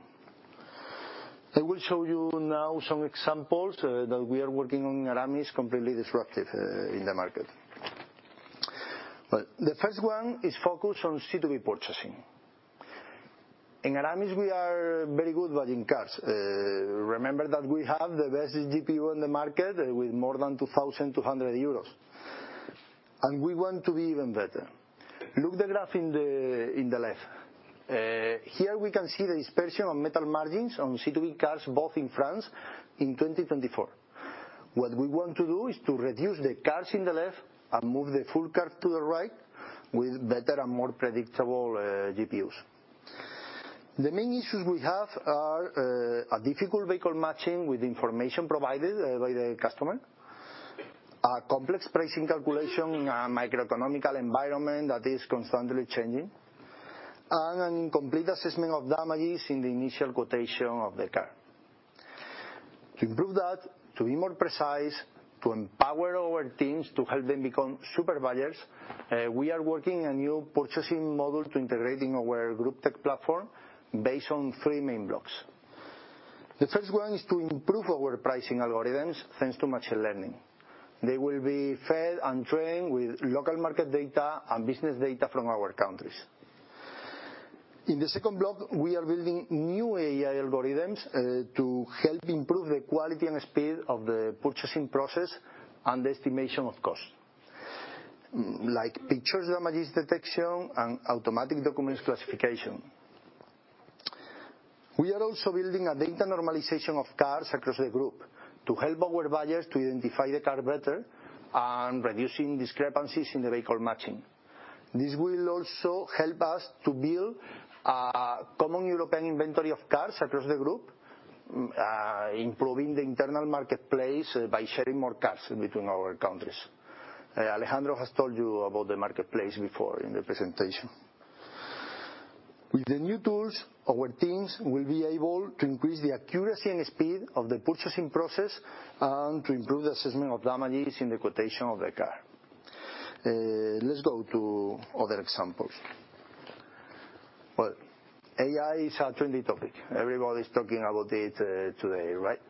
I will show you now some examples that we are working on in Aramis, completely disruptive in the market. The first one is focused on C2B purchasing. In Aramis, we are very good buying cars. Remember that we have the best GPU on the market with more than 2,200 euros, and we want to be even better. Look at the graph on the left. Here we can see the dispersion of metal margins on C2B cars both in France in 2024. What we want to do is to reduce the cars in the left and move the bell curve to the right with better and more predictable GPUs. The main issues we have are a difficult vehicle matching with information provided by the customer, a complex pricing calculation, a microeconomic environment that is constantly changing, and an incomplete assessment of damages in the initial quotation of the car. To improve that, to be more precise, to empower our teams to help them become super buyers, we are working on a new purchasing model to integrate in our group tech platform based on three main blocks. The first one is to improve our pricing algorithms thanks to machine learning. They will be fed and trained with local market data and business data from our countries. In the second block, we are building new AI algorithms to help improve the quality and speed of the purchasing process and the estimation of cost, like picture damage detection and automatic document classification. We are also building a data normalization of cars across the group to help our buyers to identify the car better and reducing discrepancies in the vehicle matching. This will also help us to build a common European inventory of cars across the group, improving the internal marketplace by sharing more cars between our countries. Alejandro has told you about the marketplace before in the presentation. With the new tools, our teams will be able to increase the accuracy and speed of the purchasing process and to improve the assessment of damages in the quotation of the car. Let's go to other examples. AI is a trendy topic. Everybody's talking about it today, right?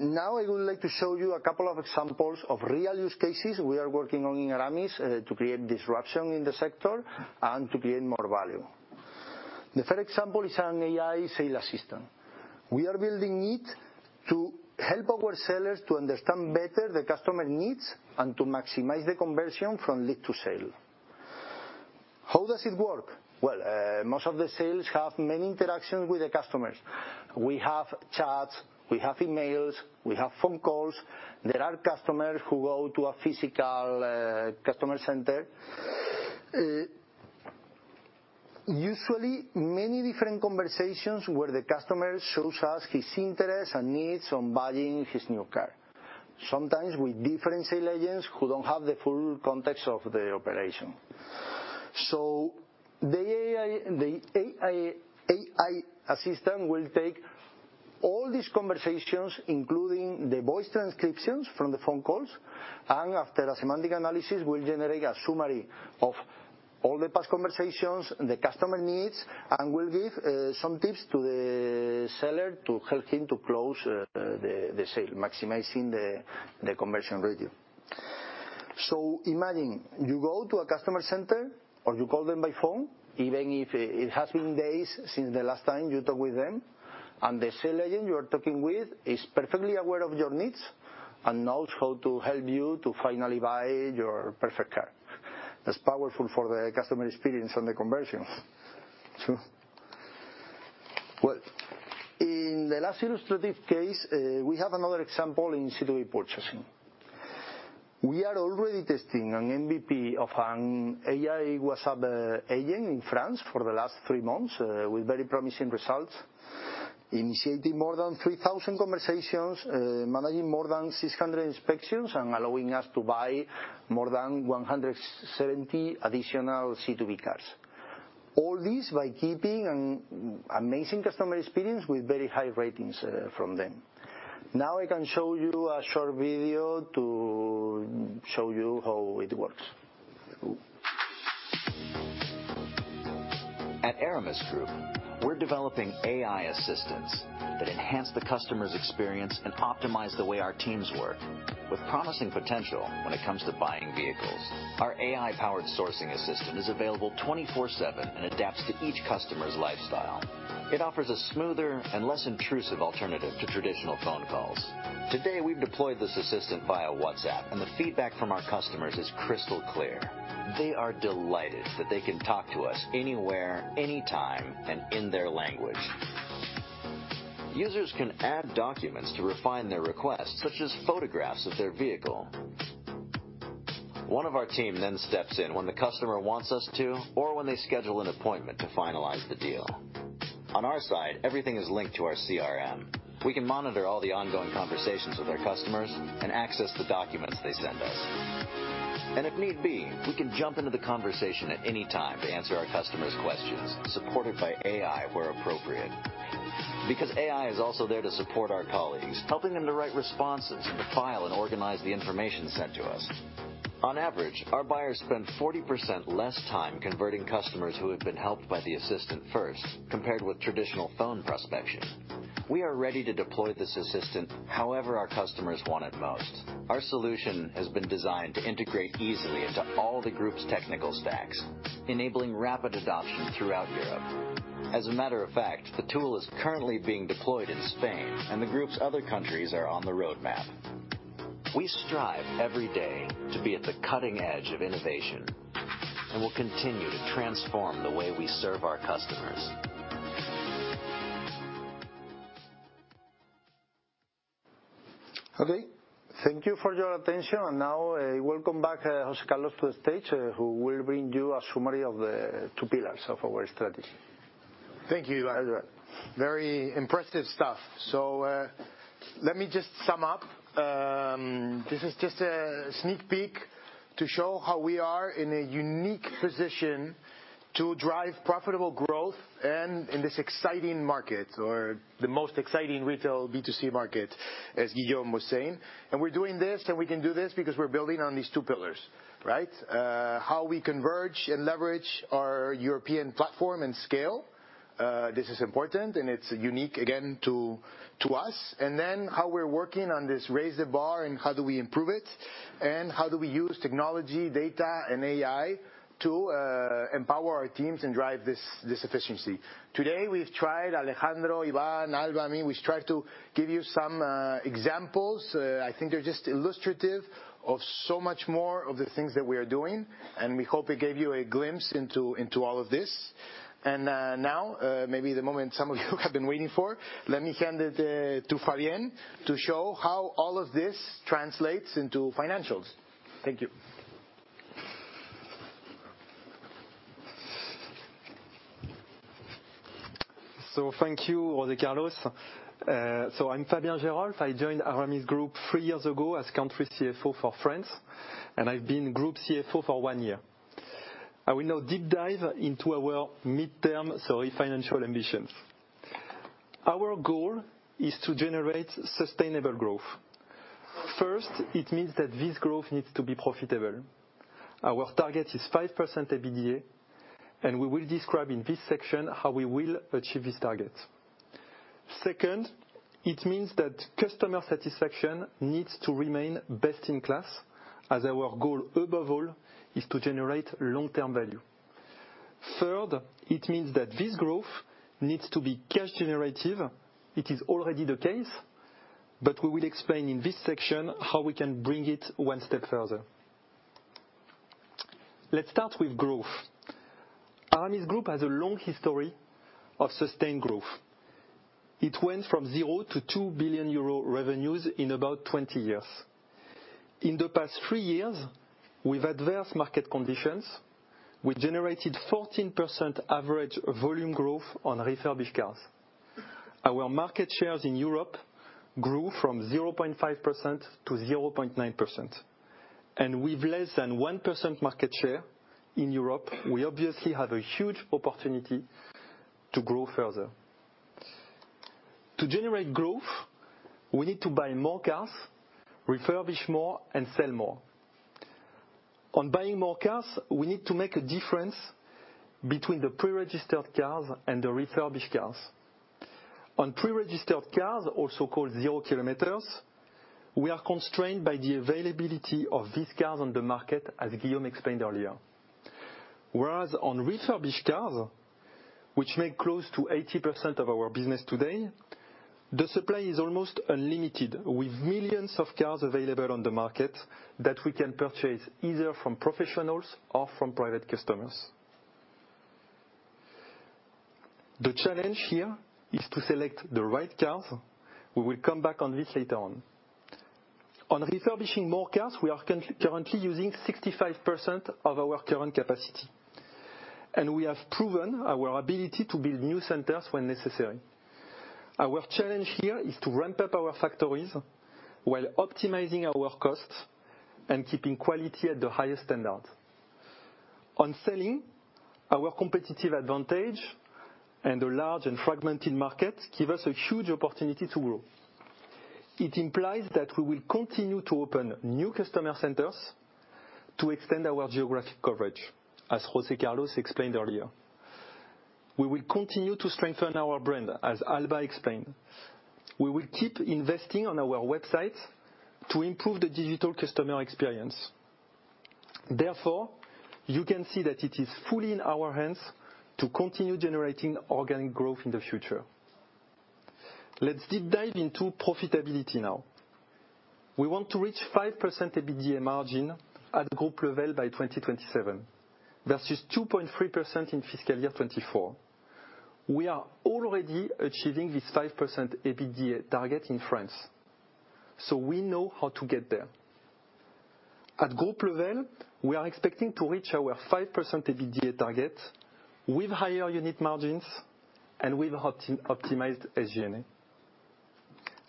Now, I would like to show you a couple of examples of real use cases we are working on in Aramis to create disruption in the sector and to create more value. The third example is an AI sales assistant. We are building it to help our sellers to understand better the customer needs and to maximize the conversion from lead to sale. How does it work? Well, most of the sales have many interactions with the customers. We have chats, we have emails, we have phone calls. There are customers who go to a physical customer center. Usually, many different conversations where the customer shows us his interests and needs on buying his new car. Sometimes with different sales agents who don't have the full context of the operation. So the AI assistant will take all these conversations, including the voice transcriptions from the phone calls, and after a semantic analysis, will generate a summary of all the past conversations, the customer needs, and will give some tips to the seller to help him to close the sale, maximizing the conversion ratio. So imagine you go to a customer center or you call them by phone, even if it has been days since the last time you talked with them, and the sales agent you are talking with is perfectly aware of your needs and knows how to help you to finally buy your perfect car. That's powerful for the customer experience and the conversion, too. Well, in the last illustrative case, we have another example in C2B purchasing. We are already testing an MVP of an AI WhatsApp agent in France for the last three months with very promising results, initiating more than 3,000 conversations, managing more than 600 inspections, and allowing us to buy more than 170 additional C2B cars. All this by keeping an amazing customer experience with very high ratings from them. Now I can show you a short video to show you how it works. At Aramis Group, we're developing AI assistants that enhance the customer's experience and optimize the way our teams work with promising potential when it comes to buying vehicles. Our AI-powered sourcing assistant is available 24/7 and adapts to each customer's lifestyle. It offers a smoother and less intrusive alternative to traditional phone calls. Today, we've deployed this assistant via WhatsApp, and the feedback from our customers is crystal clear. They are delighted that they can talk to us anywhere, anytime, and in their language. Users can add documents to refine their requests, such as photographs of their vehicle. One of our team then steps in when the customer wants us to or when they schedule an appointment to finalize the deal. On our side, everything is linked to our CRM. We can monitor all the ongoing conversations with our customers and access the documents they send us, and if need be, we can jump into the conversation at any time to answer our customers' questions, supported by AI where appropriate. Because AI is also there to support our colleagues, helping them to write responses and to file and organize the information sent to us. On average, our buyers spend 40% less time converting customers who have been helped by the assistant first compared with traditional phone prospection. We are ready to deploy this assistant however our customers want it most. Our solution has been designed to integrate easily into all the group's technical stacks, enabling rapid adoption throughout Europe. As a matter of fact, the tool is currently being deployed in Spain, and the group's other countries are on the roadmap. We strive every day to be at the cutting edge of innovation and will continue to transform the way we serve our customers. Okay. Thank you for your attention. And now I will come back, José Carlos, to the stage, who will bring you a summary of the two pillars of our strategy. Thank you, Ivan. Very impressive stuff. So let me just sum up. This is just a sneak peek to show how we are in a unique position to drive profitable growth in this exciting market or the most exciting retail B2C market, as Guillaume was saying. We're doing this, and we can do this because we're building on these two pillars, right? How we converge and leverage our European platform and scale. This is important, and it's unique, again, to us. Then how we're working on this raise the bar and how do we improve it and how do we use technology, data, and AI to empower our teams and drive this efficiency. Today, we've tried Alejandro, Ivan, Alba. I mean, we've tried to give you some examples. I think they're just illustrative of so much more of the things that we are doing. We hope it gave you a glimpse into all of this. Now, maybe the moment some of you have been waiting for, let me hand it to Fabien to show how all of this translates into financials. Thank you. Thank you, José Carlos. I'm Fabien Geerolf. I joined Aramis Group three years ago as country CFO for France, and I've been group CFO for one year. I will now deep dive into our midterm, sorry, financial ambitions. Our goal is to generate sustainable growth. First, it means that this growth needs to be profitable. Our target is 5% EBITDA, and we will describe in this section how we will achieve this target. Second, it means that customer satisfaction needs to remain best in class, as our goal above all is to generate long-term value. Third, it means that this growth needs to be cash-generative. It is already the case, but we will explain in this section how we can bring it one step further. Let's start with growth. Aramis Group has a long history of sustained growth. It went from 0 to 2 billion euro revenues in about 20 years. In the past three years, with adverse market conditions, we generated 14% average volume growth on refurbished cars. Our market shares in Europe grew from 0.5% to 0.9%. And with less than 1% market share in Europe, we obviously have a huge opportunity to grow further. To generate growth, we need to buy more cars, refurbish more, and sell more. On buying more cars, we need to make a difference between the pre-registered cars and the refurbished cars. On pre-registered cars, also called zero kilometers, we are constrained by the availability of these cars on the market, as Guillaume explained earlier. Whereas on refurbished cars, which make close to 80% of our business today, the supply is almost unlimited, with millions of cars available on the market that we can purchase either from professionals or from private customers. The challenge here is to select the right cars. We will come back on this later on. On refurbishing more cars, we are currently using 65% of our current capacity, and we have proven our ability to build new centers when necessary. Our challenge here is to ramp up our factories while optimizing our costs and keeping quality at the highest standards. On selling, our competitive advantage and the large and fragmented market give us a huge opportunity to grow. It implies that we will continue to open new customer centers to extend our geographic coverage, as Jose Carlos explained earlier. We will continue to strengthen our brand, as Alba explained. We will keep investing on our website to improve the digital customer experience. Therefore, you can see that it is fully in our hands to continue generating organic growth in the future. Let's deep dive into profitability now. We want to reach 5% EBITDA margin at group level by 2027 versus 2.3% in fiscal year 2024. We are already achieving this 5% EBITDA target in France. So we know how to get there. At group level, we are expecting to reach our 5% EBITDA target with higher unit margins and with SG&A.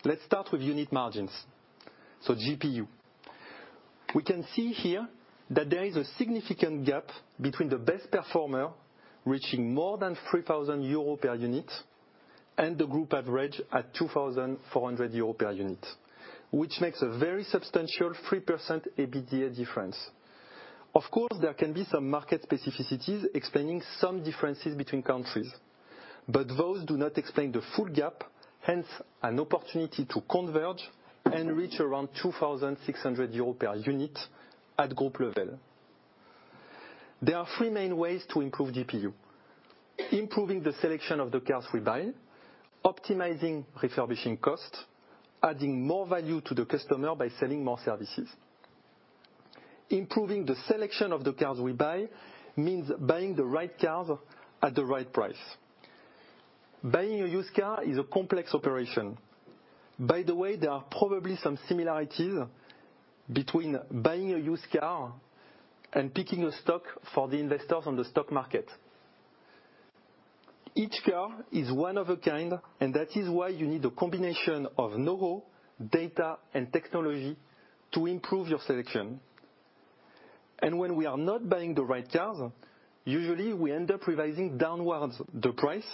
Let's start with unit margins. So GPU. We can see here that there is a significant gap between the best performer reaching more than 3,000 euros per unit and the group average at 2,400 euros per unit, which makes a very substantial 3% EBITDA difference. Of course, there can be some market specificities explaining some differences between countries, but those do not explain the full gap, hence an opportunity to converge and reach around 2,600 euros per unit at group level. There are three main ways to improve GPU: improving the selection of the cars we buy, optimizing refurbishing costs, adding more value to the customer by selling more services. Improving the selection of the cars we buy means buying the right cars at the right price. Buying a used car is a complex operation. By the way, there are probably some similarities between buying a used car and picking a stock for the investors on the stock market. Each car is one of a kind, and that is why you need a combination of know-how, data, and technology to improve your selection. When we are not buying the right cars, usually we end up revising downwards the price,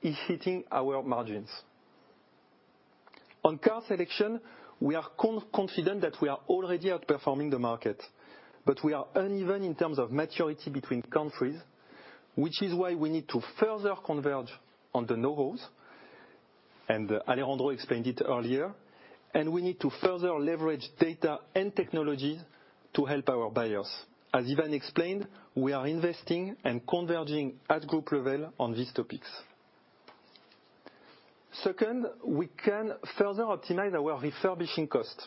hitting our margins. On car selection, we are confident that we are already outperforming the market, but we are uneven in terms of maturity between countries, which is why we need to further converge on the know-hows. Alejandro explained it earlier. We need to further leverage data and technologies to help our buyers. As Ivan explained, we are investing and converging at group level on these topics. Second, we can further optimize our refurbishing costs,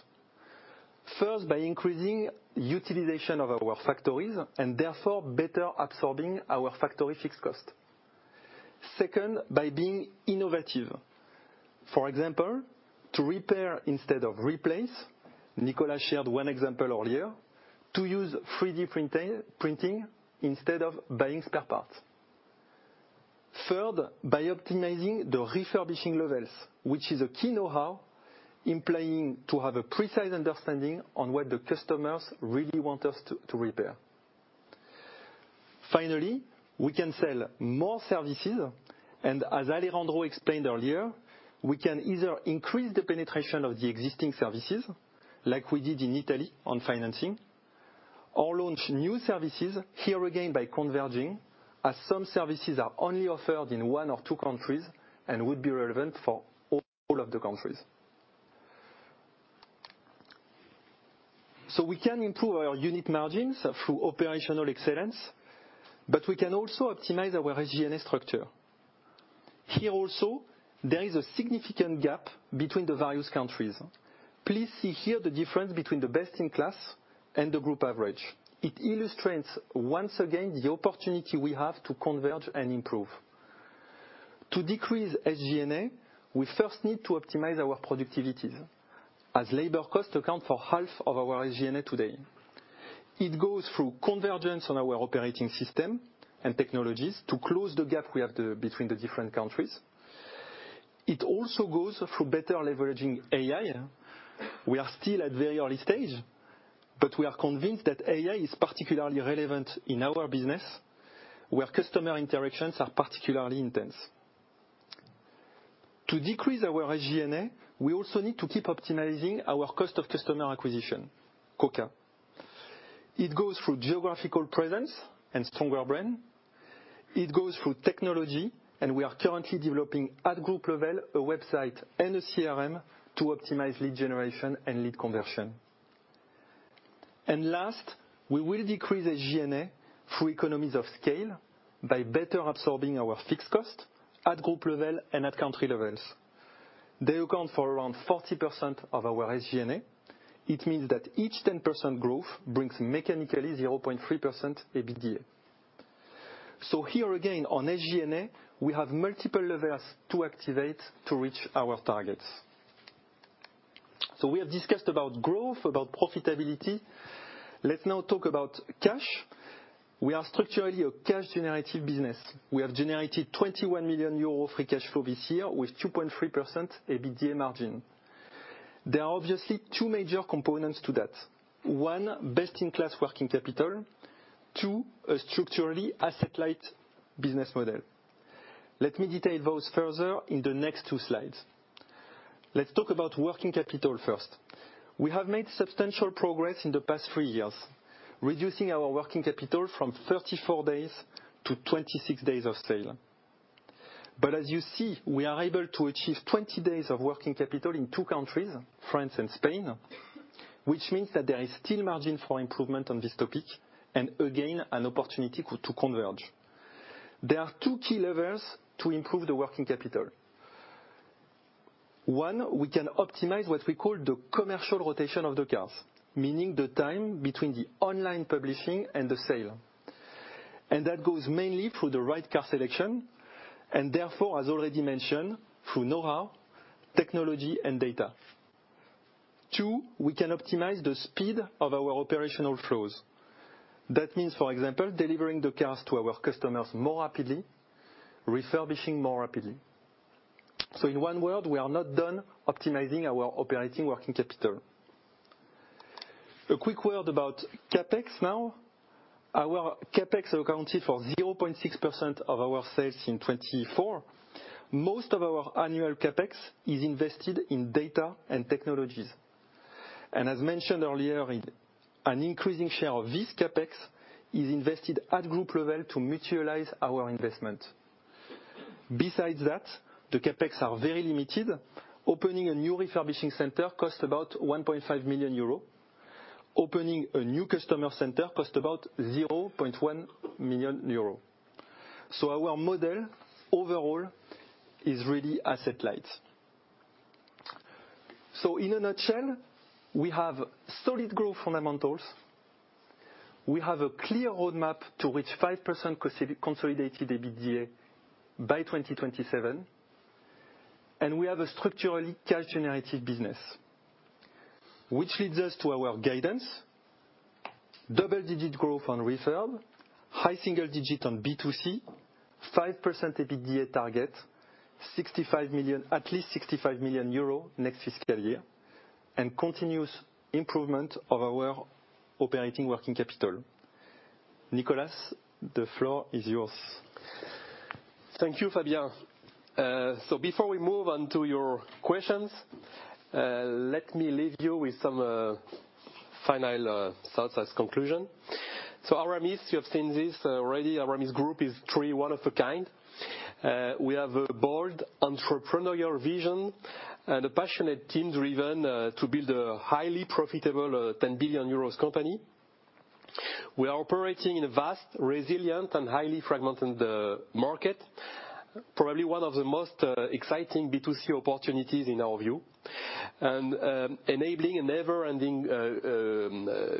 first by increasing utilization of our factories and therefore better absorbing our factory fixed costs. Second, by being innovative. For example, to repair instead of replace, Nicolas shared one example earlier, to use 3D printing instead of buying spare parts. Third, by optimizing the refurbishing levels, which is a key know-how in planning to have a precise understanding on what the customers really want us to repair. Finally, we can sell more services. And as Alejandro explained earlier, we can either increase the penetration of the existing services, like we did in Italy on financing, or launch new services here again by converging, as some services are only offered in one or two countries and would be relevant for all of the countries. So we can improve our unit margins through operational excellence, but we can also optimize our SG&A structure. Here also, there is a significant gap between the various countries. Please see here the difference between the best in class and the group average. It illustrates once again the opportunity we have to converge and improve. To decrease SG&A, we first need to optimize our productivities, as labor costs account for half of our SG&A today. It goes through convergence on our operating system and technologies to close the gap we have between the different countries. It also goes through better leveraging AI. We are still at a very early stage, but we are convinced that AI is particularly relevant in our business where customer interactions are particularly intense. To decrease our SG&A, we also need to keep optimizing our cost of customer acquisition, COCA. It goes through geographical presence and stronger brand. It goes through technology, and we are currently developing at group level a website and a CRM to optimize lead generation and lead conversion, and last, we will decrease SG&A through economies of scale by better absorbing our fixed costs at group level and at country levels. They account for around 40% of our SG&A. It means that each 10% growth brings mechanically 0.3% EBITDA. So here again, on SG&A, we have multiple levels to activate to reach our targets. So we have discussed about growth, about profitability. Let's now talk about cash. We are structurally a cash-generative business. We have generated 21 million euros free cash flow this year with 2.3% EBITDA margin. There are obviously two major components to that. One, best-in-class working capital. Two, a structurally asset-light business model. Let me detail those further in the next two slides. Let's talk about working capital first. We have made substantial progress in the past three years, reducing our working capital from 34 days to 26 days of sale. But as you see, we are able to achieve 20 days of working capital in two countries, France and Spain, which means that there is still margin for improvement on this topic and again, an opportunity to converge. There are two key levers to improve the working capital. One, we can optimize what we call the commercial rotation of the cars, meaning the time between the online publishing and the sale. And that goes mainly through the right car selection and therefore, as already mentioned, through know-how, technology, and data. Two, we can optimize the speed of our operational flows. That means, for example, delivering the cars to our customers more rapidly, refurbishing more rapidly. So in one word, we are not done optimizing our operating working capital. A quick word about CapEx now. Our CapEx accounted for 0.6% of our sales in 2024. Most of our annual CapEx is invested in data and technologies. And as mentioned earlier, an increasing share of this CapEx is invested at group level to mutualize our investment. Besides that, the CapEx are very limited. Opening a new refurbishing center costs about 1.5 million euro. Opening a new customer center costs about 0.1 million euro. So our model overall is really asset-light. So in a nutshell, we have solid growth fundamentals. We have a clear roadmap to reach 5% consolidated EBITDA by 2027. And we have a structurally cash-generative business, which leads us to our guidance: double-digit growth on refurb, high single digit on B2C, 5% EBITDA target, at least 65 million euro next fiscal year, and continuous improvement of our operating working capital. Nicolas, the floor is yours. Thank you, Fabien. Before we move on to your questions, let me leave you with some final thoughts as conclusion. Aramis, you have seen this already. Aramis Group is truly one of a kind. We have a bold entrepreneurial vision and a passionate team driven to build a highly profitable 10 billion euros company. We are operating in a vast, resilient, and highly fragmented market, probably one of the most exciting B2C opportunities in our view, and enabling a never-ending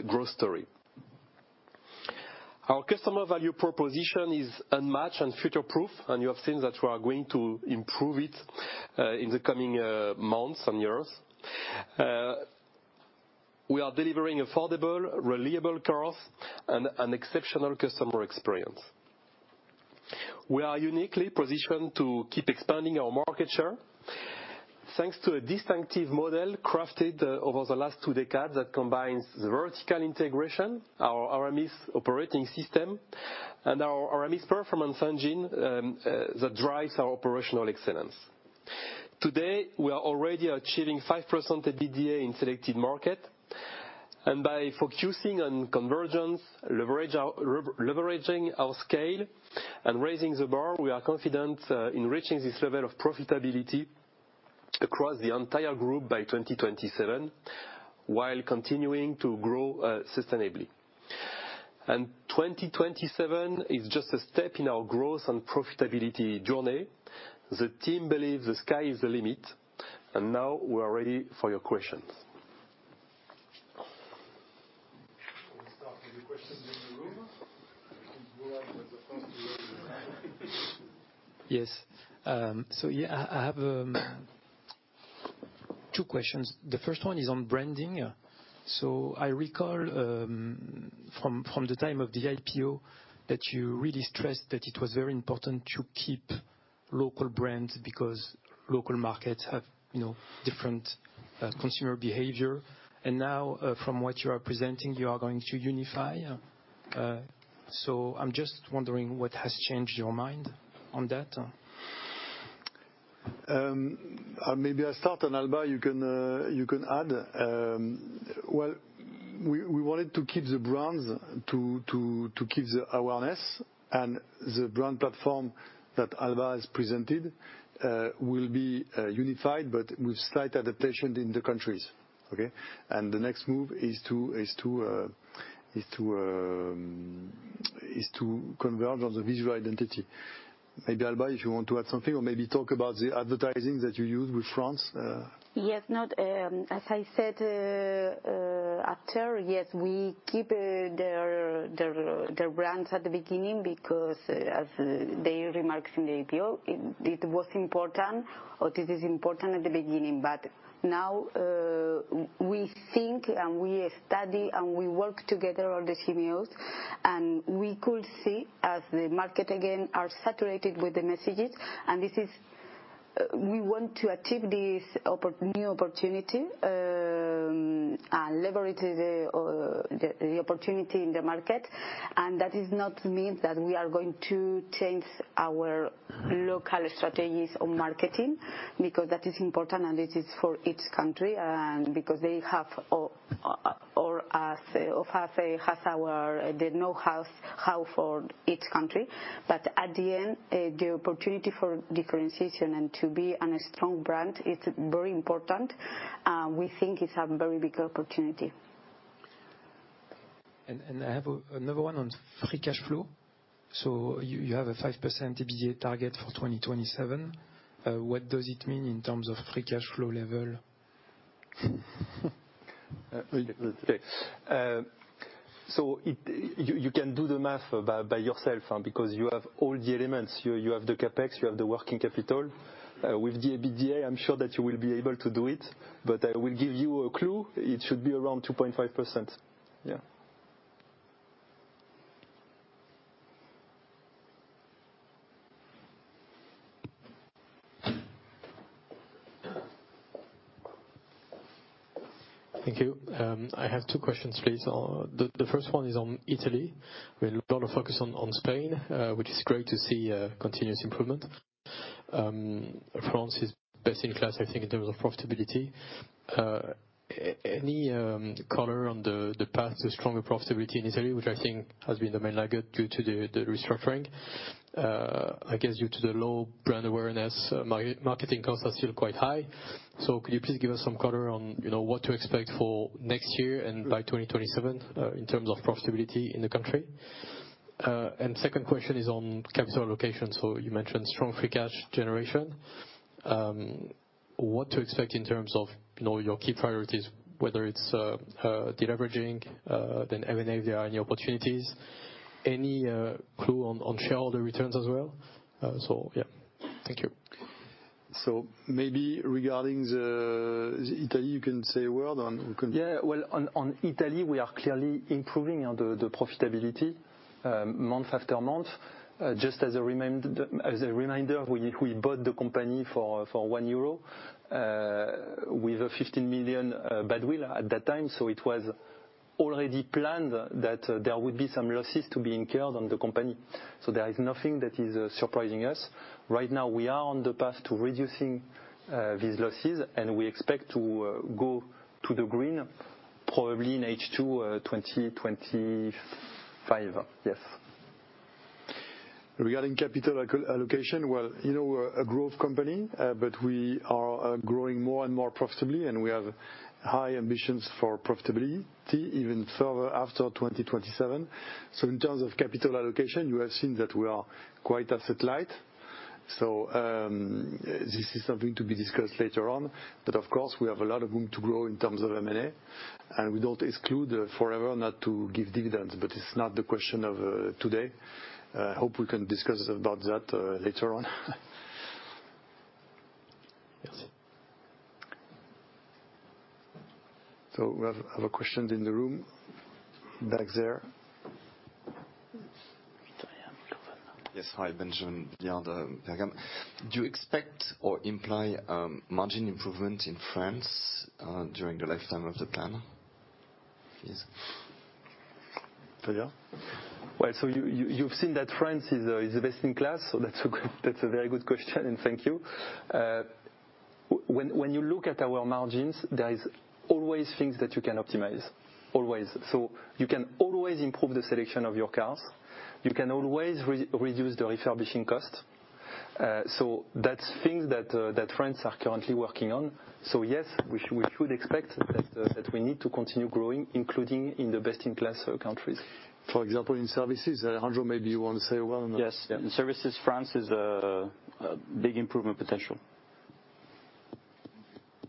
growth story. Our customer value proposition is unmatched and future-proof, and you have seen that we are going to improve it in the coming months and years. We are delivering affordable, reliable cars and an exceptional customer experience. We are uniquely positioned to keep expanding our market share thanks to a distinctive model crafted over the last two decades that combines vertical integration, our Aramis Operating System, and our Aramis Performance Engine that drives our operational excellence. Today, we are already achieving 5% EBITDA in selected markets, and by focusing on convergence, leveraging our scale, and raising the bar, we are confident in reaching this level of profitability across the entire group by 2027 while continuing to grow sustainably, and 2027 is just a step in our growth and profitability journey. The team believes the sky is the limit, and now we are ready for your questions. Can we start with the questions in the room? Yes, so I have two questions. The first one is on branding. I recall from the time of the IPO that you really stressed that it was very important to keep local brands because local markets have different consumer behavior. And now, from what you are presenting, you are going to unify. So I'm just wondering what has changed your mind on that. Maybe I'll start, and Alba, you can add. Well, we wanted to keep the brands, to keep the awareness, and the brand platform that Alba has presented will be unified, but with slight adaptation in the countries. Okay? And the next move is to converge on the visual identity. Maybe Alba, if you want to add something or maybe talk about the advertising that you use with France. Yes. As I said after, yes, we keep their brands at the beginning because, as they remarked in the IPO, it was important or this is important at the beginning. But now we think and we study and we work together on the CMOs, and we could see as the market again is saturated with the messages. We want to achieve this new opportunity and leverage the opportunity in the market. That does not mean that we are going to change our local strategies on marketing because that is important and it is for each country and because they have or us has the know-how for each country. At the end, the opportunity for differentiation and to be a strong brand, it's very important. We think it's a very big opportunity. I have another one on free cash flow. You have a 5% EBITDA target for 2027. What does it mean in terms of free cash flow level? You can do the math by yourself because you have all the elements. You have the CapEx, you have the working capital. With the EBITDA, I'm sure that you will be able to do it. But I will give you a clue. It should be around 2.5%. Yeah. Thank you. I have two questions, please. The first one is on Italy. We're going to focus on Spain, which is great to see continuous improvement. France is best in class, I think, in terms of profitability. Any color on the path to stronger profitability in Italy, which I think has been the main laggard due to the restructuring? I guess due to the low brand awareness, marketing costs are still quite high. So could you please give us some color on what to expect for next year and by 2027 in terms of profitability in the country? And the second question is on capital allocation. So you mentioned strong free cash generation. What to expect in terms of your key priorities, whether it's the leveraging, then M&A if there are any opportunities? Any clue on shareholder returns as well? So yeah. Thank you. So maybe regarding Italy, you can say a word on. Yeah. Well, on Italy, we are clearly improving the profitability month after month. Just as a reminder, we bought the company for 1 euro with a 15 million badwill at that time. So it was already planned that there would be some losses to be incurred on the company. So there is nothing that is surprising us. Right now, we are on the path to reducing these losses, and we expect to go to the green probably in H2 2025. Yes. Regarding capital allocation, well, you know we're a growth company, but we are growing more and more profitably, and we have high ambitions for profitability even further after 2027. So in terms of capital allocation, you have seen that we are quite asset-light. So this is something to be discussed later on. But of course, we have a lot of room to grow in terms of M&A, and we don't exclude forever not to give dividends, but it's not the question of today. I hope we can discuss about that later on. So we have other questions in the room back there. Yes. Hi, Benjamin de Berriame. Do you expect or imply margin improvement in France during the lifetime of the plan? Yes. Fabien? Well, so you've seen that France is the best in class, so that's a very good question, and thank you. When you look at our margins, there are always things that you can optimize. Always. So you can always improve the selection of your cars. You can always reduce the refurbishing cost. So that's things that France are currently working on. So yes, we should expect that we need to continue growing, including in the best-in-class countries. For example, in services, Alejandro, maybe you want to say a word on that. Yes. In services, France has a big improvement potential.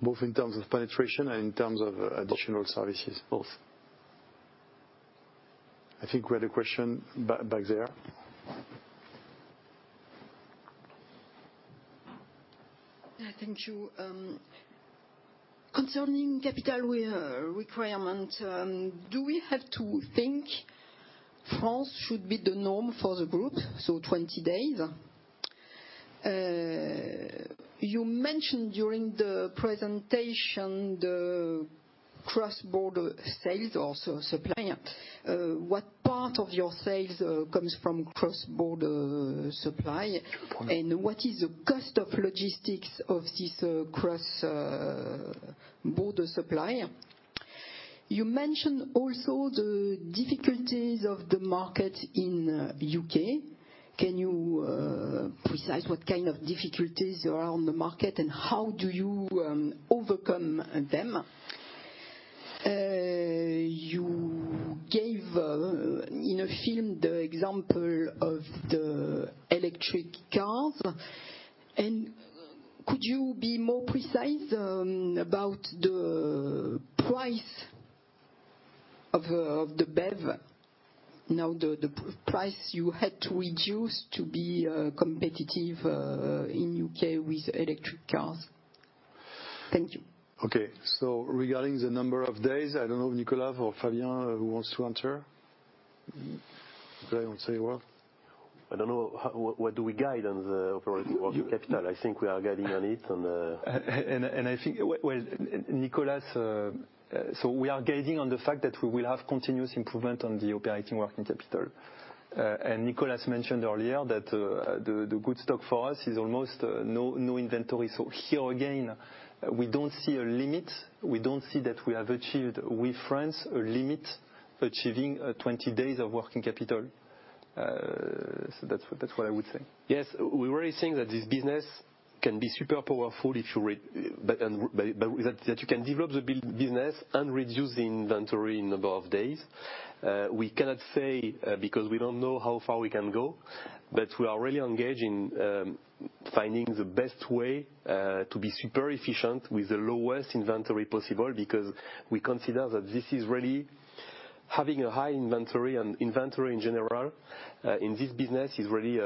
Both in terms of penetration and in terms of additional services. Both. I think we had a question back there. Thank you. Concerning capital requirements, do we have to think France should be the norm for the group, so 20 days? You mentioned during the presentation the cross-border sales or supply. What part of your sales comes from cross-border supply? What is the cost of logistics of this cross-border supply? You mentioned also the difficulties of the market in the U.K. Can you specify what kind of difficulties there are on the market and how do you overcome them? You gave in a film the example of the electric cars. And could you be more precise about the price of the BEV, now the price you had to reduce to be competitive in the U.K. with electric cars? Thank you. Okay. So regarding the number of days, I don't know if Nicolas or Fabien wants to answer. Nicolas wants to say a word. I don't know. What do we guide on the operating working capital? I think we are guiding on it. And I think, well, Nicolas, so we are guiding on the fact that we will have continuous improvement on the operating working capital. Nicolas mentioned earlier that the good stock for us is almost no inventory. So here again, we don't see a limit. We don't see that we have achieved with France a limit achieving 20 days of working capital. So that's what I would say. Yes. We really think that this business can be super powerful if you can develop the business and reduce the inventory in a number of days. We cannot say because we don't know how far we can go, but we are really engaged in finding the best way to be super efficient with the lowest inventory possible because we consider that this is really having a high inventory and inventory in general in this business is really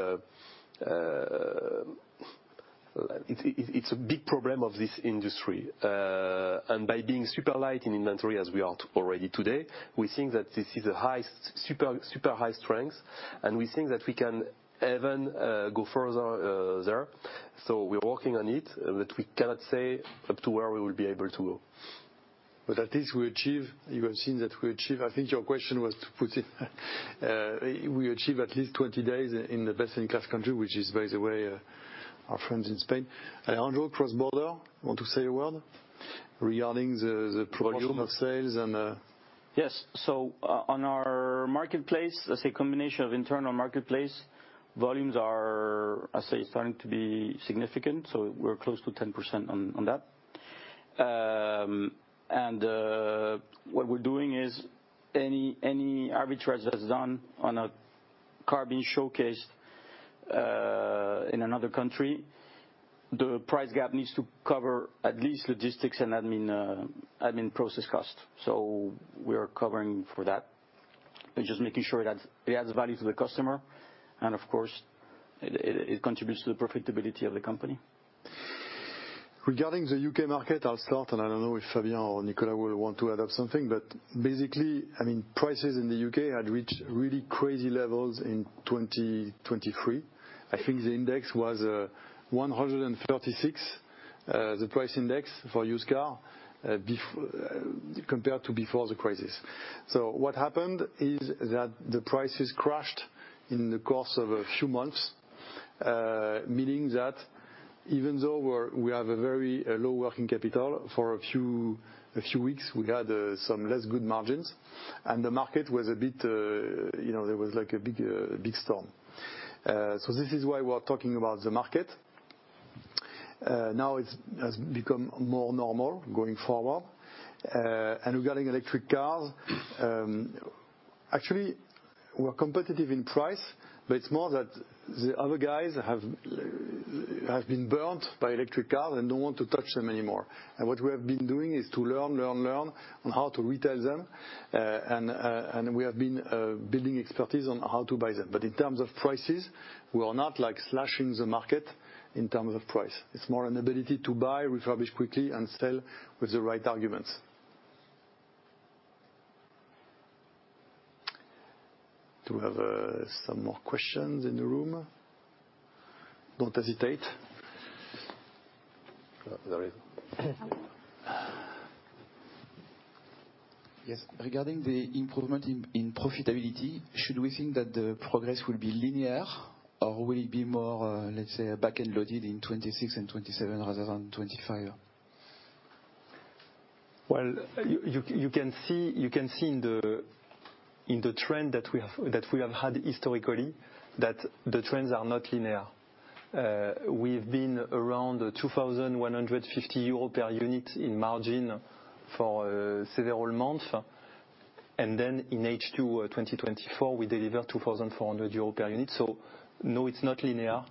it's a big problem of this industry. By being super light in inventory as we are already today, we think that this is a super high strength, and we think that we can even go further there. We're working on it, but we cannot say up to where we will be able to go. At least we achieve. You have seen that we achieve. I think your question was to put in we achieve at least 20 days in the best-in-class country, which is, by the way, our friends in Spain. Alejandro, cross-border, you want to say a word regarding the volume of sales and. Yes. On our marketplace, that's a combination of internal marketplace volumes are, I'd say, starting to be significant. We're close to 10% on that. What we're doing is any arbitrage that's done on a car being showcased in another country, the price gap needs to cover at least logistics and admin process cost. We are covering for that and just making sure that it adds value to the customer. Of course, it contributes to the profitability of the company. Regarding the U.K. market, I'll start, and I don't know if Fabien or Nicolas will want to add up something, but basically, I mean, prices in the U.K. had reached really crazy levels in 2023. I think the index was 136, the price index for used car, compared to before the crisis. What happened is that the prices crashed in the course of a few months, meaning that even though we have a very low working capital, for a few weeks, we had some less good margins, and the market was a bit like a big storm. This is why we're talking about the market. Now it has become more normal going forward. Regarding electric cars, actually, we're competitive in price, but it's more that the other guys have been burnt by electric cars and don't want to touch them anymore. What we have been doing is to learn, learn, learn on how to retail them. We have been building expertise on how to buy them. In terms of prices, we are not slashing the market in terms of price. It's more an ability to buy, refurbish quickly, and sell with the right arguments. Do we have some more questions in the room? Don't hesitate. Yes. Regarding the improvement in profitability, should we think that the progress will be linear or will it be more, let's say, back-end loaded in 2026 and 2027 rather than 2025? Well, you can see in the trend that we have had historically that the trends are not linear. We've been around 2,150 euro per unit in margin for several months. And then in H2 2024, we delivered 2,400 euros per unit. So no, it's not linear.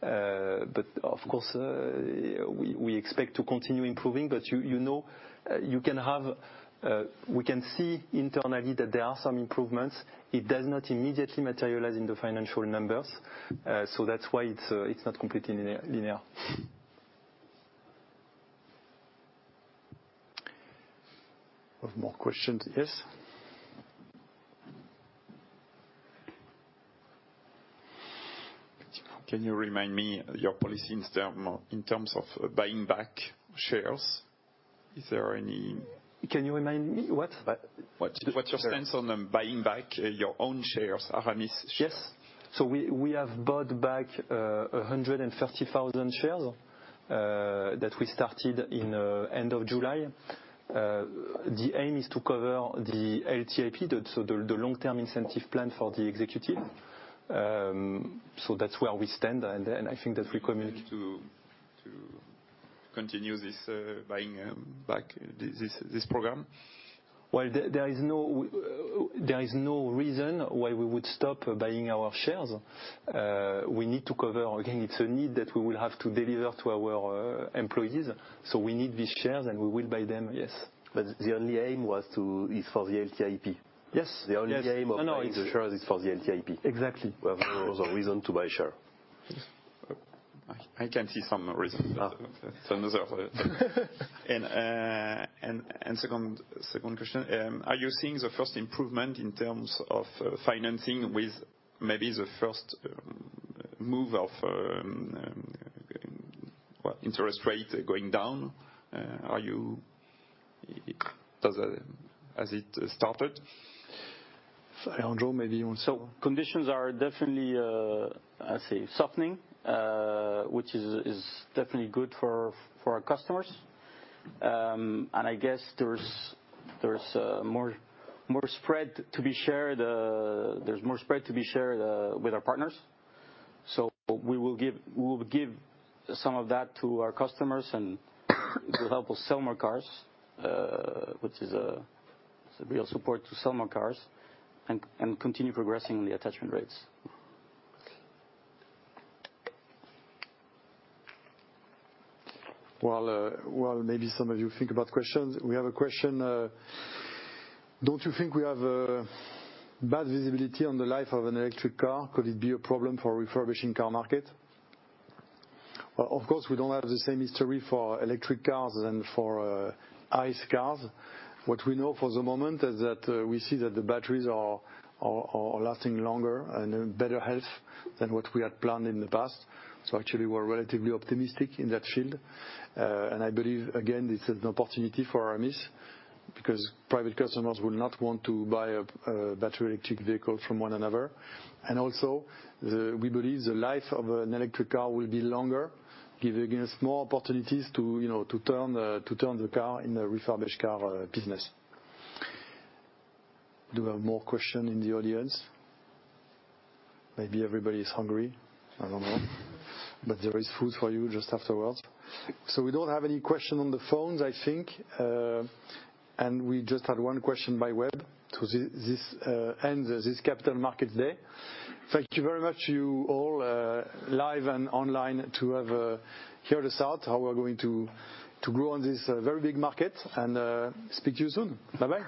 But of course, we expect to continue improving. But you can have we can see internally that there are some improvements. It does not immediately materialize in the financial numbers. So that's why it's not completely linear. We have more questions. Yes. Can you remind me your policy in terms of buying back shares? Is there any. Can you remind me what? What's your stance on buying back your own shares, Aramis? Yes. So we have bought back 130,000 shares that we started in the end of July. The aim is to cover the LTIP, so the long-term incentive plan for the executive. So that's where we stand. And I think that we communicate. To continue this buying back, this program? Well, there is no reason why we would stop buying our shares. We need to cover. Again, it's a need that we will have to deliver to our employees. So we need these shares, and we will buy them. Yes. But the only aim was for the LTIP. Yes. The only aim of buying the shares is for the LTIP. Exactly. We have no reason to buy shares. I can see some reason. And second question, are you seeing the first improvement in terms of financing with maybe the first move of interest rate going down? Has it started? Alejandro, maybe you want to. So conditions are definitely, I'd say, softening, which is definitely good for our customers. And I guess there's more spread to be shared. There's more spread to be shared with our partners. So we will give some of that to our customers and will help us sell more cars, which is a real support to sell more cars and continue progressing on the attachment rates. Well, maybe some of you think about questions. We have a question. Don't you think we have bad visibility on the life of an electric car? Could it be a problem for the refurbishing car market? Well, of course, we don't have the same history for electric cars and for ICE cars. What we know for the moment is that we see that the batteries are lasting longer and in better health than what we had planned in the past. So actually, we're relatively optimistic in that field. And I believe, again, it's an opportunity for Aramis because private customers will not want to buy a battery electric vehicle from one another. And also, we believe the life of an electric car will be longer, giving us more opportunities to turn the car in the refurbished car business. Do we have more questions in the audience? Maybe everybody is hungry. I don't know. But there is food for you just afterwards. So we don't have any questions on the phones, I think. And we just had one question by Web to end this Capital Markets Day. Thank you very much to you all, live and online, to hear us out, how we're going to grow on this very big market, and speak to you soon. Bye-bye.